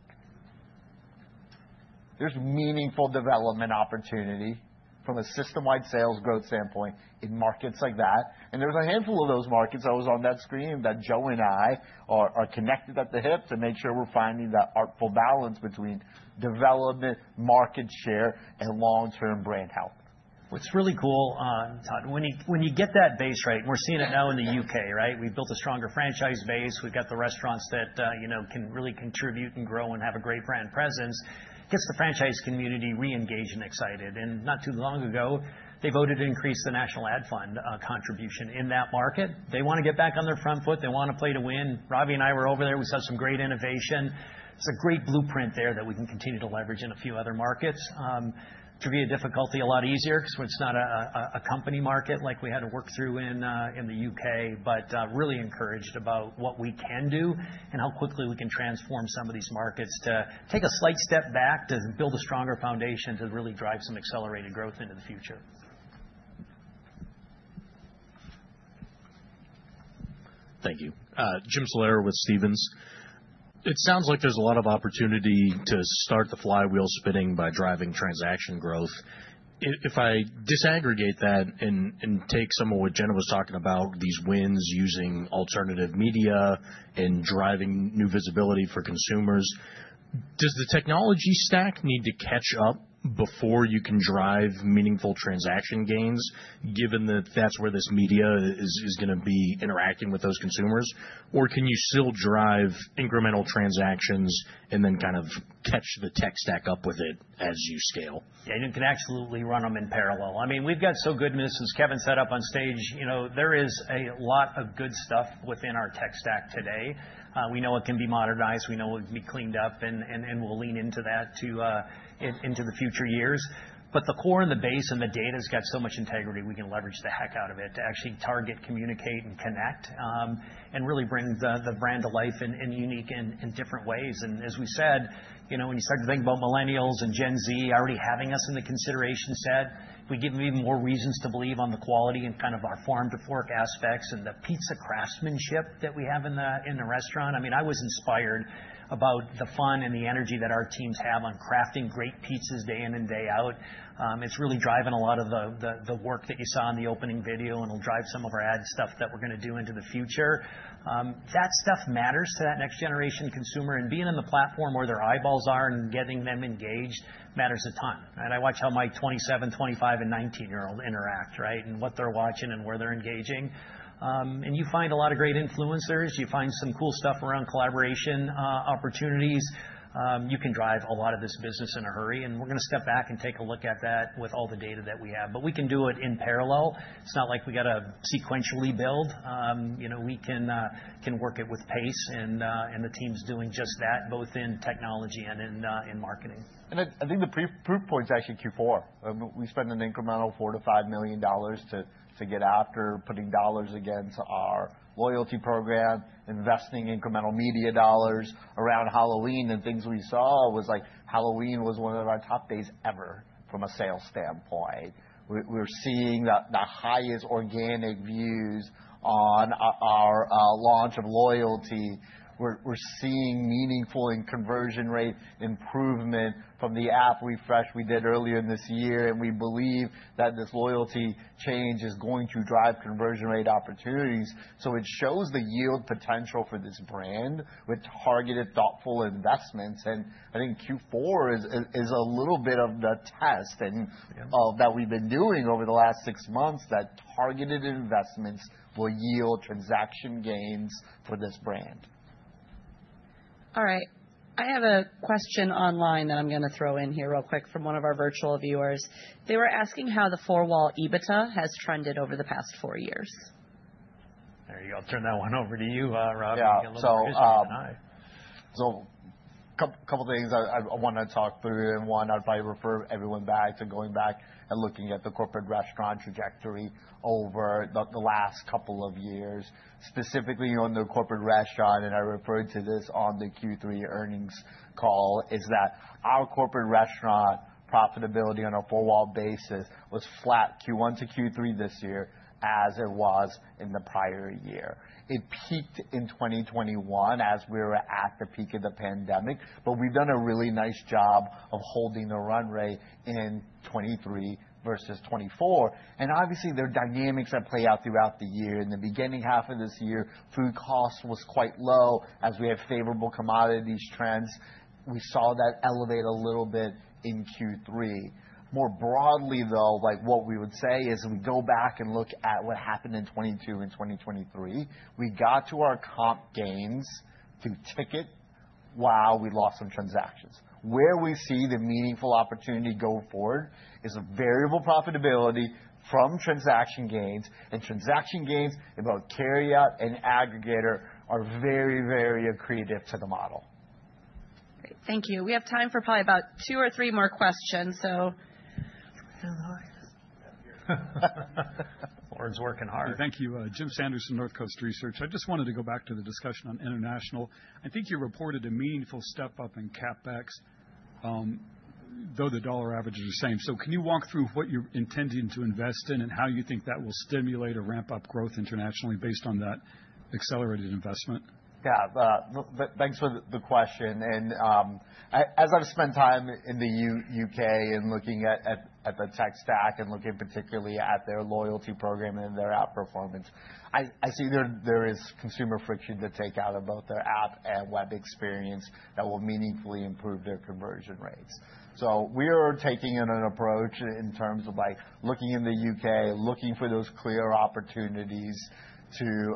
There's meaningful development opportunity from a system-wide sales growth standpoint in markets like that. And there's a handful of those markets I was on that screen that Joe and I are connected at the hip to make sure we're finding that artful balance between development, market share, and long-term brand health. What's really cool, Todd, when you get that base right, and we're seeing it now in the U.K., right? We've built a stronger franchise base. We've got the restaurants that can really contribute and grow and have a great brand presence. It gets the franchise community re-engaged and excited. And not too long ago, they voted to increase the national ad fund contribution in that market. They want to get back on their front foot. They want to play to win. Ravi and I were over there. We saw some great innovation. It's a great blueprint there that we can continue to leverage in a few other markets to be definitely a lot easier because it's not a company market like we had to work through in the U.K. But really encouraged about what we can do and how quickly we can transform some of these markets to take a slight step back to build a stronger foundation to really drive some accelerated growth into the future. Thank you. Jim Salera with Stephens. It sounds like there's a lot of opportunity to start the flywheel spinning by driving transaction growth. If I disaggregate that and take some of what Jenna was talking about, these wins using alternative media and driving new visibility for consumers, does the technology stack need to catch up before you can drive meaningful transaction gains given that that's where this media is going to be interacting with those consumers? Or can you still drive incremental transactions and then kind of catch the tech stack up with it as you scale? Yeah. And you can absolutely run them in parallel. I mean, we've got such good news since Kevin set up on stage. There is a lot of good stuff within our tech stack today. We know it can be modernized. We know it can be cleaned up. And we'll lean into that into the future years. But the core and the base and the data has got so much integrity, we can leverage the heck out of it to actually target, communicate, and connect, and really bring the brand to life in unique and different ways. And as we said, when you start to think about millennials and Gen Z already having us in the consideration set, we give them even more reasons to believe on the quality and kind of our farm-to-fork aspects and the pizza craftsmanship that we have in the restaurant. I mean, I was inspired about the fun and the energy that our teams have on crafting great pizzas day in and day out. It's really driving a lot of the work that you saw in the opening video and will drive some of our ad stuff that we're going to do into the future. That stuff matters to that next-generation consumer. And being on the platform where their eyeballs are and getting them engaged matters a ton. And I watch how my 27, 25, and 19-year-old interact, right, and what they're watching and where they're engaging. And you find a lot of great influencers. You find some cool stuff around collaboration opportunities. You can drive a lot of this business in a hurry. And we're going to step back and take a look at that with all the data that we have. But we can do it in parallel. It's not like we got to sequentially build. We can work it with pace. And the team's doing just that, both in technology and in marketing. And I think the proof point is actually Q4. We spent an incremental $4-$5 million to get after, putting dollars against our loyalty program, investing incremental media dollars around Halloween. And things we saw was like Halloween was one of our top days ever from a sales standpoint. We're seeing the highest organic views on our launch of loyalty. We're seeing meaningful in conversion rate improvement from the app refresh we did earlier in this year. And we believe that this loyalty change is going to drive conversion rate opportunities. So it shows the yield potential for this brand with targeted, thoughtful investments. And I think Q4 is a little bit of the test that we've been doing over the last six months that targeted investments will yield transaction gains for this brand. All right. I have a question online that I'm going to throw in here real quick from one of our virtual viewers. They were asking how the Four-Wall EBITDA has trended over the past four years. There you go. I'll turn that one over to you, Ravi. Take a look at your slide. Yeah. So a couple of things I want to talk through. One, I'd probably refer everyone back to going back and looking at the corporate restaurant trajectory over the last couple of years. Specifically, on the corporate restaurant, and I referred to this on the Q3 earnings call, is that our corporate restaurant profitability on a four-wall basis was flat Q1 to Q3 this year as it was in the prior year. It peaked in 2021 as we were at the peak of the pandemic. But we've done a really nice job of holding the run rate in 2023 versus 2024. And obviously, there are dynamics that play out throughout the year. In the beginning half of this year, food cost was quite low as we had favorable commodities trends. We saw that elevate a little bit in Q3. More broadly, though, what we would say is we go back and look at what happened in 2022 and 2023. We got to our comp gains to ticket while we lost some transactions. Where we see the meaningful opportunity go forward is variable profitability from transaction gains. And transaction gains in both carry-out and aggregator are very, very accretive to the model. Great. Thank you. We have time for probably about two or three more questions. So Lauren's working hard. Thank you. Jim Sanderson from Northcoast Research. I just wanted to go back to the discussion on international. I think you reported a meaningful step up in CapEx, though the dollar averages are the same. So can you walk through what you're intending to invest in and how you think that will stimulate or ramp up growth internationally based on that accelerated investment? Yeah. Thanks for the question. And as I've spent time in the U.K. and looking at the tech stack and looking particularly at their loyalty program and their app performance, I see there is consumer friction to take out of both their app and web experience that will meaningfully improve their conversion rates. So we are taking in an approach in terms of looking in the U.K., looking for those clear opportunities to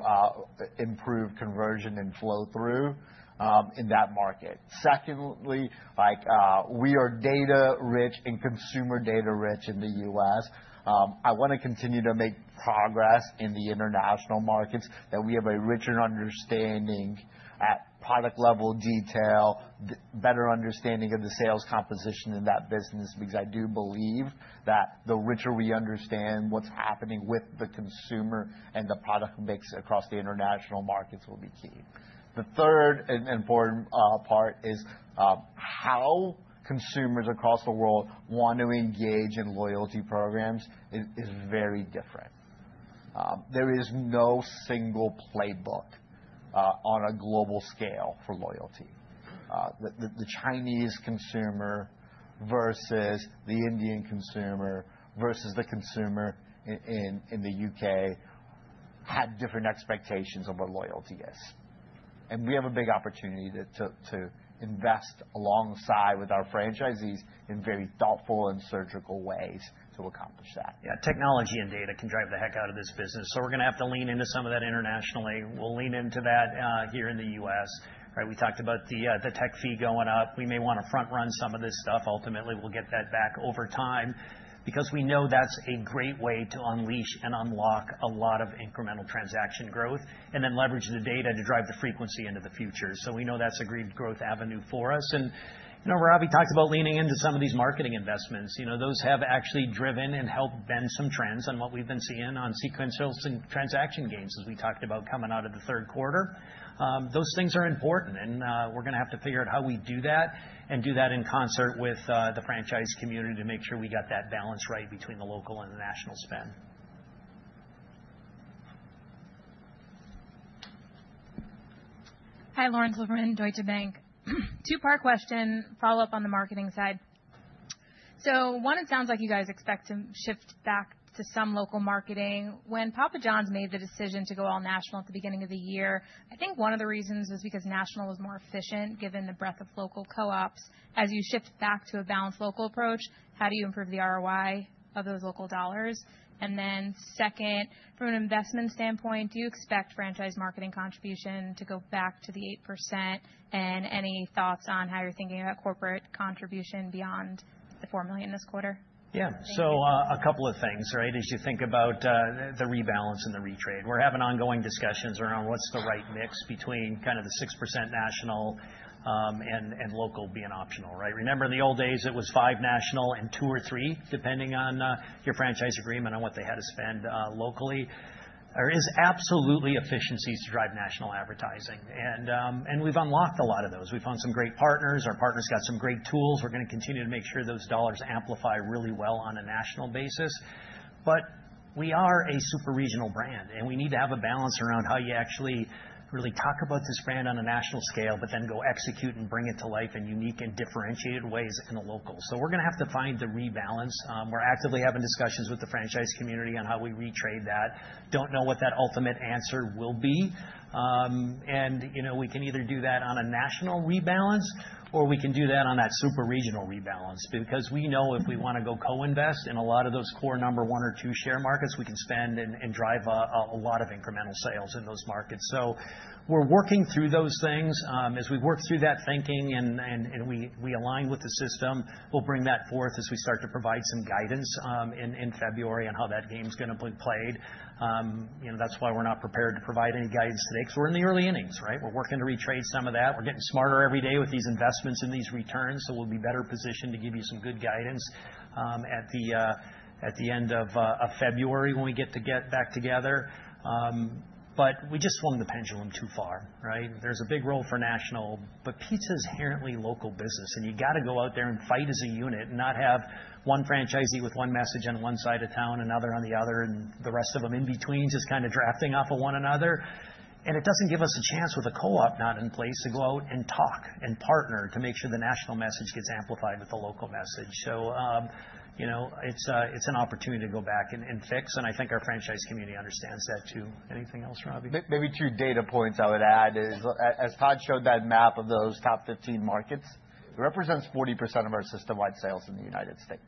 improve conversion and flow-through in that market. Secondly, we are data-rich and consumer data-rich in the U.S. I want to continue to make progress in the international markets that we have a richer understanding at product-level detail, better understanding of the sales composition in that business because I do believe that the richer we understand what's happening with the consumer and the product mix across the international markets will be key. The third and important part is how consumers across the world want to engage in loyalty programs is very different. There is no single playbook on a global scale for loyalty. The Chinese consumer versus the Indian consumer versus the consumer in the U.K. had different expectations on what loyalty is, and we have a big opportunity to invest alongside with our franchisees in very thoughtful and surgical ways to accomplish that. Yeah. Technology and data can drive the heck out of this business. So we're going to have to lean into some of that internationally. We'll lean into that here in the U.S. We talked about the tech fee going up. We may want to front-run some of this stuff. Ultimately, we'll get that back over time because we know that's a great way to unleash and unlock a lot of incremental transaction growth and then leverage the data to drive the frequency into the future. So we know that's a great growth avenue for us. And Ravi talked about leaning into some of these marketing investments. Those have actually driven and helped bend some trends on what we've been seeing on sequentially transaction gains as we talked about coming out of the third quarter. Those things are important. We're going to have to figure out how we do that and do that in concert with the franchise community to make sure we got that balance right between the local and the national spend. Hi, Lauren Silberman, Deutsche Bank. Two-part question, follow-up on the marketing side. So one, it sounds like you guys expect to shift back to some local marketing. When Papa John's made the decision to go all national at the beginning of the year, I think one of the reasons was because national was more efficient given the breadth of local co-ops. As you shift back to a balanced local approach, how do you improve the ROI of those local dollars? And then second, from an investment standpoint, do you expect franchise marketing contribution to go back to the 8%? And any thoughts on how you're thinking about corporate contribution beyond the $4 million this quarter? Yeah. So a couple of things, right, as you think about the rebalance and the retrade. We're having ongoing discussions around what's the right mix between kind of the 6% national and local being optional, right? Remember, in the old days, it was 5% national and 2% or 3% depending on your franchise agreement on what they had to spend locally. There is absolutely efficiencies to drive national advertising. And we've unlocked a lot of those. We found some great partners. Our partners got some great tools. We're going to continue to make sure those dollars amplify really well on a national basis. But we are a super regional brand. And we need to have a balance around how you actually really talk about this brand on a national scale, but then go execute and bring it to life in unique and differentiated ways in the local. So, we're going to have to find the rebalance. We're actively having discussions with the franchise community on how we retrade that. Don't know what that ultimate answer will be. And we can either do that on a national rebalance, or we can do that on that super regional rebalance because we know if we want to go co-invest in a lot of those core number one or two share markets, we can spend and drive a lot of incremental sales in those markets. So, we're working through those things. As we work through that thinking and we align with the system, we'll bring that forth as we start to provide some guidance in February on how that game's going to be played. That's why we're not prepared to provide any guidance today because we're in the early innings, right? We're working to retrade some of that. We're getting smarter every day with these investments and these returns. So we'll be better positioned to give you some good guidance at the end of February when we get to get back together. But we just swung the pendulum too far, right? There's a big role for national, but pizza is inherently local business. And you got to go out there and fight as a unit and not have one franchisee with one message on one side of town, another on the other, and the rest of them in between just kind of drafting off of one another. And it doesn't give us a chance with a co-op not in place to go out and talk and partner to make sure the national message gets amplified with the local message. So it's an opportunity to go back and fix. And I think our franchise community understands that too. Anything else, Ravi? Maybe two data points I would add is as Todd showed that map of those top 15 markets, it represents 40% of our system-wide sales in the United States.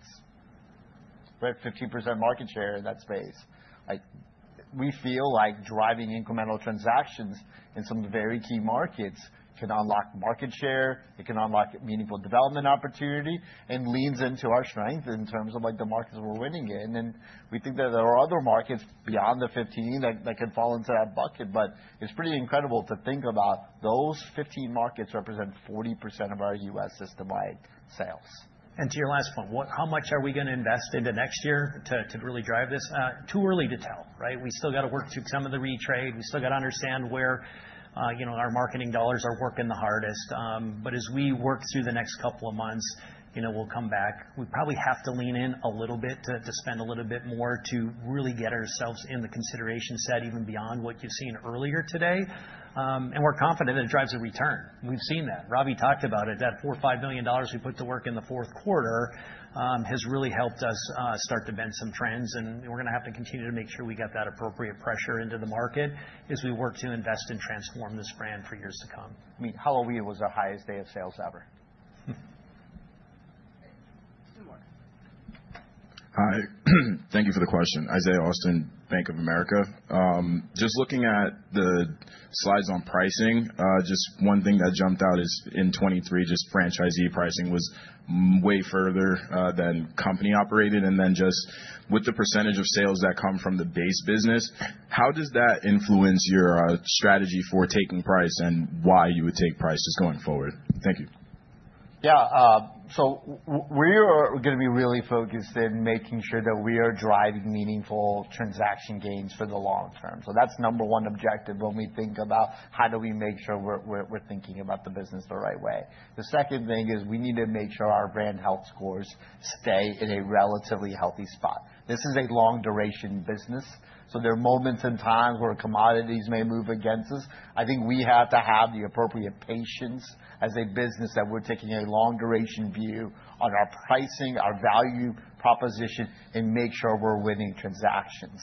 We have 15% market share in that space. We feel like driving incremental transactions in some very key markets can unlock market share. It can unlock meaningful development opportunity and leans into our strength in terms of the markets we're winning in. And we think that there are other markets beyond the 15 that could fall into that bucket. But it's pretty incredible to think about those 15 markets represent 40% of our U.S. system-wide sales. And to your last point, how much are we going to invest into next year to really drive this? Too early to tell, right? We still got to work through some of the retrade. We still got to understand where our marketing dollars are working the hardest. But as we work through the next couple of months, we'll come back. We probably have to lean in a little bit to spend a little bit more to really get ourselves in the consideration set even beyond what you've seen earlier today. And we're confident that it drives a return. We've seen that. Ravi talked about it. That $4 or $5 million we put to work in the fourth quarter has really helped us start to bend some trends. And we're going to have to continue to make sure we get that appropriate pressure into the market as we work to invest and transform this brand for years to come. I mean, Halloween was our highest day of sales ever. Thank you for the question. Isaiah Austin, Bank of America. Just looking at the slides on pricing, just one thing that jumped out is in 2023, just franchisee pricing was way further than company operated. And then just with the percentage of sales that come from the base business, how does that influence your strategy for taking price and why you would take price just going forward? Thank you. Yeah. So we are going to be really focused in making sure that we are driving meaningful transaction gains for the long term. So that's number one objective when we think about how do we make sure we're thinking about the business the right way. The second thing is we need to make sure our brand health scores stay in a relatively healthy spot. This is a long-duration business. So there are moments and times where commodities may move against us. I think we have to have the appropriate patience as a business that we're taking a long-duration view on our pricing, our value proposition, and make sure we're winning transactions.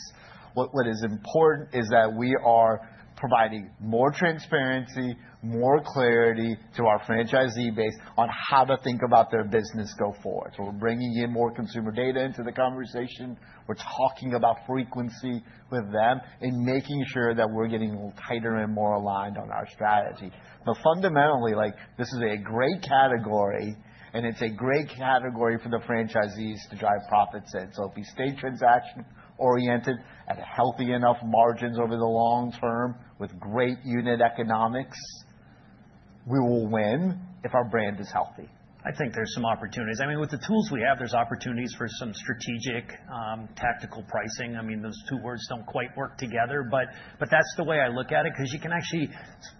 What is important is that we are providing more transparency, more clarity to our franchisee base on how to think about their business go forward. So we're bringing in more consumer data into the conversation. We're talking about frequency with them and making sure that we're getting a little tighter and more aligned on our strategy, but fundamentally, this is a great category, and it's a great category for the franchisees to drive profits in, so if we stay transaction-oriented at healthy enough margins over the long term with great unit economics, we will win if our brand is healthy. I think there's some opportunities. I mean, with the tools we have, there's opportunities for some strategic tactical pricing. I mean, those two words don't quite work together. But that's the way I look at it because you can actually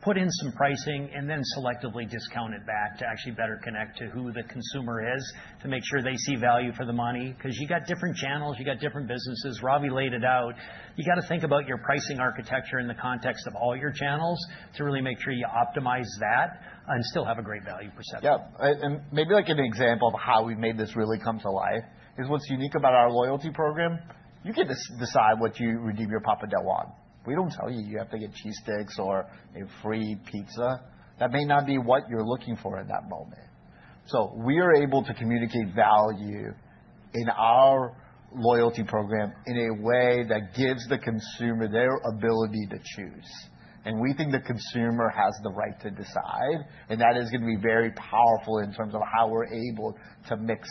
put in some pricing and then selectively discount it back to actually better connect to who the consumer is to make sure they see value for the money because you got different channels. You got different businesses. Ravi laid it out. You got to think about your pricing architecture in the context of all your channels to really make sure you optimize that and still have a great value perception. Yeah. And maybe an example of how we've made this really come to life is what's unique about our loyalty program. You get to decide what you redeem your Papa Dough on. We don't tell you you have to get cheesesteaks or a free pizza. That may not be what you're looking for in that moment. So we are able to communicate value in our loyalty program in a way that gives the consumer their ability to choose. And we think the consumer has the right to decide. And that is going to be very powerful in terms of how we're able to mix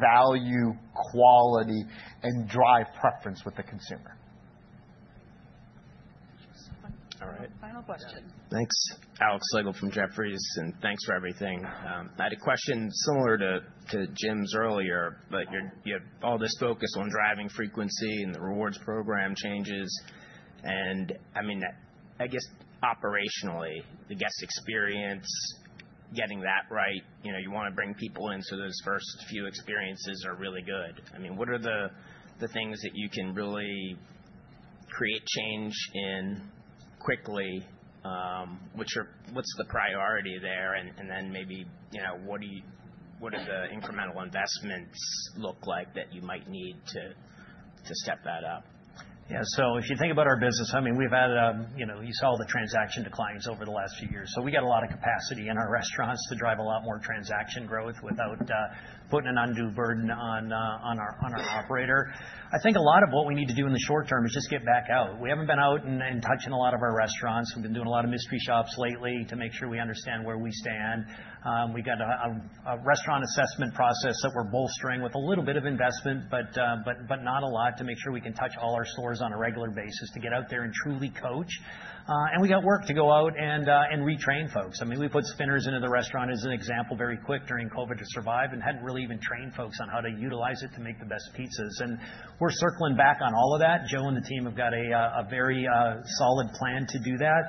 value, quality, and drive preference with the consumer. All right. Final question. Thanks. Alex Slagle from Jefferies. And thanks for everything. I had a question similar to Jim's earlier, but you have all this focus on driving frequency and the rewards program changes. And I mean, I guess operationally, the guest experience, getting that right, you want to bring people into those first few experiences are really good. I mean, what are the things that you can really create change in quickly? What's the priority there? And then maybe what do the incremental investments look like that you might need to step that up? Yeah. So if you think about our business, I mean, we've had—you saw the transaction declines over the last few years. So we got a lot of capacity in our restaurants to drive a lot more transaction growth without putting an undue burden on our operator. I think a lot of what we need to do in the short term is just get back out. We haven't been out and touching a lot of our restaurants. We've been doing a lot of mystery shops lately to make sure we understand where we stand. We've got a restaurant assessment process that we're bolstering with a little bit of investment, but not a lot to make sure we can touch all our stores on a regular basis to get out there and truly coach, and we got work to go out and retrain folks. I mean, we put spinners into the restaurant as an example very quick during COVID to survive and hadn't really even trained folks on how to utilize it to make the best pizzas. And we're circling back on all of that. Joe and the team have got a very solid plan to do that.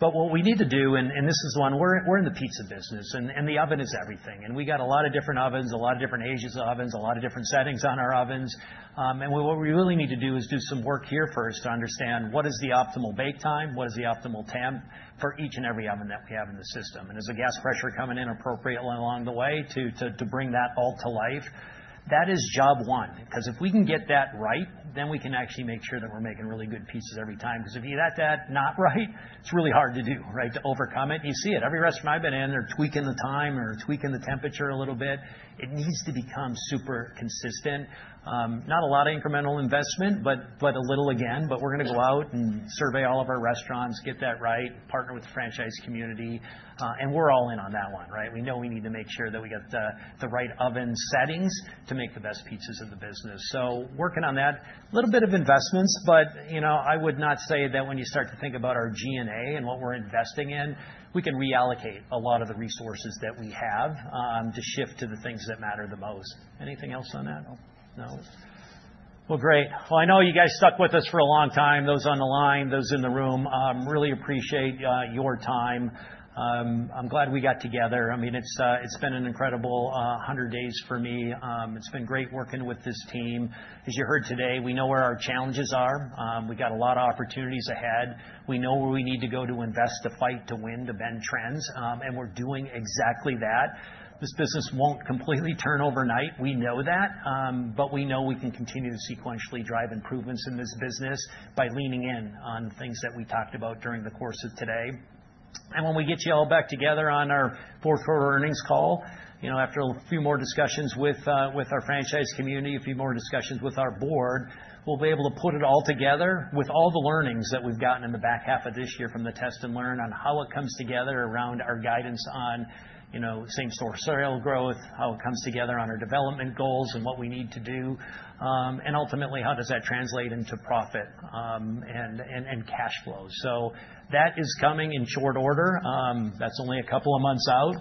But what we need to do, and this is the one, we're in the pizza business. And the oven is everything. And we got a lot of different ovens, a lot of different ages of ovens, a lot of different settings on our ovens. And what we really need to do is do some work here first to understand what is the optimal bake time, what is the optimal temp for each and every oven that we have in the system. Is the gas pressure coming in appropriately along the way to bring that all to life? That is job one. Because if we can get that right, then we can actually make sure that we're making really good pizzas every time. Because if you got that not right, it's really hard to do, right, to overcome it. You see it. Every restaurant I've been in, they're tweaking the time or tweaking the temperature a little bit. It needs to become super consistent. Not a lot of incremental investment, but a little again. We're going to go out and survey all of our restaurants, get that right, partner with the franchise community. We're all in on that one, right? We know we need to make sure that we got the right oven settings to make the best pizzas in the business. So working on that, a little bit of investments. But I would not say that when you start to think about our G&A and what we're investing in, we can reallocate a lot of the resources that we have to shift to the things that matter the most. Anything else on that? No? Well, great. Well, I know you guys stuck with us for a long time, those on the line, those in the room. Really appreciate your time. I'm glad we got together. I mean, it's been an incredible 100 days for me. It's been great working with this team. As you heard today, we know where our challenges are. We got a lot of opportunities ahead. We know where we need to go to invest, to fight, to win, to bend trends. And we're doing exactly that. This business won't completely turn overnight. We know that. But we know we can continue to sequentially drive improvements in this business by leaning in on things that we talked about during the course of today. And when we get you all back together on our fourth quarter earnings call, after a few more discussions with our franchise community, a few more discussions with our board, we'll be able to put it all together with all the learnings that we've gotten in the back half of this year from the test and learn on how it comes together around our guidance on same-store sale growth, how it comes together on our development goals and what we need to do. And ultimately, how does that translate into profit and cash flow? So that is coming in short order. That's only a couple of months out.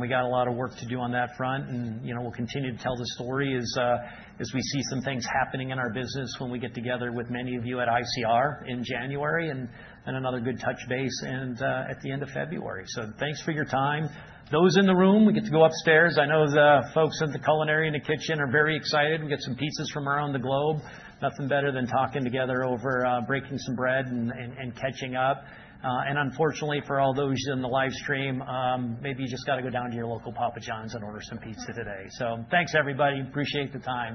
We got a lot of work to do on that front. We'll continue to tell the story as we see some things happening in our business when we get together with many of you at ICR in January and another good touch base at the end of February. So thanks for your time. Those in the room, we get to go upstairs. I know the folks in the culinary and the kitchen are very excited. We get some pizzas from around the globe. Nothing better than talking together over breaking some bread and catching up. Unfortunately for all those in the livestream, maybe you just got to go down to your local Papa John's and order some pizza today. So thanks, everybody. Appreciate the time.